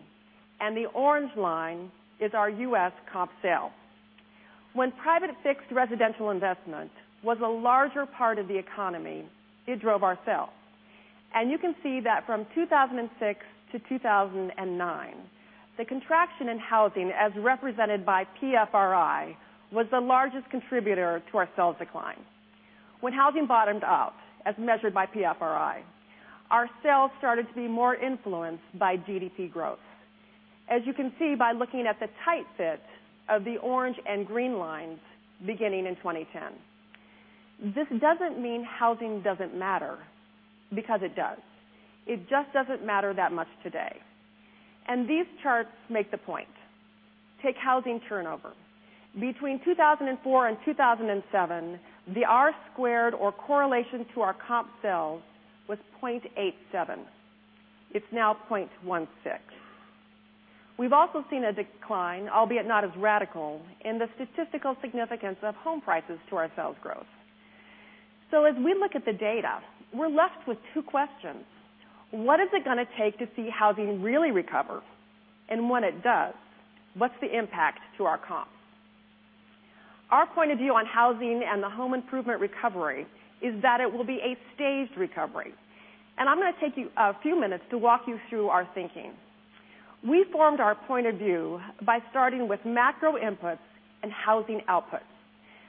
the orange line is our U.S. comp sale. When private fixed residential investment was a larger part of the economy, it drove our sales. You can see that from 2006 to 2009, the contraction in housing as represented by PFRI was the largest contributor to our sales decline. When housing bottomed out, as measured by PFRI, our sales started to be more influenced by GDP growth, as you can see by looking at the tight fit of the orange and green lines beginning in 2010. This doesn't mean housing doesn't matter, because it does. It just doesn't matter that much today. These charts make the point. Take housing turnover. Between 2004 and 2007, the R-squared or correlation to our comp sales was 0.87. It's now 0.16. We've also seen a decline, albeit not as radical, in the statistical significance of home prices to our sales growth. As we look at the data, we're left with two questions. What is it going to take to see housing really recover? When it does, what's the impact to our comps? Our point of view on housing and the home improvement recovery is that it will be a staged recovery. I'm going to take a few minutes to walk you through our thinking. We formed our point of view by starting with macro inputs and housing outputs.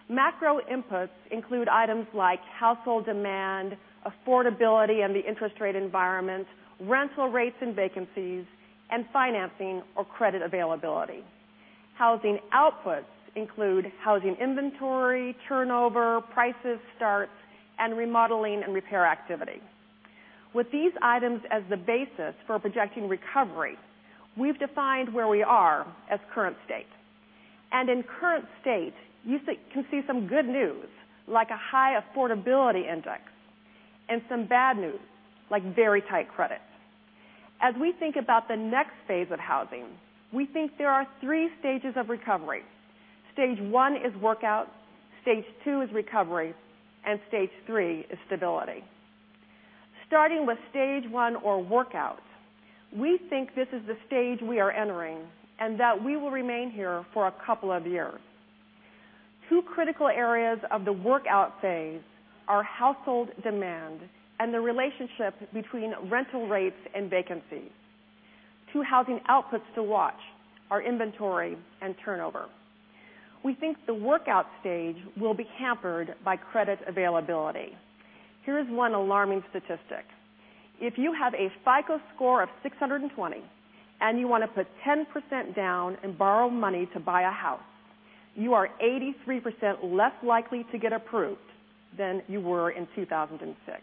Macro inputs include items like household demand, affordability, and the interest rate environment, rental rates and vacancies, and financing or credit availability. Housing outputs include housing inventory, turnover, prices, starts, and remodeling and repair activity. With these items as the basis for projecting recovery, we've defined where we are as current state. In current state, you can see some good news, like a high affordability index, and some bad news, like very tight credit. As we think about the next phase of housing, we think there are 3 stages of recovery. Stage 1 is workout, stage 2 is recovery, and stage 3 is stability. Starting with stage 1 or workout, we think this is the stage we are entering and that we will remain here for a couple of years. Two critical areas of the workout phase are household demand and the relationship between rental rates and vacancy. Two housing outputs to watch are inventory and turnover. We think the workout stage will be hampered by credit availability. Here's one alarming statistic. If you have a FICO score of 620 and you want to put 10% down and borrow money to buy a house, you are 83% less likely to get approved than you were in 2006.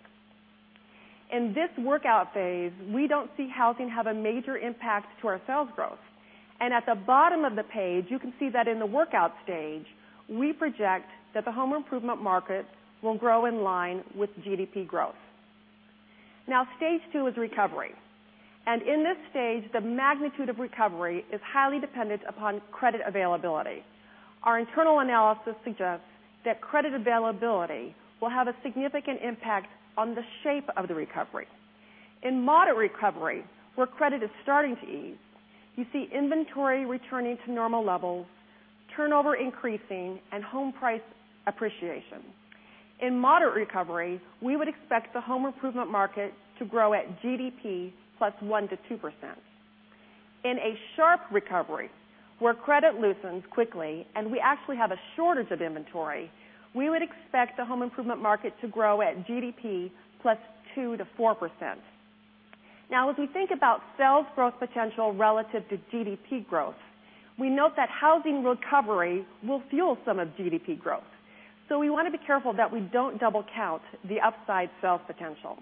In this workout phase, we don't see housing have a major impact to our sales growth. At the bottom of the page, you can see that in the workout stage, we project that the home improvement market will grow in line with GDP growth. Stage 2 is recovery. In this stage, the magnitude of recovery is highly dependent upon credit availability. Our internal analysis suggests that credit availability will have a significant impact on the shape of the recovery. In moderate recovery, where credit is starting to ease, you see inventory returning to normal levels, turnover increasing, and home price appreciation. In moderate recovery, we would expect the home improvement market to grow at GDP plus 1%-2%. In a sharp recovery, where credit loosens quickly and we actually have a shortage of inventory, we would expect the home improvement market to grow at GDP plus 2%-4%. As we think about sales growth potential relative to GDP growth, we note that housing recovery will fuel some of GDP growth. We want to be careful that we don't double count the upside sales potential.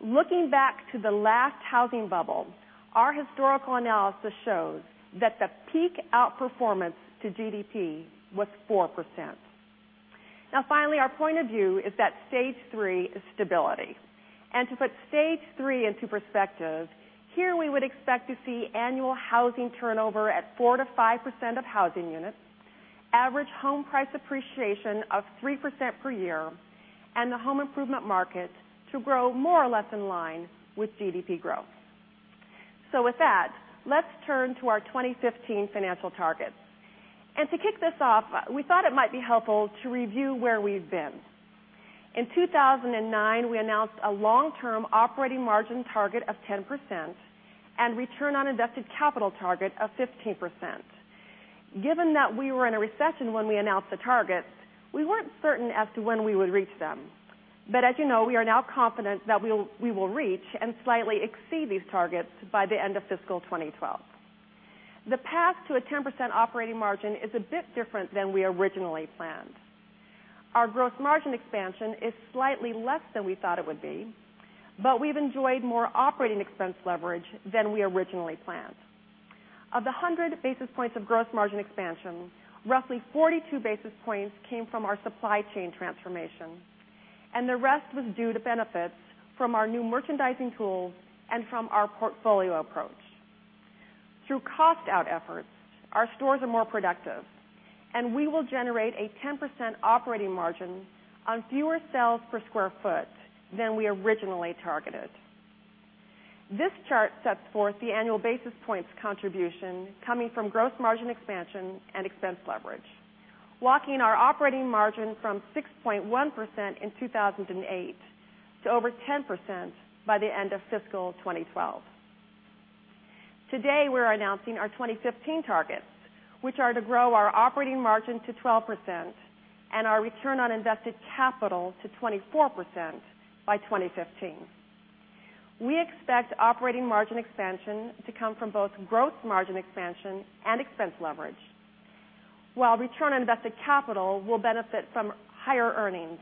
Looking back to the last housing bubble, our historical analysis shows that the peak outperformance to GDP was 4%. Finally, our point of view is that stage 3 is stability. To put stage 3 into perspective, here we would expect to see annual housing turnover at 4%-5% of housing units, average home price appreciation of 3% per year, and the home improvement market to grow more or less in line with GDP growth. With that, let's turn to our 2015 financial targets. To kick this off, we thought it might be helpful to review where we've been. In 2009, we announced a long-term operating margin target of 10% and return on invested capital target of 15%. Given that we were in a recession when we announced the targets, we weren't certain as to when we would reach them. As you know, we are now confident that we will reach and slightly exceed these targets by the end of fiscal 2012. The path to a 10% operating margin is a bit different than we originally planned. Our gross margin expansion is slightly less than we thought it would be, we've enjoyed more operating expense leverage than we originally planned. Of the 100 basis points of gross margin expansion, roughly 42 basis points came from our supply chain transformation, and the rest was due to benefits from our new merchandising tools and from our portfolio approach. Through cost-out efforts, our stores are more productive, and we will generate a 10% operating margin on fewer sales per square foot than we originally targeted. This chart sets forth the annual basis points contribution coming from gross margin expansion and expense leverage, walking our operating margin from 6.1% in 2008 to over 10% by the end of fiscal 2012. Today, we're announcing our 2015 targets, which are to grow our operating margin to 12% and our return on invested capital to 24% by 2015. We expect operating margin expansion to come from both gross margin expansion and expense leverage, while return on invested capital will benefit from higher earnings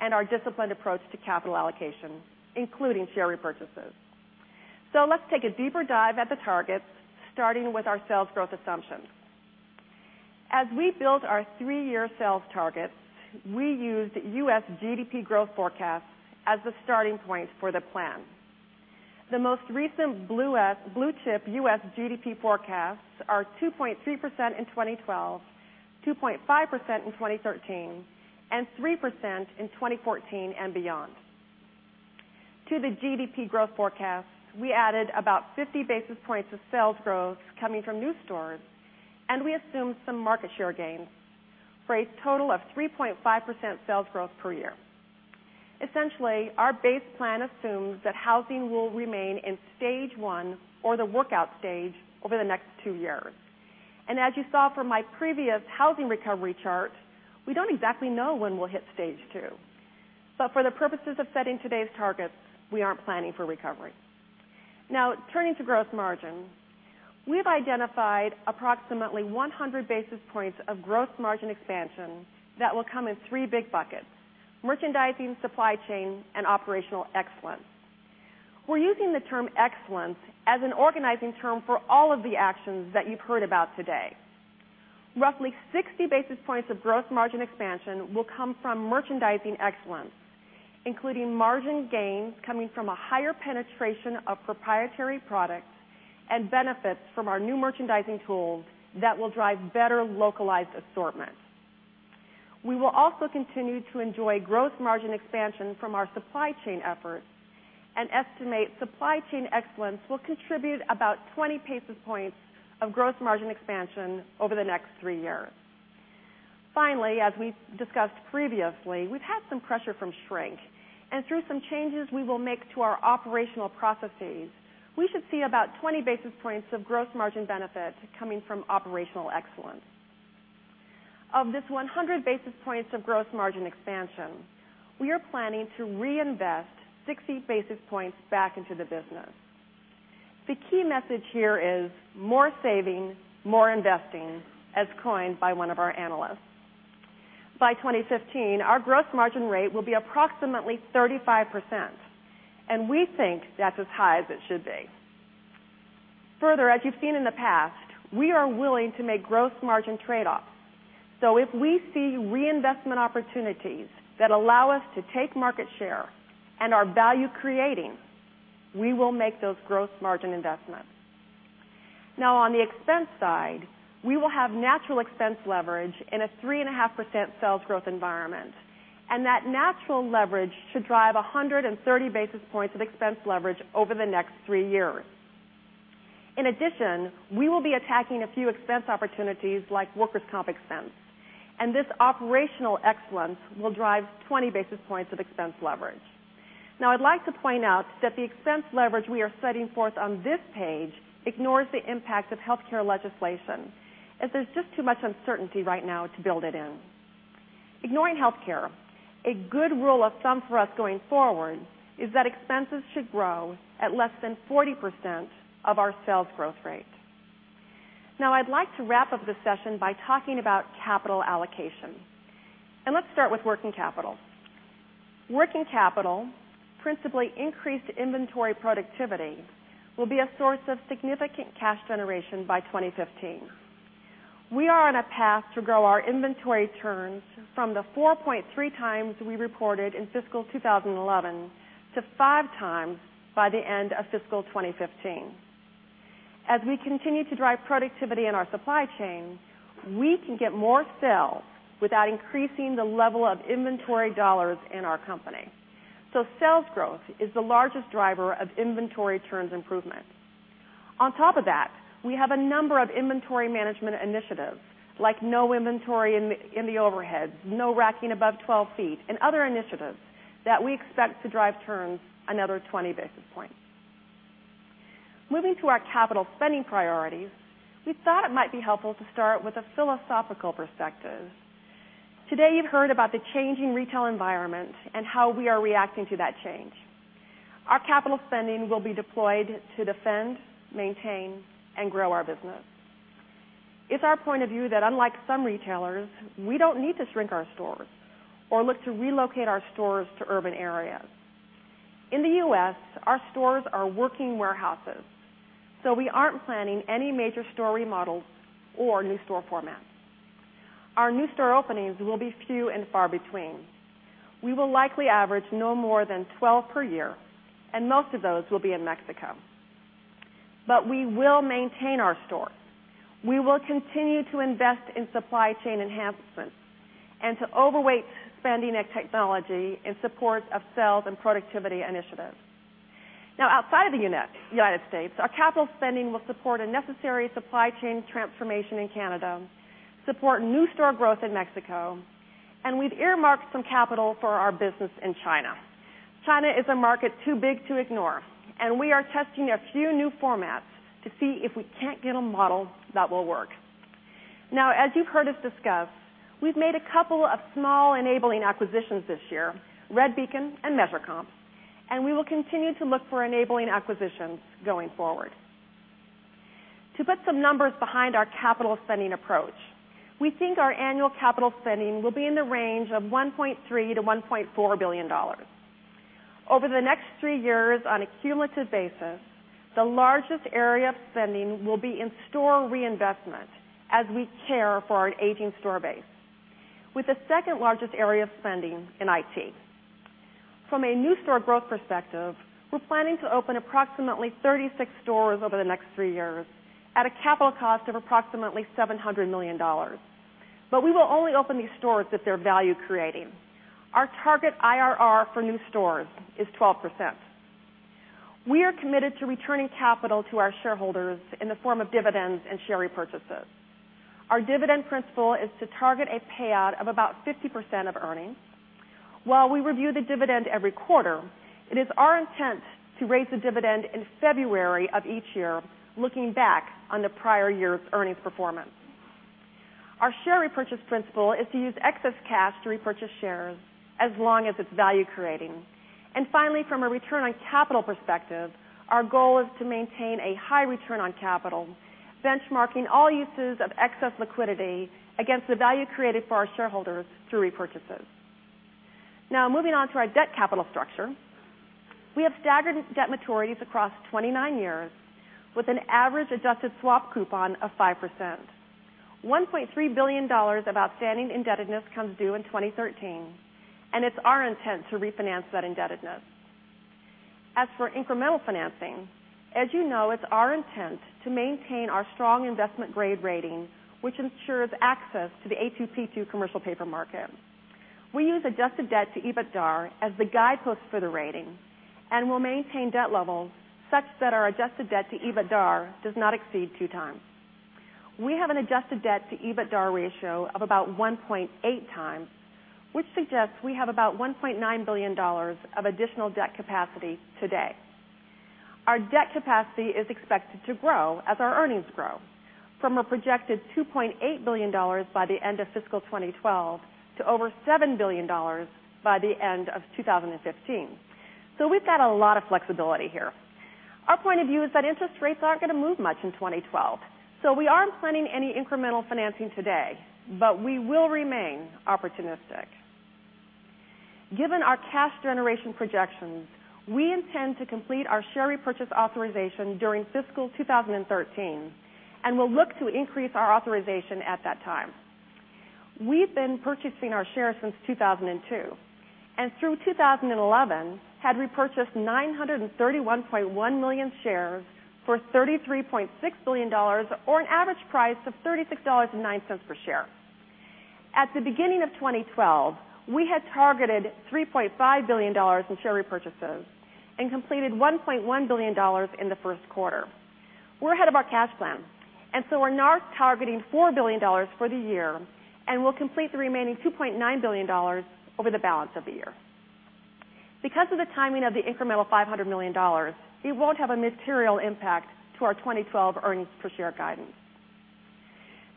and our disciplined approach to capital allocation, including share repurchases. Let's take a deeper dive at the targets, starting with our sales growth assumptions. As we built our three-year sales targets, we used U.S. GDP growth forecasts as the starting point for the plan. The most recent blue-chip U.S. GDP forecasts are 2.3% in 2012, 2.5% in 2013, and 3% in 2014 and beyond. To the GDP growth forecast, we added about 50 basis points of sales growth coming from new stores, and we assumed some market share gains for a total of 3.5% sales growth per year. Essentially, our base plan assumes that housing will remain in stage 1 or the workout stage over the next two years. As you saw from my previous housing recovery chart, we don't exactly know when we'll hit stage 2. For the purposes of setting today's targets, we are planning for recovery. Now, turning to gross margin, we've identified approximately 100 basis points of gross margin expansion that will come in three big buckets: merchandising, supply chain, and operational excellence. We're using the term excellence as an organizing term for all of the actions that you've heard about today. Roughly 60 basis points of gross margin expansion will come from merchandising excellence, including margin gains coming from a higher penetration of proprietary products and benefits from our new merchandising tools that will drive better localized assortments. We will also continue to enjoy gross margin expansion from our supply chain efforts. Estimate supply chain excellence will contribute about 20 basis points of gross margin expansion over the next three years. Finally, as we've discussed previously, we've had some pressure from shrink, and through some changes we will make to our operational processes, we should see about 20 basis points of gross margin benefit coming from operational excellence. Of this 100 basis points of gross margin expansion, we are planning to reinvest 60 basis points back into the business. The key message here is more saving, more investing, as coined by one of our analysts. By 2015, our gross margin rate will be approximately 35%, and we think that's as high as it should be. Further, as you've seen in the past, we are willing to make gross margin trade-offs. If we see reinvestment opportunities that allow us to take market share and are value-creating, we will make those gross margin investments. On the expense side, we will have natural expense leverage in a 3.5% sales growth environment, and that natural leverage should drive 130 basis points of expense leverage over the next three years. In addition, we will be attacking a few expense opportunities like workers' comp expense, and this operational excellence will drive 20 basis points of expense leverage. I'd like to point out that the expense leverage we are setting forth on this page ignores the impact of healthcare legislation, as there's just too much uncertainty right now to build it in. Ignoring healthcare, a good rule of thumb for us going forward is that expenses should grow at less than 40% of our sales growth rate. I'd like to wrap up this session by talking about capital allocation. Let's start with working capital. Working capital, principally increased inventory productivity, will be a source of significant cash generation by 2015. We are on a path to grow our inventory turns from the 4.3 times we reported in fiscal 2011 to five times by the end of fiscal 2015. As we continue to drive productivity in our supply chain, we can get more sales without increasing the level of inventory dollars in our company. Sales growth is the largest driver of inventory turns improvement. On top of that, we have a number of inventory management initiatives like no inventory in the overhead, no racking above 12 feet, and other initiatives that we expect to drive turns another 20 basis points. Moving to our capital spending priorities, we thought it might be helpful to start with a philosophical perspective. Today, you've heard about the changing retail environment and how we are reacting to that change. Our capital spending will be deployed to defend, maintain, and grow our business. It's our point of view that unlike some retailers, we don't need to shrink our stores or look to relocate our stores to urban areas. In the U.S., our stores are working warehouses, we aren't planning any major store remodels or new store formats. Our new store openings will be few and far between. We will likely average no more than 12 per year, and most of those will be in Mexico. We will maintain our stores. We will continue to invest in supply chain enhancements and to overweight spending in technology in support of sales and productivity initiatives. Outside of the U.S., our capital spending will support a necessary supply chain transformation in Canada, support new store growth in Mexico, and we've earmarked some capital for our business in China. China is a market too big to ignore, and we are testing a few new formats to see if we can't get a model that will work. Now, as you've heard us discuss, we've made a couple of small enabling acquisitions this year, Redbeacon and MeasureComp, and we will continue to look for enabling acquisitions going forward. To put some numbers behind our capital spending approach, we think our annual capital spending will be in the range of $1.3 billion-$1.4 billion. Over the next three years on a cumulative basis, the largest area of spending will be in store reinvestment as we care for our aging store base, with the second largest area of spending in IT. From a new store growth perspective, we're planning to open approximately 36 stores over the next three years at a capital cost of approximately $700 million. We will only open these stores if they're value-creating. Our target IRR for new stores is 12%. We are committed to returning capital to our shareholders in the form of dividends and share repurchases. Our dividend principle is to target a payout of about 50% of earnings. While we review the dividend every quarter, it is our intent to raise the dividend in February of each year, looking back on the prior year earnings performance. Our share repurchase principle is to use excess cash to repurchase shares as long as it's value-creating. Finally, from a return on capital perspective, our goal is to maintain a high return on capital, benchmarking all uses of excess liquidity against the value created for our shareholders through repurchases. Now, moving on to our debt capital structure. We have staggered debt maturities across 29 years with an average adjusted swap coupon of 5%. $1.3 billion of outstanding indebtedness comes due in 2013, and it's our intent to refinance that indebtedness. As for incremental financing, as you know, it's our intent to maintain our strong investment-grade rating, which ensures access to the A2/P2 commercial paper market. We use adjusted debt to EBITDAR as the guidepost for the rating and will maintain debt levels such that our adjusted debt to EBITDAR does not exceed two times. We have an adjusted debt to EBITDAR ratio of about 1.8 times, which suggests we have about $1.9 billion of additional debt capacity today. Our debt capacity is expected to grow as our earnings grow from a projected $2.8 billion by the end of fiscal 2012 to over $7 billion by the end of 2015. We've got a lot of flexibility here. Our point of view is that interest rates aren't going to move much in 2012, so we aren't planning any incremental financing today, but we will remain opportunistic. Given our cash generation projections, we intend to complete our share repurchase authorization during fiscal 2013, and will look to increase our authorization at that time. We've been purchasing our shares since 2002, and through 2011 had repurchased 931.1 million shares for $33.6 billion, or an average price of $36.09 per share. At the beginning of 2012, we had targeted $3.5 billion in share repurchases and completed $1.1 billion in the first quarter. We're ahead of our cash plan. We're now targeting $4 billion for the year and will complete the remaining $2.9 billion over the balance of the year. Because of the timing of the incremental $500 million, it won't have a material impact to our 2012 earnings per share guidance.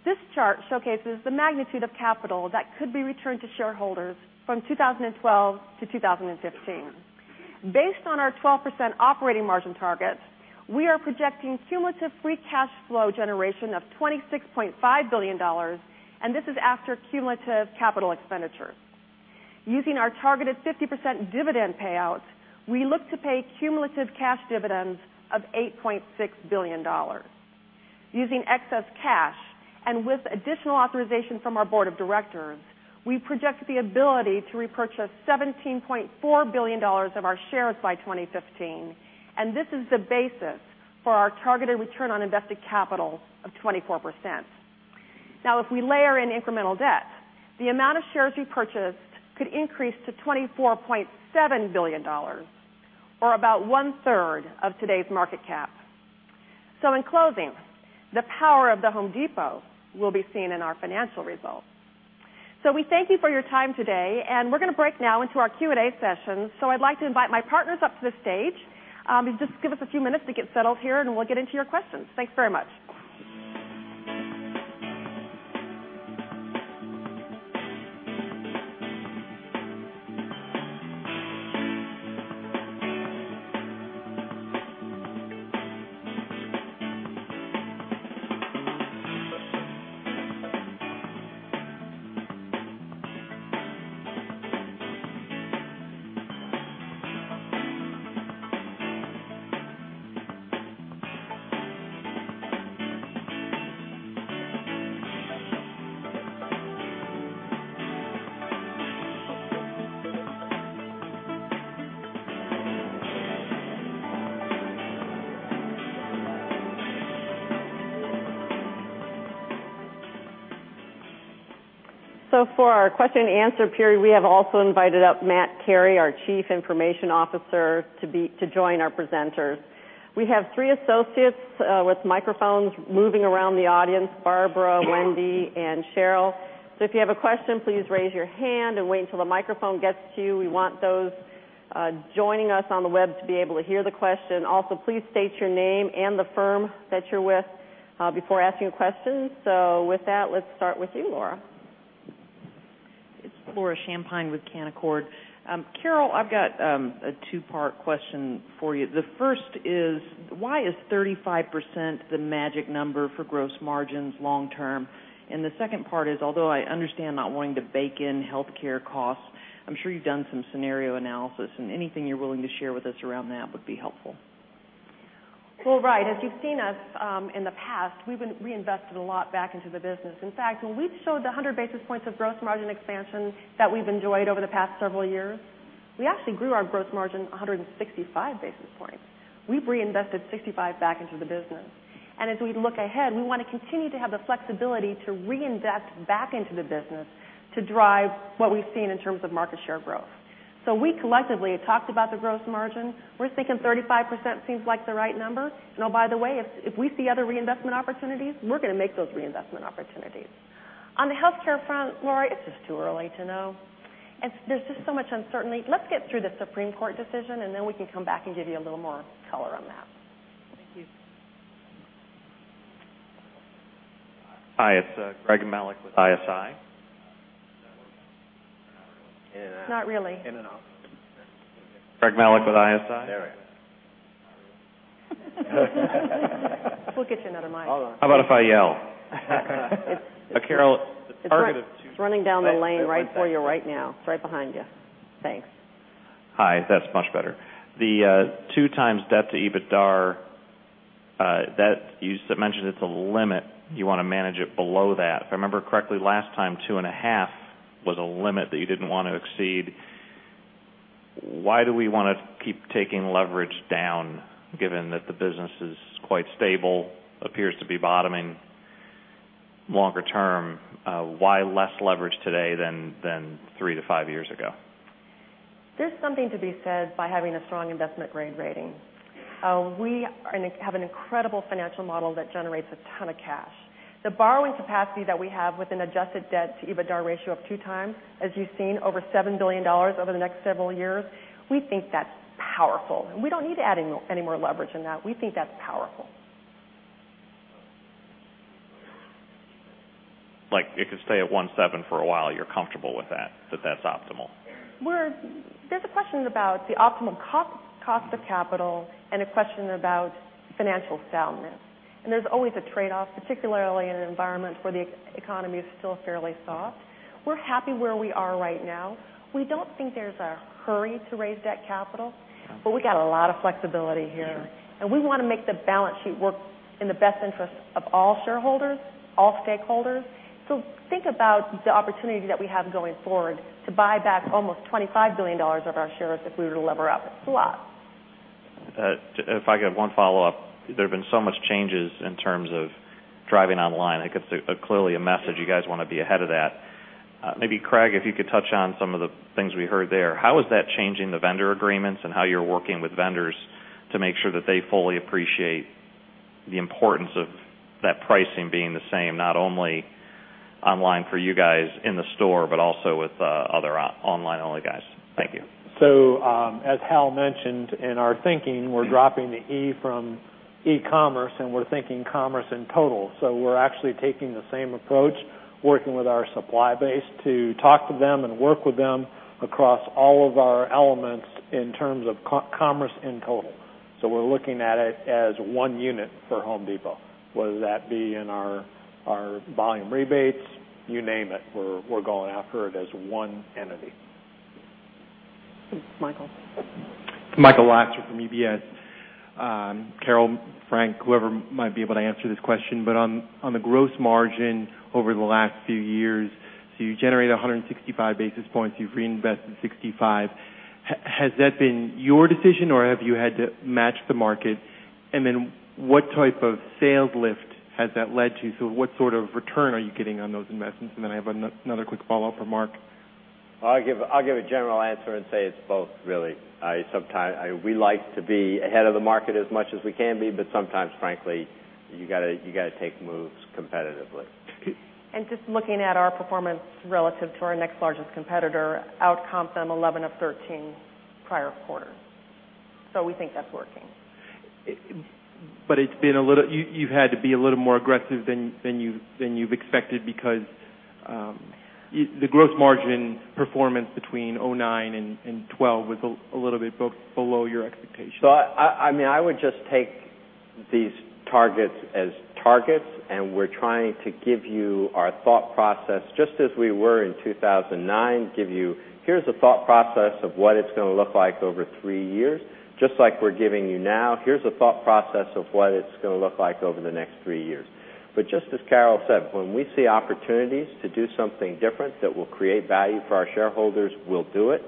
This chart showcases the magnitude of capital that could be returned to shareholders from 2012 to 2015. Based on our 12% Operating Margin target, we are projecting cumulative free cash flow generation of $26.5 billion, and this is after cumulative capital expenditures. Using our targeted 50% dividend payout, we look to pay cumulative cash dividends of $8.6 billion. Using excess cash and with additional authorization from our board of directors, we project the ability to repurchase $17.4 billion of our shares by 2015, and this is the basis for our targeted Return on Invested Capital of 24%. If we layer in incremental debt, the amount of shares repurchased could increase to $24.7 billion, or about one-third of today's market cap. In closing, the power of The Home Depot will be seen in our financial results. We thank you for your time today, and we're going to break now into our Q&A session. I'd like to invite my partners up to the stage. Just give us a few minutes to get settled here, and we'll get into your questions. Thanks very much. For our question and answer period, we have also invited up Matt Carey, our Chief Information Officer, to join our presenters. We have three associates with microphones moving around the audience, Barbara, Wendy, and Cheryl. If you have a question, please raise your hand and wait until the microphone gets to you. We want those joining us on the web to be able to hear the question. Also, please state your name and the firm that you're with before asking questions. With that, let's start with you, Laura. It's Laura Champine with Canaccord. Carol, I've got a two-part question for you. The first is, why is 35% the magic number for gross margins long term? The second part is, although I understand not wanting to bake in healthcare costs, I'm sure you've done some scenario analysis, and anything you're willing to share with us around that would be helpful. Well, right. As you've seen us in the past, we've reinvested a lot back into the business. In fact, when we showed the 100 basis points of gross margin expansion that we've enjoyed over the past several years, we actually grew our gross margin 165 basis points. We've reinvested 65 back into the business. As we look ahead, we want to continue to have the flexibility to reinvest back into the business to drive what we've seen in terms of market share growth. We collectively have talked about the gross margin. We're thinking 35% seems like the right number. By the way, if we see other reinvestment opportunities, we're going to make those reinvestment opportunities. On the healthcare front, Laura, it's just too early to know, and there's just so much uncertainty. Let's get through the Supreme Court decision. Then we can come back and give you a little more color on that. Thank you. Hi, it's Greg Melich with ISI. Is that working? Not really. In and out. Greg Melich with ISI. There we go. We'll get you another mic. How about if I yell? Carol, the target of two- It's running down the lane right for you right now. It's right behind you. Thanks. Hi, that's much better. The 2 times debt to EBITDAR, you mentioned it's a limit. You want to manage it below that. If I remember correctly, last time, 2.5 was a limit that you didn't want to exceed. Why do we want to keep taking leverage down, given that the business is quite stable, appears to be bottoming longer term? Why less leverage today than three to five years ago? There's something to be said by having a strong investment grade rating. We have an incredible financial model that generates a ton of cash. The borrowing capacity that we have with an adjusted debt to EBITDA ratio of 2 times, as you've seen, over $7 billion over the next several years, we think that's powerful. We don't need to add any more leverage than that. We think that's powerful. Like, it could stay at one seven for a while. You're comfortable with that that's optimal. There's a question about the optimum cost of capital and a question about financial soundness. There's always a trade-off, particularly in an environment where the economy is still fairly soft. We're happy where we are right now. We don't think there's a hurry to raise that capital, we got a lot of flexibility here, we want to make the balance sheet work in the best interest of all shareholders, all stakeholders. Think about the opportunity that we have going forward to buy back almost $25 billion of our shares if we were to lever up. It's a lot. If I could have one follow-up. There've been so much changes in terms of driving online. I think it's clearly a message you guys want to be ahead of that. Maybe Craig, if you could touch on some of the things we heard there. How is that changing the vendor agreements and how you're working with vendors to make sure that they fully appreciate the importance of that pricing being the same, not only online for you guys in the store, but also with other online-only guys? Thank you. As Carol mentioned, in our thinking, we're dropping the E from e-commerce, and we're thinking commerce in total. We're actually taking the same approach, working with our supply base to talk to them and work with them across all of our elements in terms of commerce in total. We're looking at it as one unit for The Home Depot, whether that be in our volume rebates, you name it. We're going after it as one entity. Michael. Michael Lasser from UBS. Carol, Frank, whoever might be able to answer this question, on the gross margin over the last few years, you generate 165 basis points, you've reinvested 65. Has that been your decision, or have you had to match the market? What type of sales lift has that led to? What sort of return are you getting on those investments? I have another quick follow-up for Mark. Well, I'll give a general answer and say it's both, really. We like to be ahead of the market as much as we can be, sometimes, frankly, you got to take moves competitively. Just looking at our performance relative to our next largest competitor, out-comp them 11 of 13 prior quarters. We think that's working. You've had to be a little more aggressive than you've expected because the gross margin performance between 2009 and 2012 was a little bit below your expectations. I would just take these targets as targets, and we're trying to give you our thought process, just as we were in 2009, give you, here's a thought process of what it's going to look like over three years, just like we're giving you now, here's a thought process of what it's going to look like over the next three years. Just as Carol said, when we see opportunities to do something different that will create value for our shareholders, we'll do it.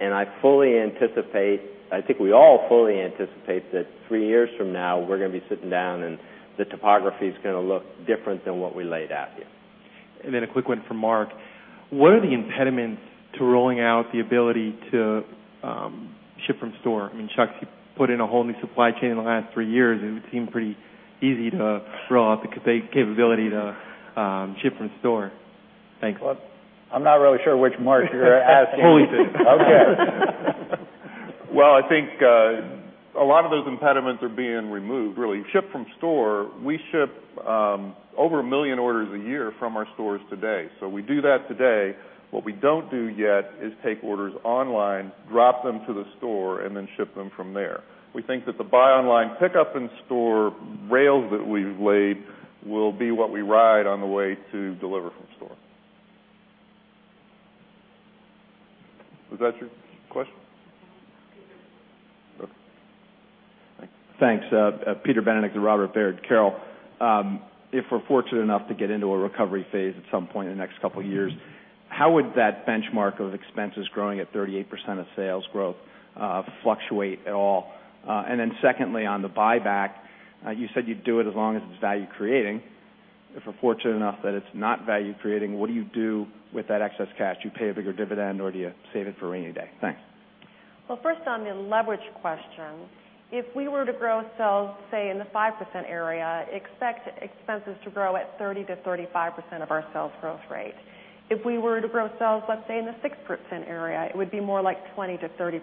I fully anticipate, I think we all fully anticipate that three years from now, we're going to be sitting down and the topography's going to look different than what we laid at you. A quick one for Mark. What are the impediments to rolling out the ability to ship from store? I mean, Chuck put in a whole new supply chain over the last three years, and it seemed pretty easy to roll out the capability to ship from store. Thanks. I'm not really sure which Mark you're asking. Mark. Okay. Well, I think a lot of those impediments are being removed, really. Ship from store, we ship over 1 million orders a year from our stores today. We do that today. What we don't do yet is take orders online, drop them to the store, and then ship them from there. We think that the buy online pickup in-store rail that we've laid will be what we ride on the way to deliver from store. Was that your question? I think so. Okay. Thanks. Peter Benedict with Robert W. Baird. Carol, if we're fortunate enough to get into a recovery phase at some point in the next couple of years, how would that benchmark of expenses growing at 38% of sales growth fluctuate at all? Secondly, on the buyback, you said you'd do it as long as it's value creating. If we're fortunate enough that it's not value creating, what do you do with that excess cash? Do you pay a bigger dividend, or do you save it for a rainy day? Thanks. First on the leverage question, if we were to grow sales, say, in the 5% area, expect expenses to grow at 30%-35% of our sales growth rate. If we were to grow sales, let's say, in the 6% area, it would be more like 20%-30%.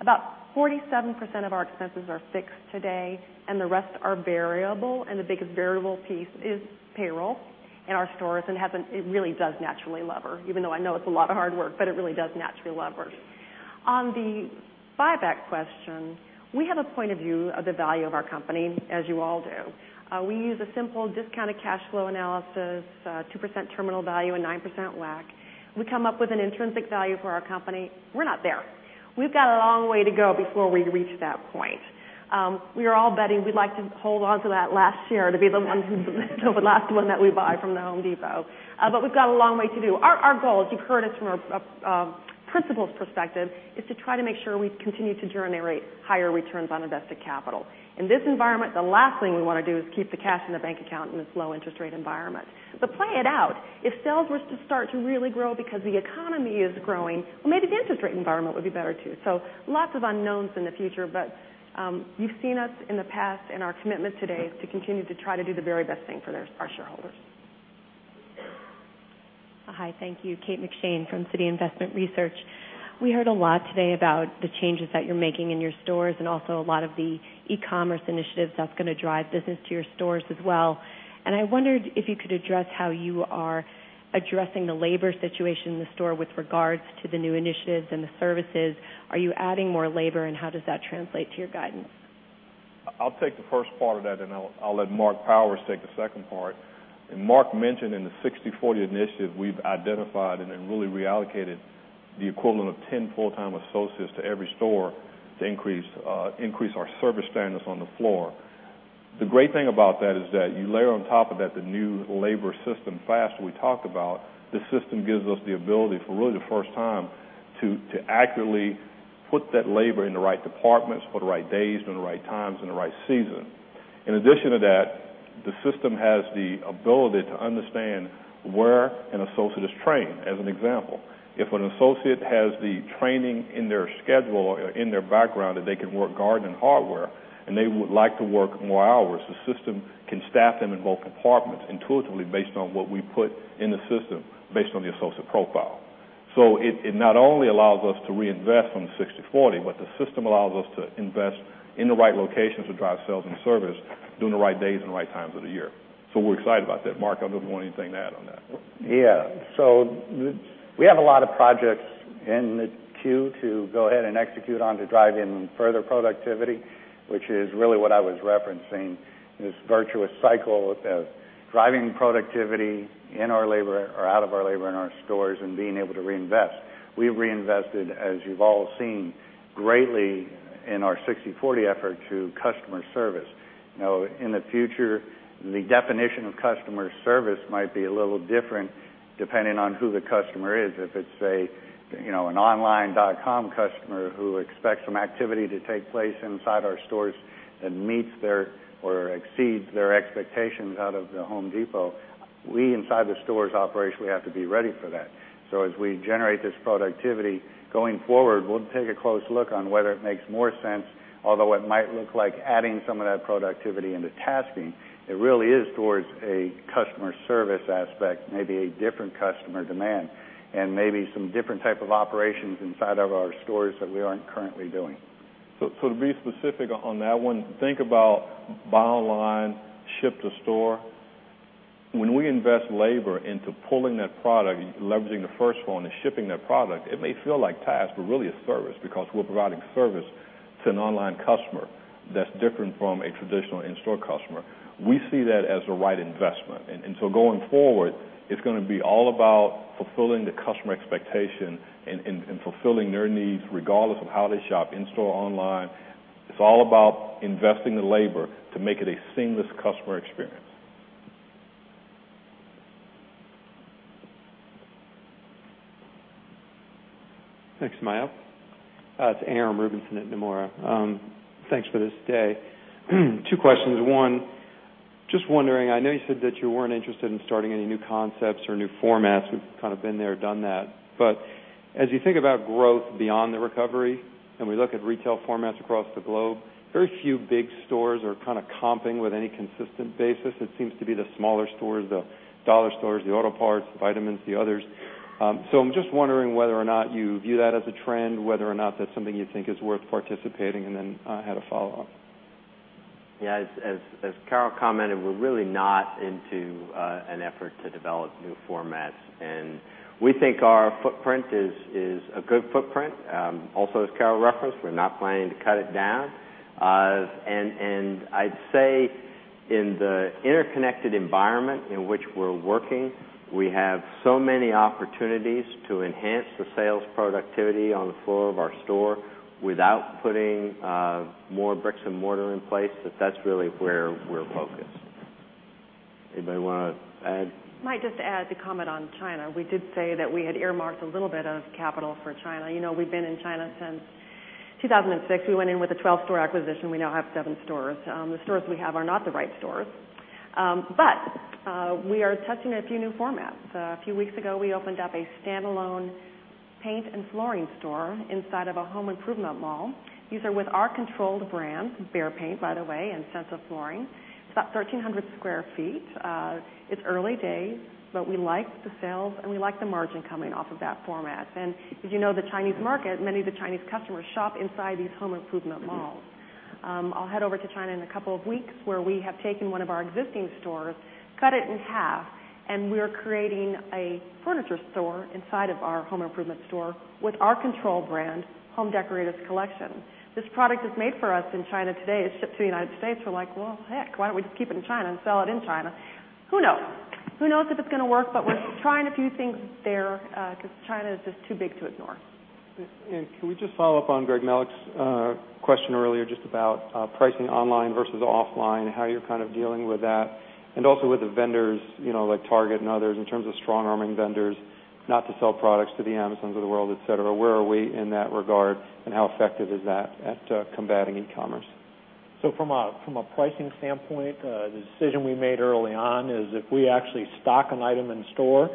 About 47% of our expenses are fixed today, and the rest are variable, and the biggest variable piece is payroll in our stores. It really does naturally lever, even though I know it's a lot of hard work, it really does naturally lever. On the buyback question, we have a point of view of the value of our company, as you all do. We use a simple discounted cash flow analysis, 2% terminal value, and 9% WACC. We come up with an intrinsic value for our company. We're not there. We've got a long way to go before we reach that point. We are all betting we'd like to hold on to that last year to be the one who bought the last one from The Home Depot. We've got a long way to do. Our goal, as you've heard it from a principles perspective, is to try to make sure we continue to generate higher returns on invested capital. In this environment, the last thing we want to do is keep the cash in the bank account in this low interest rate environment. Play it out. If sales were to start to really grow because the economy is growing, maybe the interest rate environment would be better, too. Lots of unknowns in the future, you've seen us in the past, our commitment today is to continue to try to do the very best thing for our shareholders. Hi. Thank you. Kate McShane from Citi Investment Research. We heard a lot today about the changes that you're making in your stores and also a lot of the e-commerce initiatives that's going to drive business to your stores as well. I wondered if you could address how you are addressing the labor situation in the store with regards to the new initiatives and the services. Are you adding more labor, how does that translate to your guidance? I'll take the first part of that. I'll let Marc Powers take the second part. Marc mentioned in the 60/40 initiative, we've identified and then really reallocated the equivalent of 10 full-time associates to every store to increase our service standards on the floor. The great thing about that is that you layer on top of that the new labor system, FAST, we talked about. This system gives us the ability for really the first time to accurately put that labor in the right departments for the right days and the right times and the right season. In addition to that, the system has the ability to understand where an associate is trained. As an example, if an associate has the training in their schedule or in their background that they could work garden hardware and they would like to work more hours, the system can staff them in both departments and totally based on what we put in the system based on the associate profile. It not only allows us to reinvest from 60/40, the system allows us to invest in the right locations to drive sales and service during the right days and the right times of the year. We're excited about that. Marc, I wouldn't want anything to add on that. Yeah. We have a lot of projects in the queue to go ahead and execute on to drive in further productivity, which is really what I was referencing in this virtuous cycle of driving productivity in our labor or out of our labor in our stores and being able to reinvest. We reinvested, as you've all seen, greatly in our 60/40 effort through customer service. Now, in the future, the definition of customer service might be a little different depending on who the customer is. If it's an online dot-com customer who expects some activity to take place inside our stores that meets their or exceeds their expectations out of The Home Depot, we inside the stores operation, we have to be ready for that. As we generate this productivity going forward, we'll take a close look on whether it makes more sense, although it might look like adding some of that productivity into tasking, it really is towards a customer service aspect, maybe a different customer demand, and maybe some different type of operations inside of our stores that we aren't currently doing. To be specific on that one, think about bottom line ship to store. When we invest labor into pulling that product, leveraging the first one and shipping that product, it may feel like task, but really a service because we're providing service to an online customer that's different from a traditional in-store customer. We see that as a right investment. Going forward, it's going to be all about fulfilling the customer expectation and fulfilling their needs regardless of how they shop in-store, online. It's all about investing the labor to make it a seamless customer experience. Thanks, Marvin. It's Aram Rubinson at Nomura. Thanks for this day. Two questions. One, just wondering, I know you said that you weren't interested in starting any new concepts or new formats. We've kind of been there, done that. As you think about growth beyond the recovery, and we look at retail formats across the globe, very few big stores are kind of comping with any consistent basis. It seems to be the smaller stores, the dollar stores, the auto parts, the vitamins, the others. I'm just wondering whether or not you view that as a trend, whether or not that's something you think is worth participating in, and I had a follow-up. Yeah, as Carol commented, we're really not into an effort to develop new formats, and we think our footprint is a good footprint. Also, as Carol referenced, we're not planning to cut it down. I'd say in the interconnected environment in which we're working, we have so many opportunities to enhance the sales productivity on the floor of our store without putting more bricks and mortar in place, that that's really where we're focused. Anybody want to add? Might just add to comment on China. We did say that we had earmarked a little bit of capital for China. We've been in China since 2006. We went in with a 12-store acquisition. We now have seven stores. The stores we have are not the right stores. We are testing a few new formats. A few weeks ago, we opened up a standalone paint and flooring store inside of a home improvement mall. These are with our controlled brand, BEHR Paint, by the way, and Centra Flooring. It's about 1,300 sq ft. It's early days, but we like the sales, and we like the margin coming off of that format. As you know, the Chinese market, many of the Chinese customers shop inside these home improvement malls. I'll head over to China in a couple of weeks where we have taken one of our existing stores, cut it in half, and we are creating a furniture store inside of our home improvement store with our controlled brand, Home Decorators Collection. This product is made for us in China today. It's shipped to the U.S. We're like, "Well, heck, why don't we just keep it in China and sell it in China?" Who knows? Who knows if it's going to work, but we're trying a few things there because China is just too big to ignore. Can we just follow up on Greg Melich's question earlier just about pricing online versus offline, how you're dealing with that, and also with the vendors, like Target and others, in terms of strong-arming vendors not to sell products to the Amazons of the world, et cetera. Where are we in that regard, and how effective is that at combating e-commerce? From a pricing standpoint, the decision we made early on is if we actually stock an item in store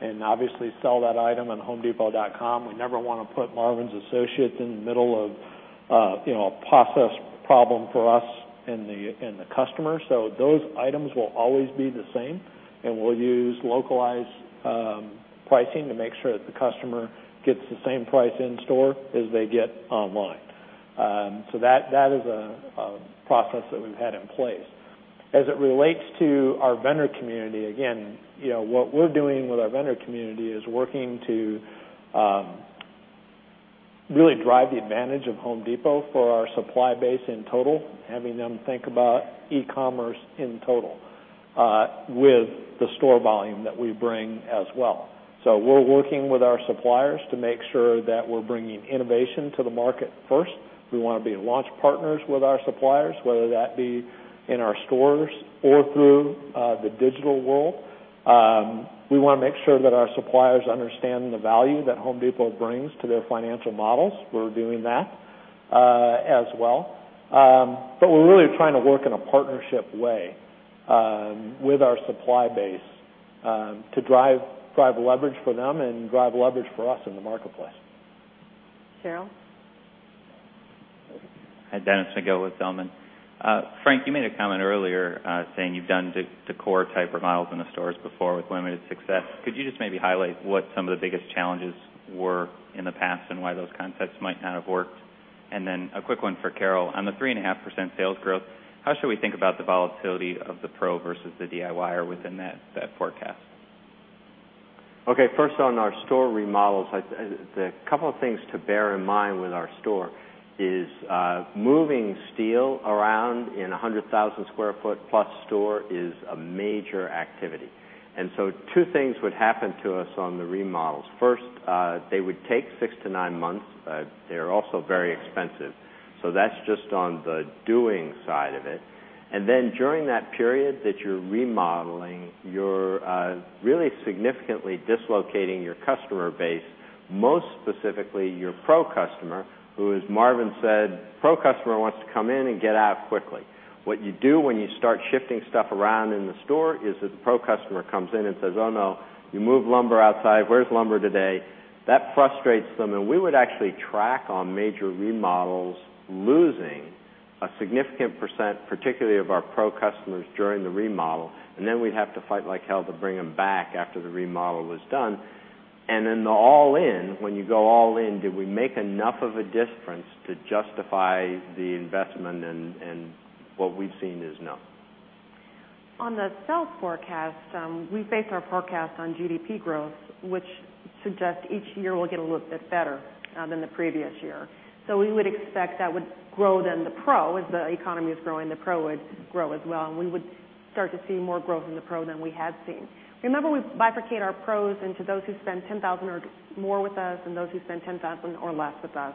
and obviously sell that item on homedepot.com, we never want to put Marvin's associates in the middle of a process problem for us and the customer. Those items will always be the same, and we'll use localized pricing to make sure that the customer gets the same price in store as they get online. That is a process that we've had in place. As it relates to our vendor community, again, what we're doing with our vendor community is working to really drive the advantage of Home Depot for our supply base in total, having them think about e-commerce in total with the store volume that we bring as well. We're working with our suppliers to make sure that we're bringing innovation to the market first. We want to be launch partners with our suppliers, whether that be in our stores or through the digital world. We want to make sure that our suppliers understand the value that Home Depot brings to their financial models. We're doing that as well. We're really trying to work in a partnership way with our supply base to drive leverage for them and drive leverage for us in the marketplace. Carol? Hi, Dennis McGill with Zelman. Frank, you made a comment earlier saying you've done decor-type remodels in the stores before with limited success. Could you just maybe highlight what some of the biggest challenges were in the past, and why those concepts might not have worked? A quick one for Carol. On the 3.5% sales growth, how should we think about the volatility of the pro versus the DIYer within that forecast? First on our store remodels. A couple of things to bear in mind with our store is moving steel around in 100,000 square foot plus store is a major activity. Two things would happen to us on the remodels. First, they would take six to nine months. They're also very expensive. That's just on the doing side of it. During that period that you're remodeling, you're really significantly dislocating your customer base, most specifically your pro customer, who, as Marvin said, pro customer wants to come in and get out quickly. What you do when you start shifting stuff around in the store is that the pro customer comes in and says, "Oh, no, you moved lumber outside. Where's lumber today?" That frustrates them. We would actually track on major remodels, losing a significant percent, particularly of our pro customers, during the remodel, then we'd have to fight like hell to bring them back after the remodel was done. The all-in, when you go all in, did we make enough of a difference to justify the investment? What we've seen is no. On the sales forecast, we base our forecast on GDP growth, which suggests each year we'll get a little bit better than the previous year. We would expect that would grow then the pro. As the economy is growing, the pro would grow as well, and we would start to see more growth in the pro than we had seen. Remember, we bifurcate our pros into those who spend $10,000 or more with us and those who spend $10,000 or less with us.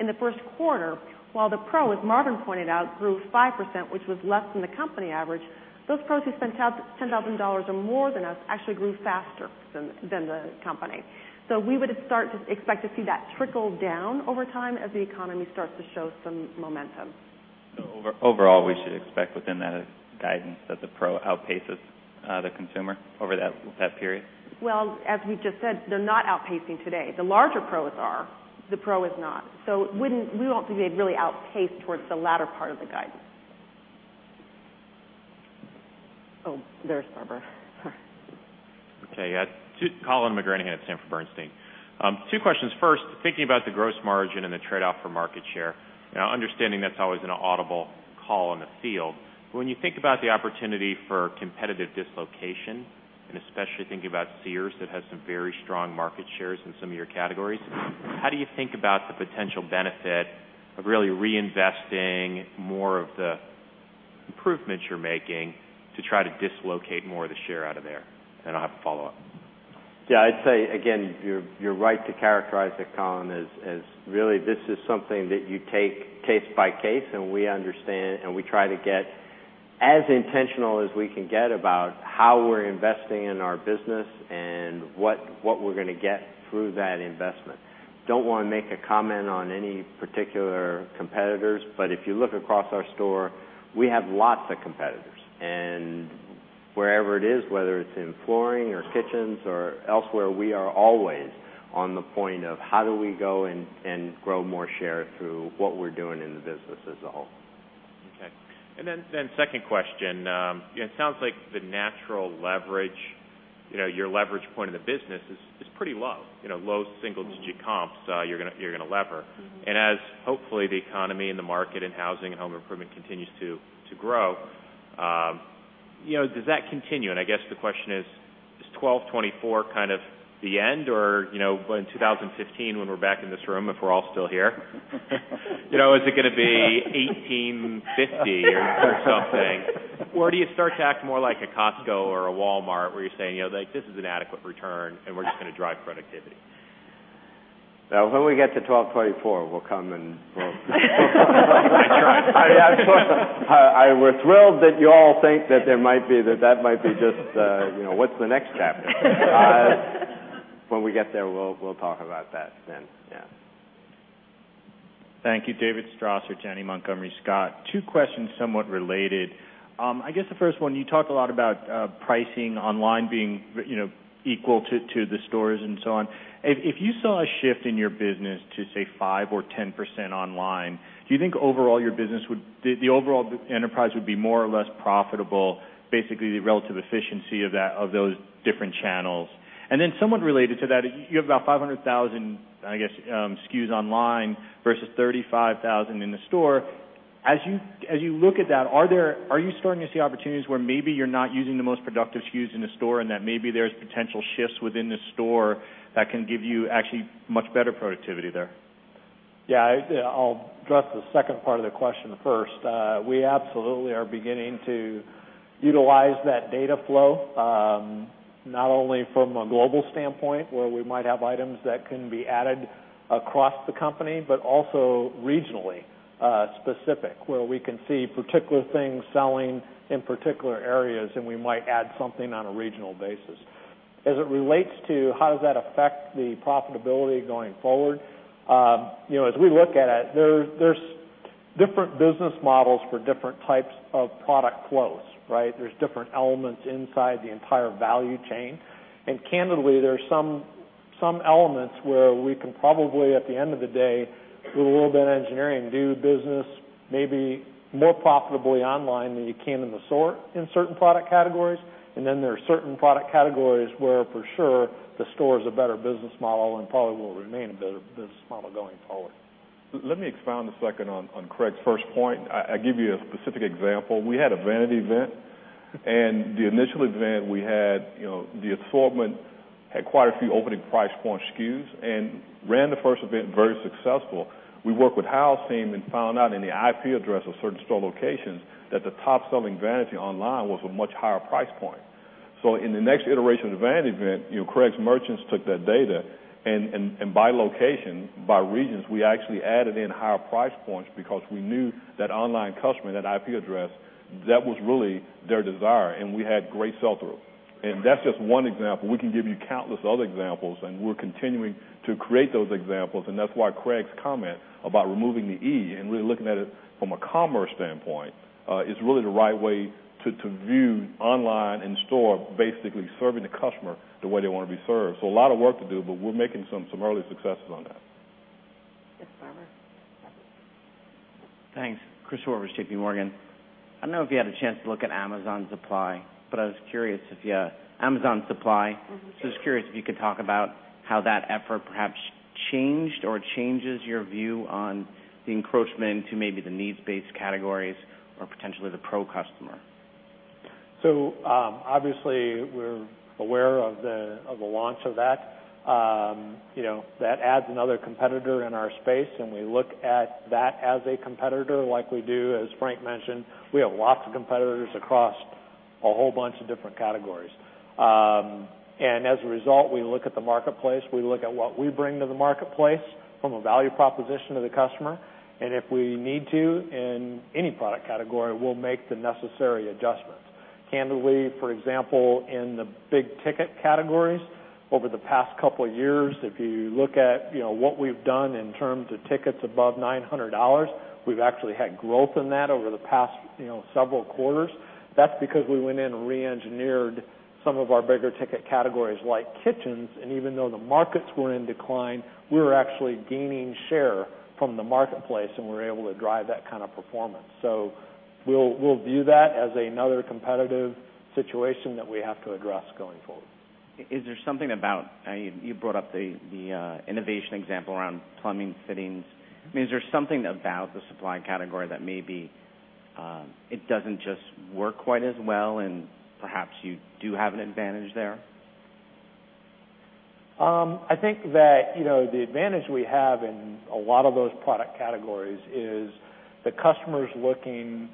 In the first quarter, while the pro, as Marvin pointed out, grew 5%, which was less than the company average, those pros who spent $10,000 or more than us actually grew faster than the company. We would start to expect to see that trickle down over time as the economy starts to show some momentum. We should expect within that guidance that the pro outpaces the consumer over that period? Well, as we just said, they're not outpacing today. The larger pros are, the pro is not. We don't think they'd really outpace towards the latter part of the guidance. Oh, there's Barbara. Okay, Colin McGranahan, Sanford Bernstein. Two questions. First, thinking about the gross margin and the trade-off for market share, understanding that's always an audible call in the field, but when you think about the opportunity for competitive dislocation, especially thinking about Sears that has some very strong market shares in some of your categories, how do you think about the potential benefit of really reinvesting more of the improvements you're making to try to dislocate more of the share out of there? I'll have a follow-up. Yeah, I'd say, again, you're right to characterize it, Colin, as really this is something that you take case by case, and we understand, and we try to get as intentional as we can get about how we're investing in our business and what we're going to get through that investment. Don't want to make a comment on any particular competitors, but if you look across our store, we have lots of competitors. Wherever it is, whether it's in flooring or kitchens or elsewhere, we are always on the point of how do we go and grow more share through what we're doing in the business as a whole. Second question. It sounds like the natural leverage, your leverage point of the business is pretty low. Low single-digit comps you're going to lever. As hopefully the economy and the market and housing and home improvement continues to grow, does that continue? I guess the question is Is 12/24 kind of the end, or in 2015 when we're back in this room, if we're all still here is it going to be 18.50 or something? Do you start to act more like a Costco or a Walmart, where you're saying, "This is an adequate return, and we're just going to drive productivity"? When we get to 12/24, we're thrilled that you all think that might be just what the next chapter is. When we get there, we'll talk about that then. Yeah. Thank you. David Strasser, Janney Montgomery Scott. Two questions somewhat related. I guess the first one, you talk a lot about pricing online being equal to the stores and so on. If you saw a shift in your business to, say, 5% or 10% online, do you think the overall enterprise would be more or less profitable, basically the relative efficiency of those different channels? Somewhat related to that, you have about 500,000, I guess, SKUs online versus 35,000 in the store. As you look at that, are you starting to see opportunities where maybe you're not using the most productive SKUs in the store and that maybe there's potential shifts within the store that can give you actually much better productivity there? Yeah. I'll address the second part of the question first. We absolutely are beginning to utilize that data flow, not only from a global standpoint, where we might have items that can be added across the company, but also regionally specific, where we can see particular things selling in particular areas, and we might add something on a regional basis. As it relates to how does that affect the profitability going forward, as we look at it, there's different business models for different types of product flows, right? There's different elements inside the entire value chain. Candidly, there's some elements where we can probably, at the end of the day, do a little bit of engineering, do business maybe more profitably online than you can in the store in certain product categories. There are certain product categories where, for sure, the store is a better business model and probably will remain the business model going forward. Let me expound a second on Craig's first point. I give you a specific example. We had a vanity event, and the initial event we had, the assortment had quite a few opening price point SKUs and ran the first event very successful. We worked with house team and found out in the IP address of certain store locations that the top-selling vanity online was a much higher price point. In the next iteration of the vanity event, Craig's merchants took that data, and by location, by regions, we actually added in higher price points because we knew that online customer, that IP address, that was really their desire, and we had great sell-through. That's just one example. We can give you countless other examples, and we're continuing to create those examples. That's why Craig's comment about removing the E and really looking at it from a commerce standpoint is really the right way to view online and store, basically, serving the customer the way they want to be served. A lot of work to do, but we're making some really successful on that. Yes, thanks. Thanks. Chris Horvers, J.P. Morgan. I don't know if you had a chance to look at Amazon Supply. Just curious if you could talk about how that effort perhaps changed or changes your view on the encroachment to maybe the needs-based categories or potentially the pro customer. Obviously, we're aware of the launch of that. That adds another competitor in our space, and we look at that as a competitor like we do, as Frank mentioned, we have lots of competitors across a whole bunch of different categories. As a result, we look at the marketplace. We look at what we bring to the marketplace from a value proposition to the customer. If we need to, in any product category, we'll make the necessary adjustments. Candidly, for example, in the big-ticket categories, over the past couple of years, if you look at what we've done in terms of tickets above $900, we've actually had growth in that over the past several quarters. That's because we went in and re-engineered some of our bigger-ticket categories, like kitchens, and even though the markets were in decline, we were actually gaining share from the marketplace, and we're able to drive that kind of performance. We'll view that as another competitive situation that we have to address going forward. You brought up the innovation example around plumbing fittings, I mean, is there something about the supply category that maybe it doesn't just work quite as well, and perhaps you do have an advantage there? I think that the advantage we have in a lot of those product categories is the customer's looking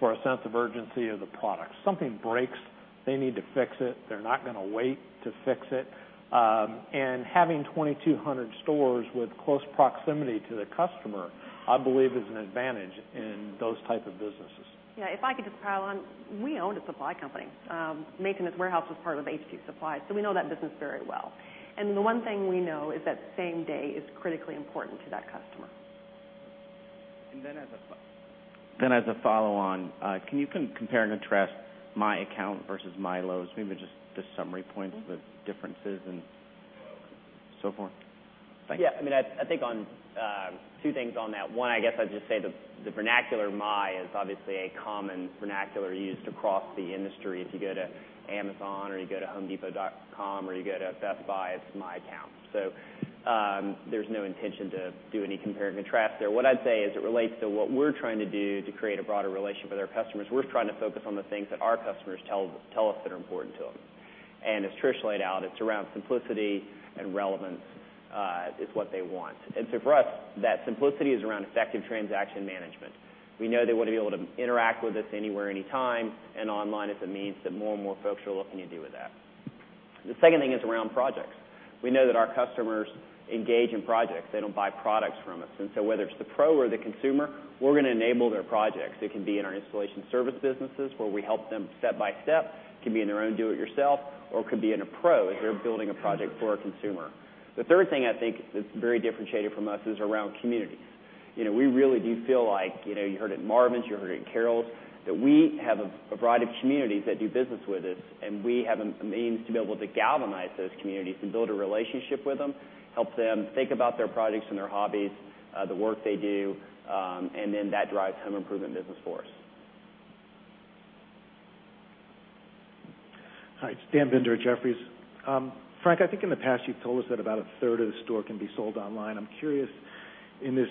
for a sense of urgency of the product. Something breaks, they need to fix it. They're not going to wait to fix it. Having 2,200 stores with close proximity to the customer, I believe, is an advantage in those type of businesses. Yeah, if I could just pile on. We own a supply company. Maintenance Warehouse, is part of HD Supply, so we know that business very well. The one thing we know is that same day is critically important to that customer. As a follow-on, can you compare and contrast My Account versus MyLowe's Rewards, maybe just a summary point of the differences and so forth? Thank you. Yeah. I think two things on that. One, I guess I'd just say the vernacular "my" is obviously a common vernacular used across the industry. If you go to Amazon or you go to homedepot.com or you go to Best Buy, it's My Account. There's no intention to do any compare and contrast there. What I'd say as it relates to what we're trying to do to create a broader relationship with our customers, we're trying to focus on the things that our customers tell us that are important to them. As Trish laid out, it's around simplicity and relevance, is what they want. For us, that simplicity is around effective transaction management. We know they want to be able to interact with us anywhere, anytime, and online if it means that more and more folks are looking to do with that. The second thing is around projects. We know that our customers engage in projects. They don't buy products from us. So whether it's the pro or the consumer, we're going to enable their projects. It can be in our installation service businesses, where we help them step by step, could be in their own do-it-yourself, or could be in a pro if they're building a project for a consumer. The third thing I think that's very differentiated from us is around community. We really do feel like, you heard it at Marvin's, you heard it at Carol's, that we have a broad of communities that do business with us, we have a means to be able to galvanize those communities and build a relationship with them, help them think about their projects and their hobbies, the work they do, that drives home improvement business for us. Hi, it's Daniel Binder at Jefferies. Frank, I think in the past you've told us that about a third of the store can be sold online. I'm curious, in this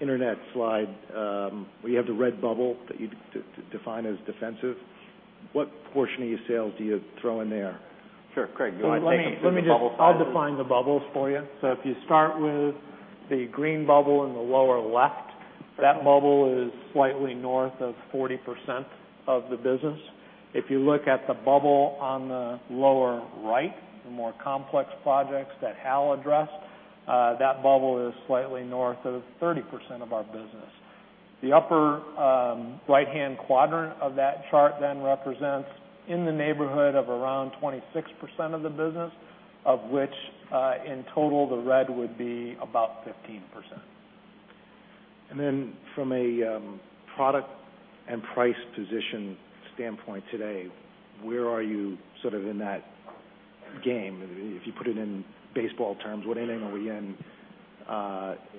internet slide, where you have the red bubble that you define as defensive, what portion of your sales do you throw in there? Sure. Craig, do you want to take them through the bubble sizes? Let me define the bubbles for you. If you start with the green bubble in the lower left, that bubble is slightly north of 40% of the business. If you look at the bubble on the lower right, the more complex projects that Hal addressed, that bubble is slightly north of 30% of our business. The upper right-hand quadrant of that chart represents in the neighborhood of around 26% of the business, of which, in total, the red would be about 15%. From a product and price position standpoint today, where are you in that game? If you put it in baseball terms, what inning are we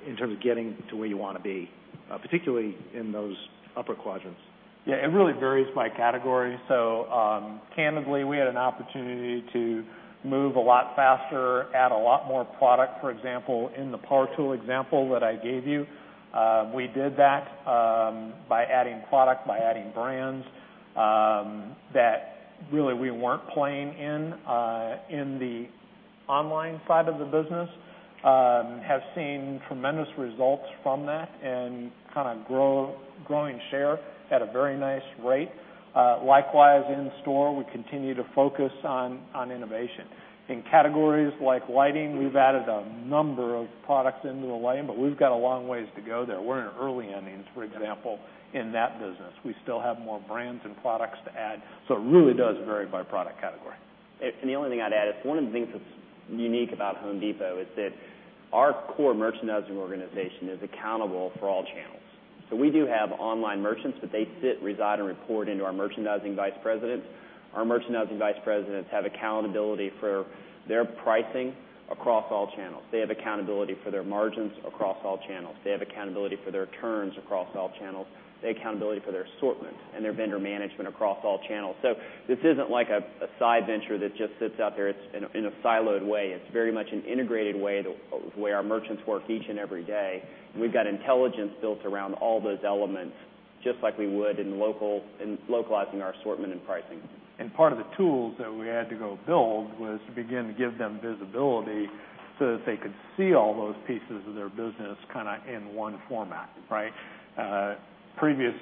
in terms of getting to where you want to be, particularly in those upper quadrants? Yeah, it really varies by category. Candidly, we had an opportunity to move a lot faster, add a lot more product. For example, in the power tool example that I gave you, we did that by adding product, by adding brands that really we weren't playing in the online side of the business. Have seen tremendous results from that and growing share at a very nice rate. Likewise, in store, we continue to focus on innovation. In categories like lighting, we've added a number of products into the line, but we've got a long ways to go there. We're an early inning, for example, in that business. We still have more brands and products to add. It really does vary by product category. The only thing I'd add, one of the things that's unique about The Home Depot is that our core merchandising organization is accountable for all channels. We do have online merchants, but they sit, reside, and report into our merchandising vice presidents. Our merchandising vice presidents have accountability for their pricing across all channels. They have accountability for their margins across all channels. They have accountability for their turns across all channels. They have accountability for their assortment and their vendor management across all channels. This isn't like a side venture that just sits out there in a siloed way. It's very much an integrated way, the way our merchants work each and every day. We've got intelligence built around all those elements, just like we would in localizing our assortment and pricing. Part of the tools that we had to go build was to begin to give them visibility so that they could see all those pieces of their business in one format. Right? Previous,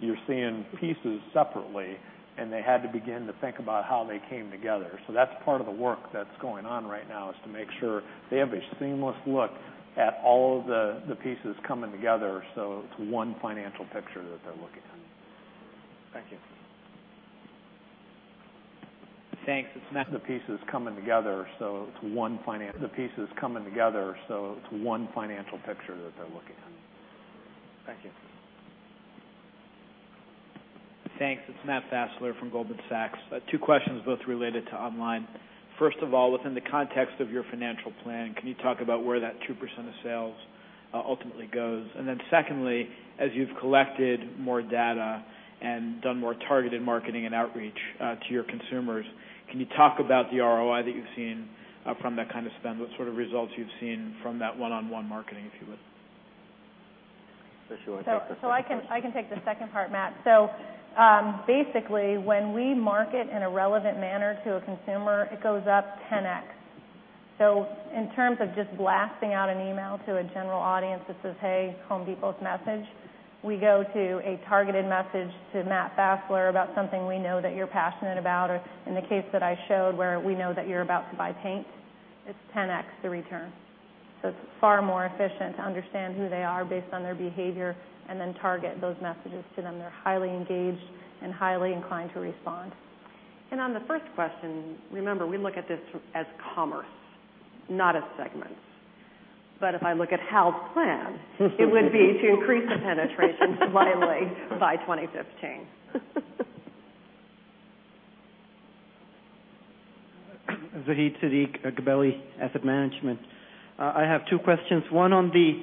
you're seeing pieces separately, and they had to begin to think about how they came together. That's part of the work that's going on right now, is to make sure they have a seamless look at all of the pieces coming together, so it's one financial picture that they're looking at. Thank you. Thanks. It's Matt- The pieces coming together so it's one financial picture that they're looking at. Thank you. Thanks. It's Matt Fassler from Goldman Sachs. Two questions, both related to online. First of all, within the context of your financial plan, can you talk about where that 2% of sales ultimately goes? Secondly, as you've collected more data and done more targeted marketing and outreach to your consumers, can you talk about the ROI that you've seen from that kind of spend? What sort of results you've seen from that one-on-one marketing, if you would. Trish, you want to take the second part? I can take the second part, Matt. Basically, when we market in a relevant manner to a consumer, it goes up 10x. In terms of just blasting out an email to a general audience that says, "Hey, The Home Depot's message," we go to a targeted message to Matt Fassler about something we know that you're passionate about or, in the case that I showed, where we know that you're about to buy paint, it's 10x the return. It's far more efficient to understand who they are based on their behavior and then target those messages to them. They're highly engaged and highly inclined to respond. On the first question, remember, we look at this as commerce, not as segments. If I look at Hal's plan, it would be to increase the penetration slightly by 2015. Zahid Tariq, Gabelli Asset Management. I have two questions. One on the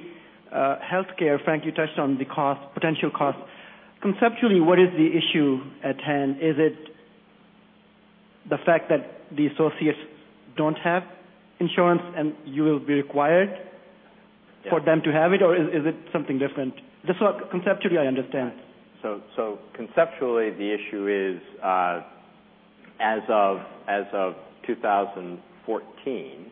healthcare. Frank, you touched on the potential cost. Conceptually, what is the issue at hand? Is it the fact that the associates don't have insurance, and you will be required? For them to have it or is it something different? Just so conceptually I understand. Conceptually, the issue is as of 2014,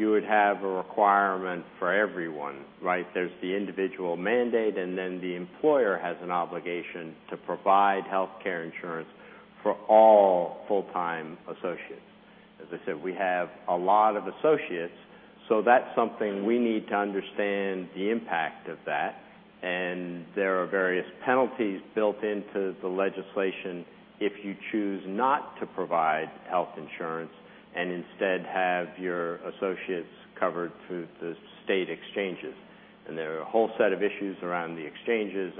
you would have a requirement for everyone, right? There's the individual mandate, then the employer has an obligation to provide healthcare insurance for all full-time associates. As I said, we have a lot of associates, that's something we need to understand the impact of that. There are various penalties built into the legislation if you choose not to provide health insurance and instead have your associates covered through the state exchanges. There are a whole set of issues around the exchanges.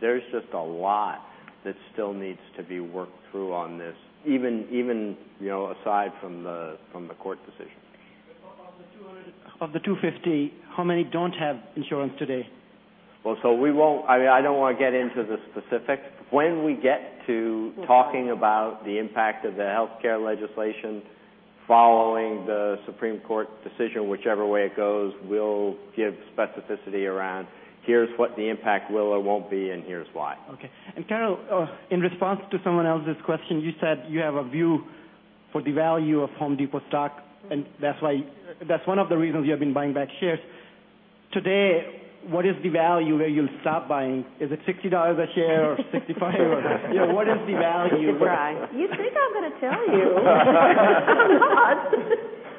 There's just a lot that still needs to be worked through on this, even aside from the court decision. Of the 250, how many don't have insurance today? Well, I don't want to get into the specifics. When we get to talking about the impact of the healthcare legislation following the Supreme Court decision, whichever way it goes, we'll give specificity around here's what the impact will or won't be, and here's why. Okay. Carol, in response to someone else's question, you said you have a view for the value of Home Depot stock, that's one of the reasons you have been buying back shares. Today, what is the value where you'll stop buying? Is it $60 a share or $65, or what is the value? Surprise. You think I'm going to tell you? I'm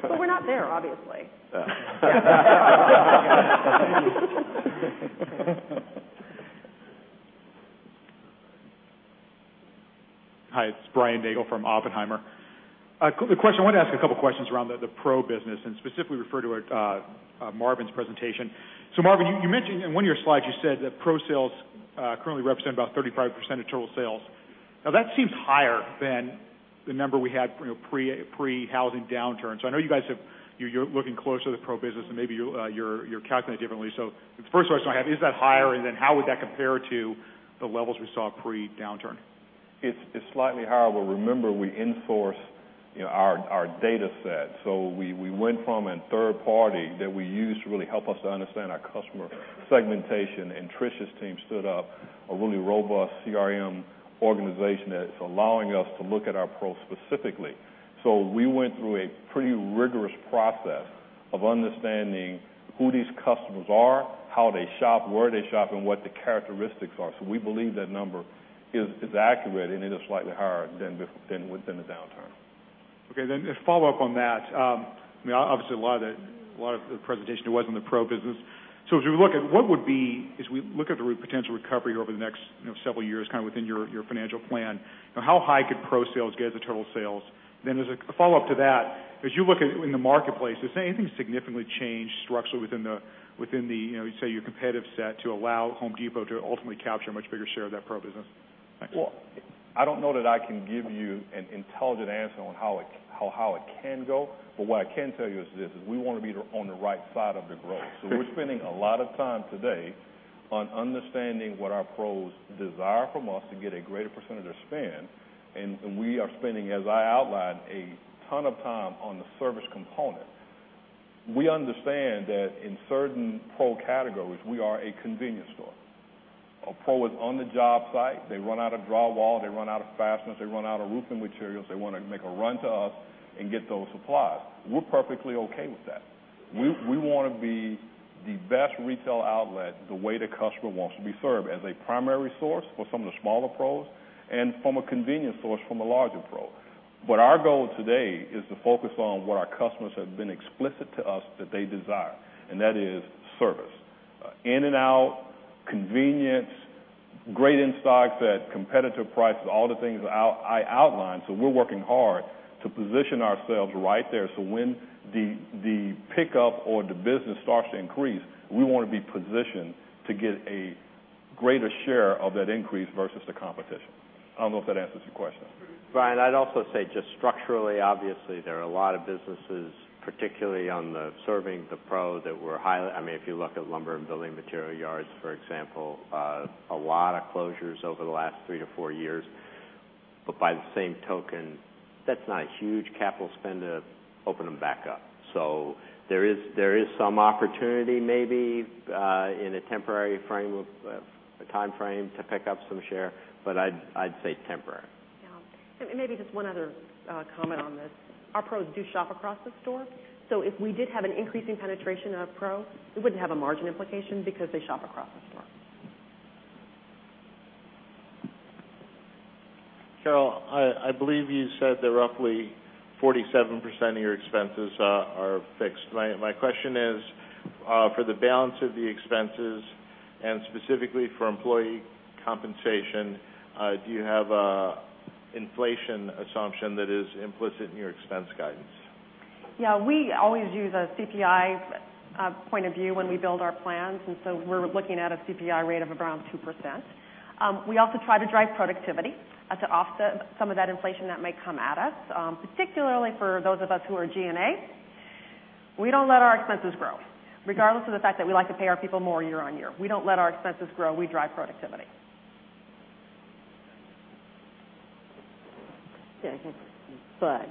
not. We're not there, obviously. Hi, it's Brian Nagel from Oppenheimer. I want to ask a couple questions around the pro business, and specifically refer to Marvin's presentation. Marvin, you mentioned in one of your slides, you said that pro sales currently represent about 35% of total sales. That seems higher than the number we had pre-housing downturn. I know you guys, you're looking close to the pro business, and maybe you're calculating it differently. The first question I have is that higher, and how would that compare to the levels we saw pre-downturn? It's slightly higher. Remember, we enforced our dataset. We went from a third party that we use to really help us to understand our customer segmentation. Tricia's team stood up a really robust CRM organization that's allowing us to look at our pros specifically. We went through a pretty rigorous process of understanding who these customers are, how they shop, where they shop, and what the characteristics are. We believe that number is accurate and it is slightly higher than within the downturn. To follow up on that, obviously a lot of the presentation was on the pro business. As we look at the potential recovery over the next several years, within your financial plan, how high could pro sales get as a total sales? As a follow-up to that, as you look in the marketplace, is there anything significantly changed structurally within your competitive set to allow The Home Depot to ultimately capture a much bigger share of that pro business? What I can tell you is this, we want to be on the right side of the growth. We're spending a lot of time today on understanding what our pros desire from us to get a greater percentage of spend. We are spending, as I outlined, a ton of time on the service component. We understand that in certain pro categories, we are a convenience store. A pro is on the job site, they run out of drywall, they run out of fasteners, they run out of roofing materials. They want to make a run to us and get those supplies. We're perfectly okay with that. We want to be the best retail outlet, the way the customer wants to be served as a primary source or from the smaller pros and from a convenience source from a larger pro. Our goal today is to focus on what our customers have been explicit to us that they desire, and that is service. In and out, convenience, great in stock, competitive prices, all the things I outlined. We're working hard to position ourselves right there to when the pickup or the business starts to increase, we want to be positioned to get a greater share of that increase versus the competition. I don't know if that answers your question. Brian, I'd also say just structurally, obviously, there are a lot of businesses, particularly on the serving the pro. If you look at lumber and building material yards, for example, a lot of closures over the last three to four years. By the same token, that's not a huge capital spend to open them back up. There is some opportunity maybe in a temporary time frame to pick up some share, but I'd say temporary. Yeah. Maybe just one other comment on this. Our pros do shop across the store, if we did have an increasing penetration of pro, it wouldn't have a margin implication because they shop across the store. Carol, I believe you said that roughly 47% of your expenses are fixed. My question is, for the balance of the expenses and specifically for employee compensation, do you have an inflation assumption that is implicit in your expense guidance? Yeah. We always use a CPI point of view when we build our plans. We're looking at a CPI rate of around 2%. We also try to drive productivity to offset some of that inflation that may come at us, particularly for those of us who are G&A. We don't let our expenses grow, regardless of the fact that we like to pay our people more year-on-year. We don't let our expenses grow. We drive productivity. Okay. Budd.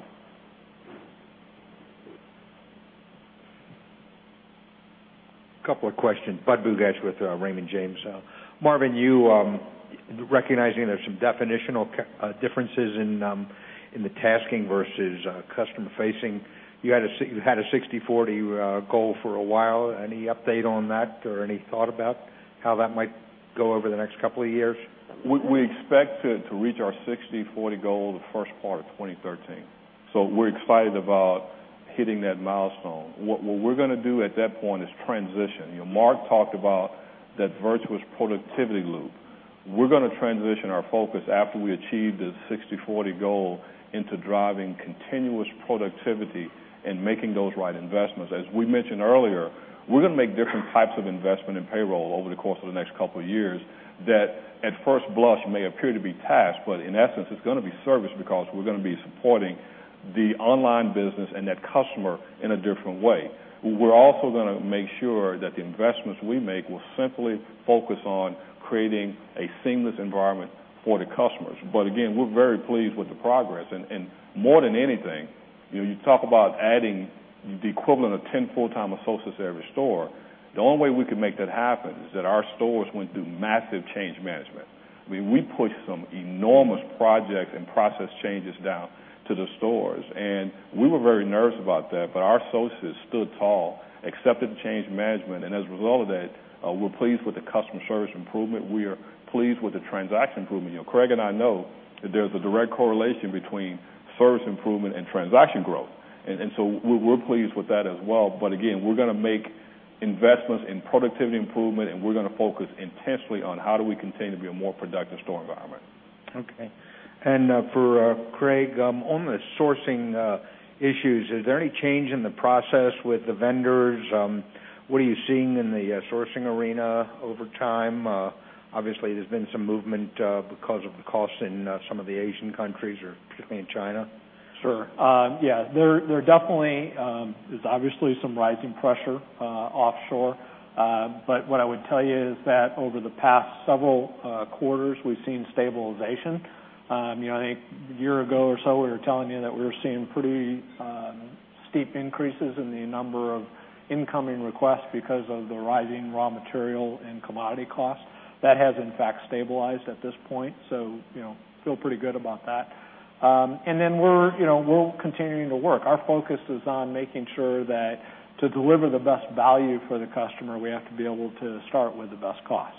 A couple of questions. Budd Bugatch with Raymond James. Marvin, recognizing there's some definitional differences in the tasking versus customer-facing. You had a 60/40 goal for a while. Any update on that or any thought about how that might go over the next couple of years? We expect to reach our 60/40 goal the first quarter of 2023. We're excited about hitting that milestone. What we're going to do at that point is transition. Mark talked about that virtuous productivity loop. We're going to transition our focus after we achieve this 60/40 goal into driving continuous productivity and making those right investments. As we mentioned earlier, we're going to make different types of investment in payroll over the course of the next couple of years that at first blush may appear to be taxed, but in essence, it's going to be service because we're going to be supporting the online business and that customer in a different way. We're also going to make sure that the investments we make will simply focus on creating a seamless environment for the customers. Again, we're very pleased with the progress. More than anything, you talk about adding the equivalent of 10 full-time associates to every store. The only way we could make that happen is that our stores went through massive change management. We pushed some enormous project and process changes down to the stores. We were very nervous about that, but our associates stood tall, accepted the change management. As a result of that, we're pleased with the customer service improvement. We are pleased with the transaction improvement. Craig and I know that there's a direct correlation between service improvement and transaction growth. We're pleased with that as well. Again, we're going to make investments in productivity improvement. We're going to focus intensely on how do we continue to be a more productive store environment. Okay. For Craig, on the sourcing issues, is there any change in the process with the vendors? What are you seeing in the sourcing arena over time? Obviously, there's been some movement because of the cost in some of the Asian countries or particularly in China. Sure. Yeah. There's obviously some rising pressure offshore. What I would tell you is that over the past several quarters, we've seen stabilization. I think a year ago or so, we were telling you that we were seeing pretty steep increases in the number of incoming requests because of the rising raw material and commodity costs. That has in fact stabilized at this point. Feel pretty good about that. We're continuing to work. Our focus is on making sure that to deliver the best value for the customer, we have to be able to start with the best cost.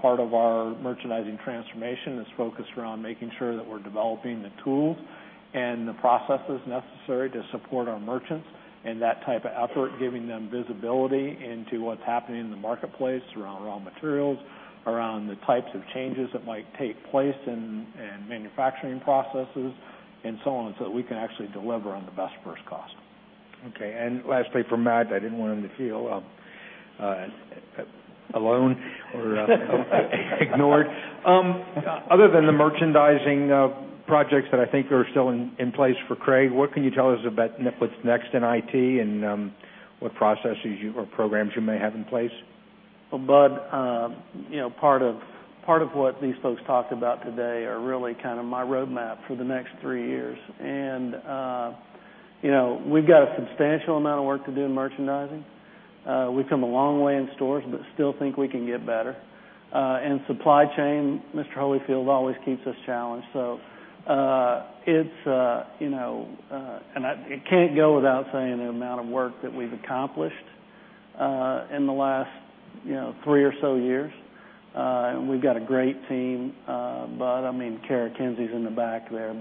Part of our merchandising transformation is focused around making sure that we're developing the tools and the processes necessary to support our merchants and that type of effort, giving them visibility into what's happening in the marketplace around raw materials, around the types of changes that might take place in manufacturing processes, and so on, so that we can actually deliver on the best first cost. Okay. Lastly, for Matt, I didn't want him to feel alone or ignored. Other than the merchandising projects that I think are still in place for Craig, what can you tell us about what's next in IT and what processes or programs you may have in place? Bud, part of what these folks talked about today are really my roadmap for the next three years. We've got a substantial amount of work to do in merchandising. We've come a long way in stores, still think we can get better. Supply chain, Mr. Holifield always keeps us challenged. I can't go without saying the amount of work that we've accomplished in the last three or so years. We've got a great team, Bud. I mean, Carol in the back there,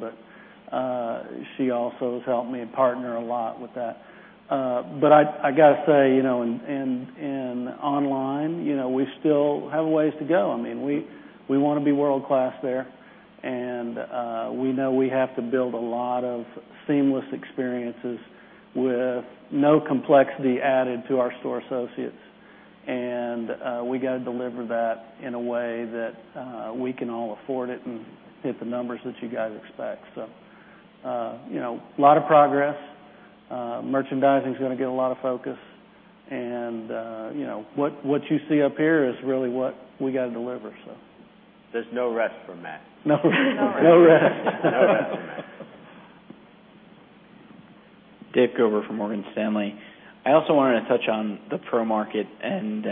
she also has helped me partner a lot with that. I got to say, in online, we still have a ways to go. We want to be world-class there, and we know we have to build a lot of seamless experiences with no complexity added to our store associates. We got to deliver that in a way that we can all afford it and hit the numbers that you guys expect. A lot of progress. Merchandising is going to get a lot of focus. What you see up here is really what we got to deliver. There's no rest for Matt. No rest. No rest for Matt. Dick Over from Morgan Stanley. I also want to touch on the Pro market and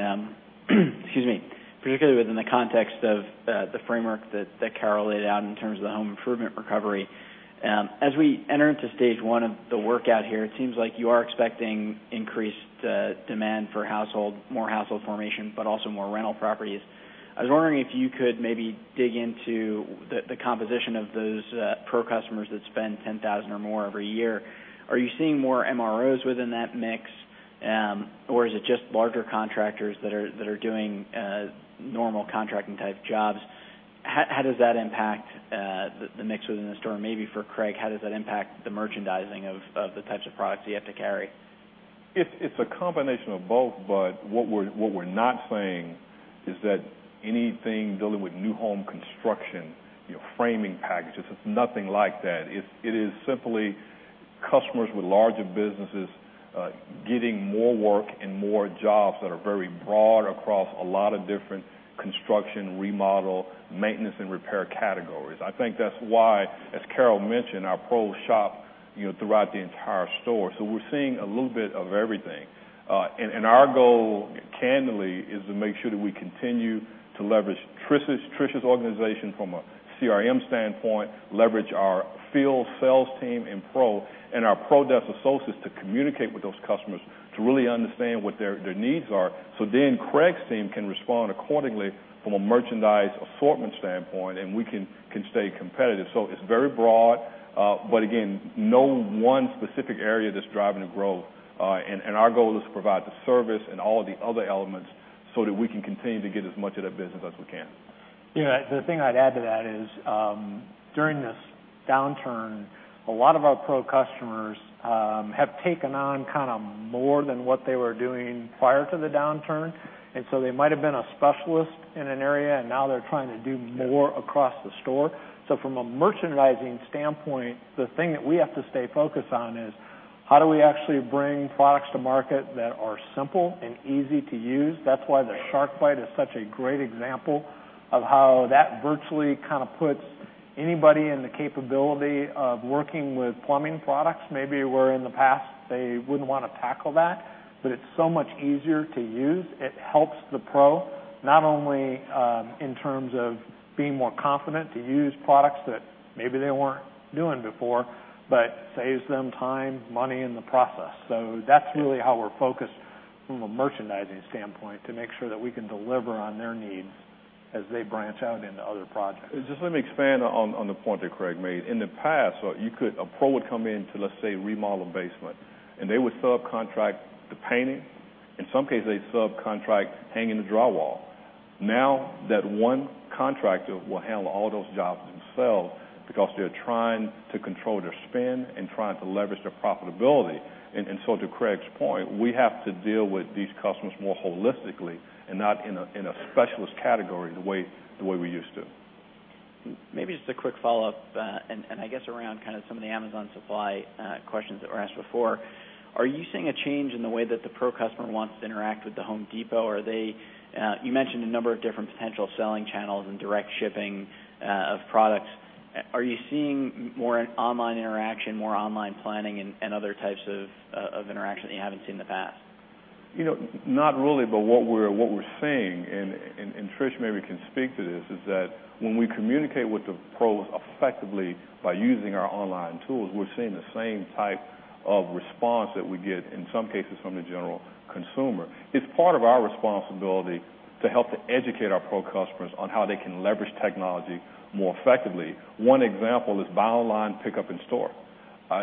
excuse me, particularly within the context of the framework that Kara laid out in terms of the home improvement recovery. As we enter into stage 1 of the work-out here, it seems like you are expecting increased demand for more household formation, but also more rental properties. I was wondering if you could maybe dig into the composition of those Pro customers that spend $10,000 or more every year. Are you seeing more MROs within that mix? Or is it just larger contractors that are doing normal contracting-type jobs? How does that impact the mix within the store? Maybe for Craig, how does that impact the merchandising of the types of products you have to carry? It's a combination of both, Budd. What we're not saying is that anything dealing with new home construction, framing packages, it's nothing like that. It is simply customers with larger businesses getting more work and more jobs that are very broad across a lot of different construction, remodel, maintenance, and repair categories. I think that's why, as Carol mentioned, our Pro shop throughout the entire store. We're seeing a little bit of everything. Our goal, candidly, is to make sure that we continue to leverage Trish's organization from a CRM standpoint, leverage our field sales team in Pro, and our Pro depth of focus to communicate with those customers to really understand what their needs are. Then Craig's team can respond accordingly from a merchandise performance standpoint, and we can stay competitive. It's very broad. Again, no one specific area that's driving the growth. Our goal is to provide the service and all the elements so that we can continue to get as much of that business as we can. Yeah. The thing I'd add to that is, during this downturn, a lot of our Pro customers have taken on more than what they were doing prior to the downturn. They might have been a specialist in an area, and now they're trying to do more across the store. From a merchandising standpoint, the thing that we have to stay focused on is how do we actually bring products to market that are simple and easy to use? That's why the SharkBite is such a great example of how that virtually puts anybody in the capability of working with plumbing products, maybe where in the past they wouldn't want to tackle that. It's so much easier to use. It helps the Pro, not only in terms of being more confident to use products that maybe they weren't doing before, but saves them time, money in the process. That's really how we're focused from a merchandising standpoint to make sure that we can deliver on their needs as they branch out into other projects. Just let me expand on the point that Craig made. In the past, a pro would come in to, let's say, remodel a basement, and they would subcontract the painting. In some cases, they'd subcontract hanging the drywall. Now, that one contractor will handle all those jobs himself because they're trying to control their spend and trying to leverage their profitability. To Craig's point, we have to deal with these customers more holistically and not in a specialist category the way we used to. Maybe just a quick follow-up, I guess around some of the Amazon Supply questions that were asked before. Are you seeing a change in the way that the Pro customer wants to interact with The Home Depot? You mentioned a number of different potential selling channels and direct shipping of products. Are you seeing more online interaction, more online planning, and other types of interaction that you haven't seen in the past? Not really, what we're seeing, and Trish maybe can speak to this, is that when we communicate with the pros effectively by using our online tools, we're seeing the same type of response that we get, in some cases, from the general consumer. It's part of our responsibility to help educate our Pro customers on how they can leverage technology more effectively. One example is buy online, pickup in store.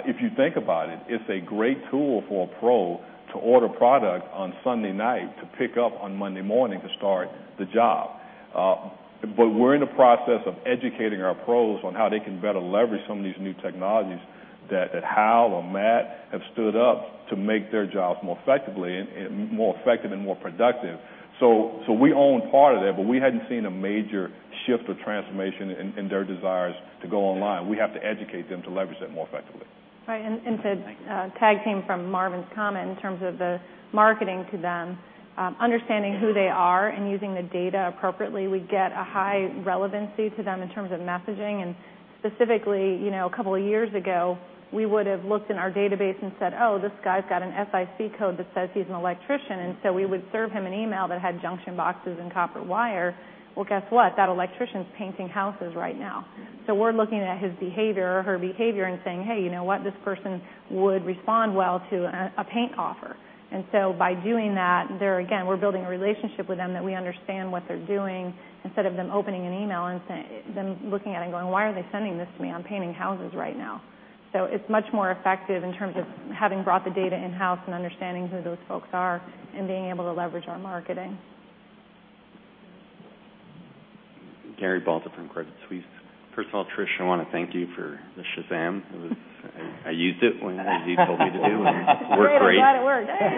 If you think about it's a great tool for a pro to order product on Sunday night to pick up on Monday morning to start the job. We're in the process of educating our pros on how they can better leverage some of these new technologies, that Hal and Matt have stood up to make their job more effective and more productive. We own part of that, but we hadn't seen a major shift or transformation in their desires to go online. We have to educate them to leverage that more effectively. Right. Tag came from Marvin's comment in terms of the marketing to them, understanding who they are and using the data appropriately. We get a high relevancy to them in terms of messaging, specifically, a couple of years ago, we would have looked in our database and said, "Oh, this guy's got an SIC code that says he's an electrician." We would serve him an email that had junction boxes and copper wire. Well, guess what? That electrician's painting houses right now. We're looking at his behavior or her behavior and saying, "Hey, you know what? This person would respond well to a paint offer." By doing that, there again, we're building a relationship with them that we understand what they're doing, instead of them opening an email and them looking at it and going, "Why are they sending this to me? I'm painting houses right now." It's much more effective in terms of having brought the data in-house and understanding who those folks are and being able to leverage our marketing. Gary Balter from Credit Suisse. First of all, Trish, I want to thank you for the Shazam. I used it as you told me to do, and it worked great. It's great. I'm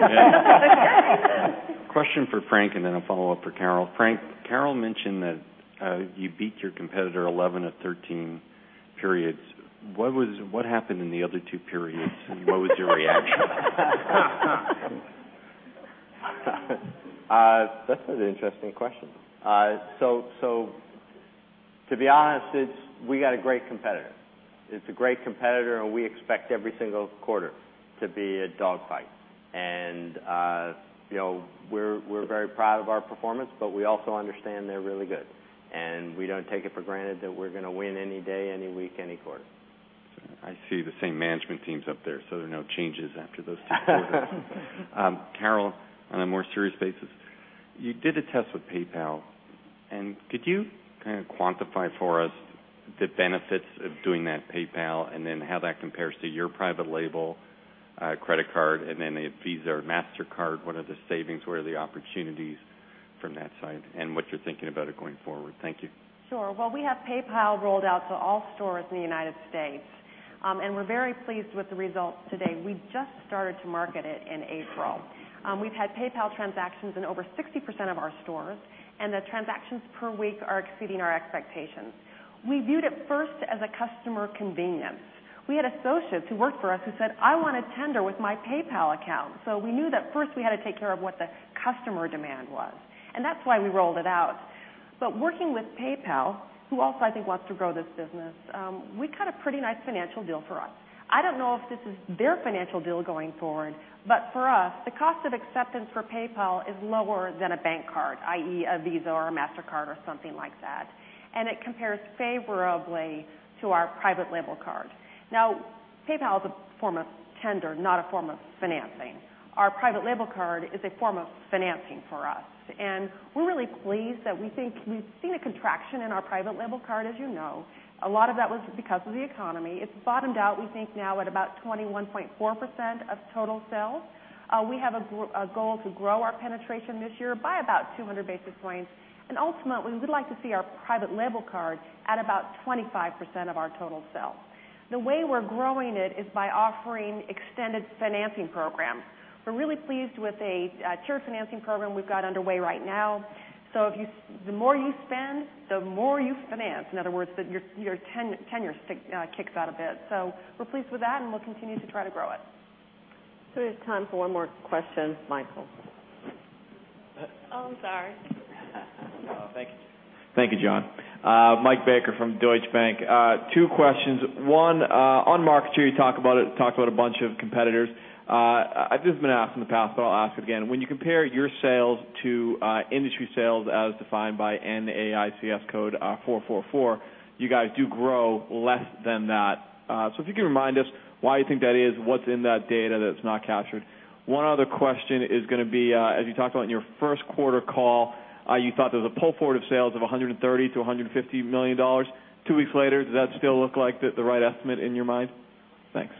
glad it worked. Question for Frank, and then a follow-up for Carol. Frank, Carol mentioned that you beat your competitor 11 of 13 periods. What happened in the other two periods, and what was your reaction? That's an interesting question. To be honest, we got a great competitor. It's a great competitor. We expect every single quarter to be a dog fight. We're very proud of our performance. We also understand they're really good, and we don't take it for granted that we're going to win any day, any week, any quarter. I see the same management team's up there. There are no changes after those two quarters. Carol, on a more serious basis, you did a test with PayPal. Could you kind of quantify for us the benefits of doing that PayPal? Then how that compares to your private label credit card, then a Visa or MasterCard? What are the savings? Where are the opportunities? From that side and what you're thinking about it going forward. Thank you. Sure. Well, we have PayPal rolled out to all stores in the U.S. We're very pleased with the results to date. We just started to market it in April. We've had PayPal transactions in over 60% of our stores, and the transactions per week are exceeding our expectations. We viewed it first as a customer convenience. We had associates who worked for us who said, "I want to tender with my PayPal account." We knew that first we had to take care of what the customer demand was, and that's why we rolled it out. Working with PayPal, who also, I think, wants to grow this business, we cut a pretty nice financial deal for us. I don't know if this is their financial deal going forward, but for us, the cost of acceptance for PayPal is lower than a bank card, i.e., a Visa or a MasterCard or something like that, and it compares favorably to our private label card. PayPal is a form of tender, not a form of financing. Our private label card is a form of financing for us. We're really pleased that we think we've seen a contraction in our private label card, as you know. A lot of that was because of the economy. It's bottomed out, we think now, at about 21.4% of total sales. We have a goal to grow our penetration this year by about 200 basis points. Ultimately, we would like to see our private label card at about 25% of our total sales. The way we're growing it is by offering extended financing programs. We're really pleased with a tier financing program we've got underway right now. The more you spend, the more you finance. In other words, your tenure kicks out a bit. We're pleased with that, and we'll continue to try to grow it. There's time for one more question. Michael. Oh, I'm sorry. Thank you, John. Michael Baker from Deutsche Bank. Two questions. One, on market, you talked about a bunch of competitors. I did the math from the top off again. When you compare your sales to industry sales as defined by NAICS code 444, you guys do grow less than that. If you could remind us why you think that is, what's in that data that's not captured? One other question is going to be, as you talk on your first quarter call, you talked of a pull forward sales of $130 million-$150 million. Two weeks later, does that still look like the right estimate in your mind? Thanks.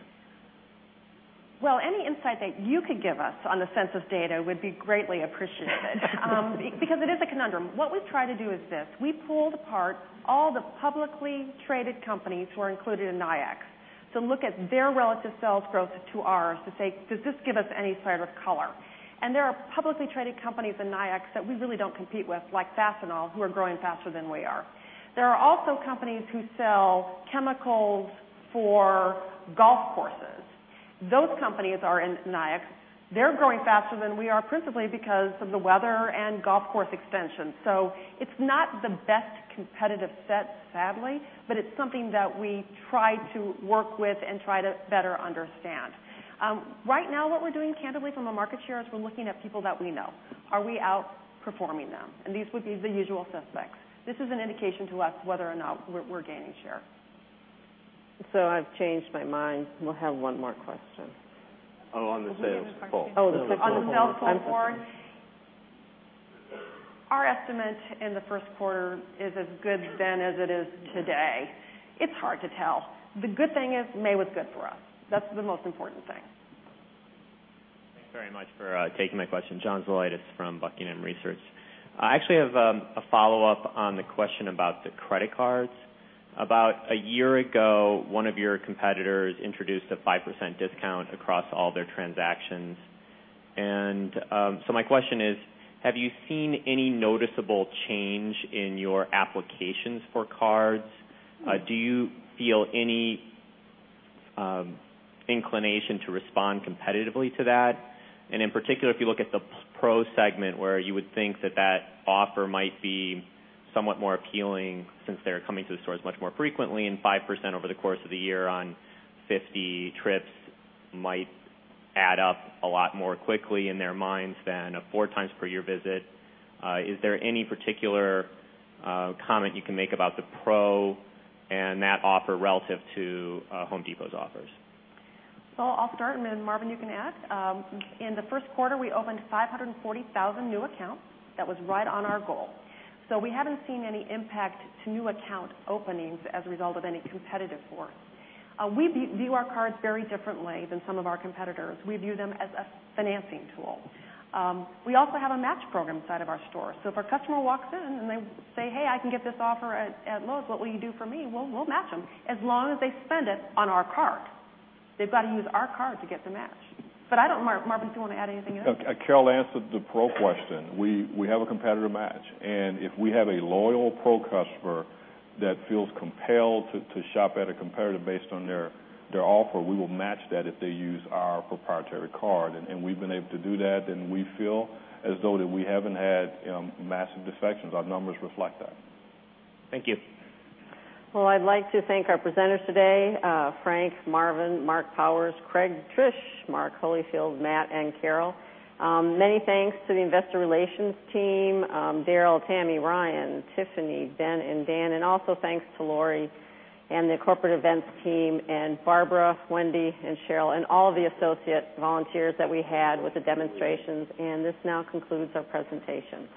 Well, any insight that you can give us on defensive data would be greatly appreciated. It is a conundrum. What we try to do is this: we pulled apart all the publicly traded companies who are included in NAICS to look at their relative sales growth to ours to say, "Does this give us any thread of color?" There are publicly traded companies in NAICS that we really don't compete with, like Fastenal, who are growing faster than we are. There are also companies who sell chemicals for golf courses. Those companies are in NAICS. They're growing faster than we are, principally because of the weather and golf course expansion. It's not the best competitive set, sadly, but it's something that we try to work with and try to better understand. Right now, what we're doing, candidly, from a market share is we're looking at people that we know. Are we outperforming them? These would be the usual suspects. This is an indication to us whether or not we're gaining share. I've changed my mind. We'll have one more question. On the sales pull. On the sales pull forward? Our estimate in the first quarter is as good then as it is today. It's hard to tell. The good thing is May was good for us. That's the most important thing. Thanks very much for taking my question. John Zolidis from Buckingham Research. I actually have a follow-up on the question about the credit cards. About a year ago, one of your competitors introduced a 5% discount across all their transactions. My question is, have you seen any noticeable change in your applications for cards? Do you feel any inclination to respond competitively to that? In particular, if you look at the pro segment where you would think that that offer might be somewhat more appealing since they're coming to the stores much more frequently, and 5% over the course of a year on 50 trips might add up a lot more quickly in their minds than a four times per year visit. Is there any particular comment you can make about the pro and that offer relative to Home Depot's offers? I'll start and then Marvin, you can add. In the first quarter, we opened 540,000 new accounts. That was right on our goal. We haven't seen any impact to new account openings as a result of any competitive force. We view our cards very differently than some of our competitors. We view them as a financing tool. We also have a match program inside of our store. If a customer walks in and they say, "Hey, I can get this offer at Lowe's, what will you do for me?" Well, we'll match them as long as they spend it on our card. They've got to use our card to get the match. I don't Marvin, do you want to add anything else? Carol answered the pro question. We have a competitive match, if we have a loyal pro customer that feels compelled to shop at a competitor based on their offer, we will match that if they use our proprietary card. We've been able to do that, and we feel as though that we haven't had massive defections. Our numbers reflect that. Thank you. Well, I'd like to thank our presenters today, Frank, Marvin, Marc Powers, Craig, Trish, Mark Holifield, Matt, and Carol. Many thanks to the investor relations team, Daryl, Tammy, Ryan, Tiffany, Ben, and Dan. Also thanks to Lori and the corporate events team, Barbara, Wendy, and Cheryl, and all the associate volunteers that we had with the demonstrations. This now concludes our presentation.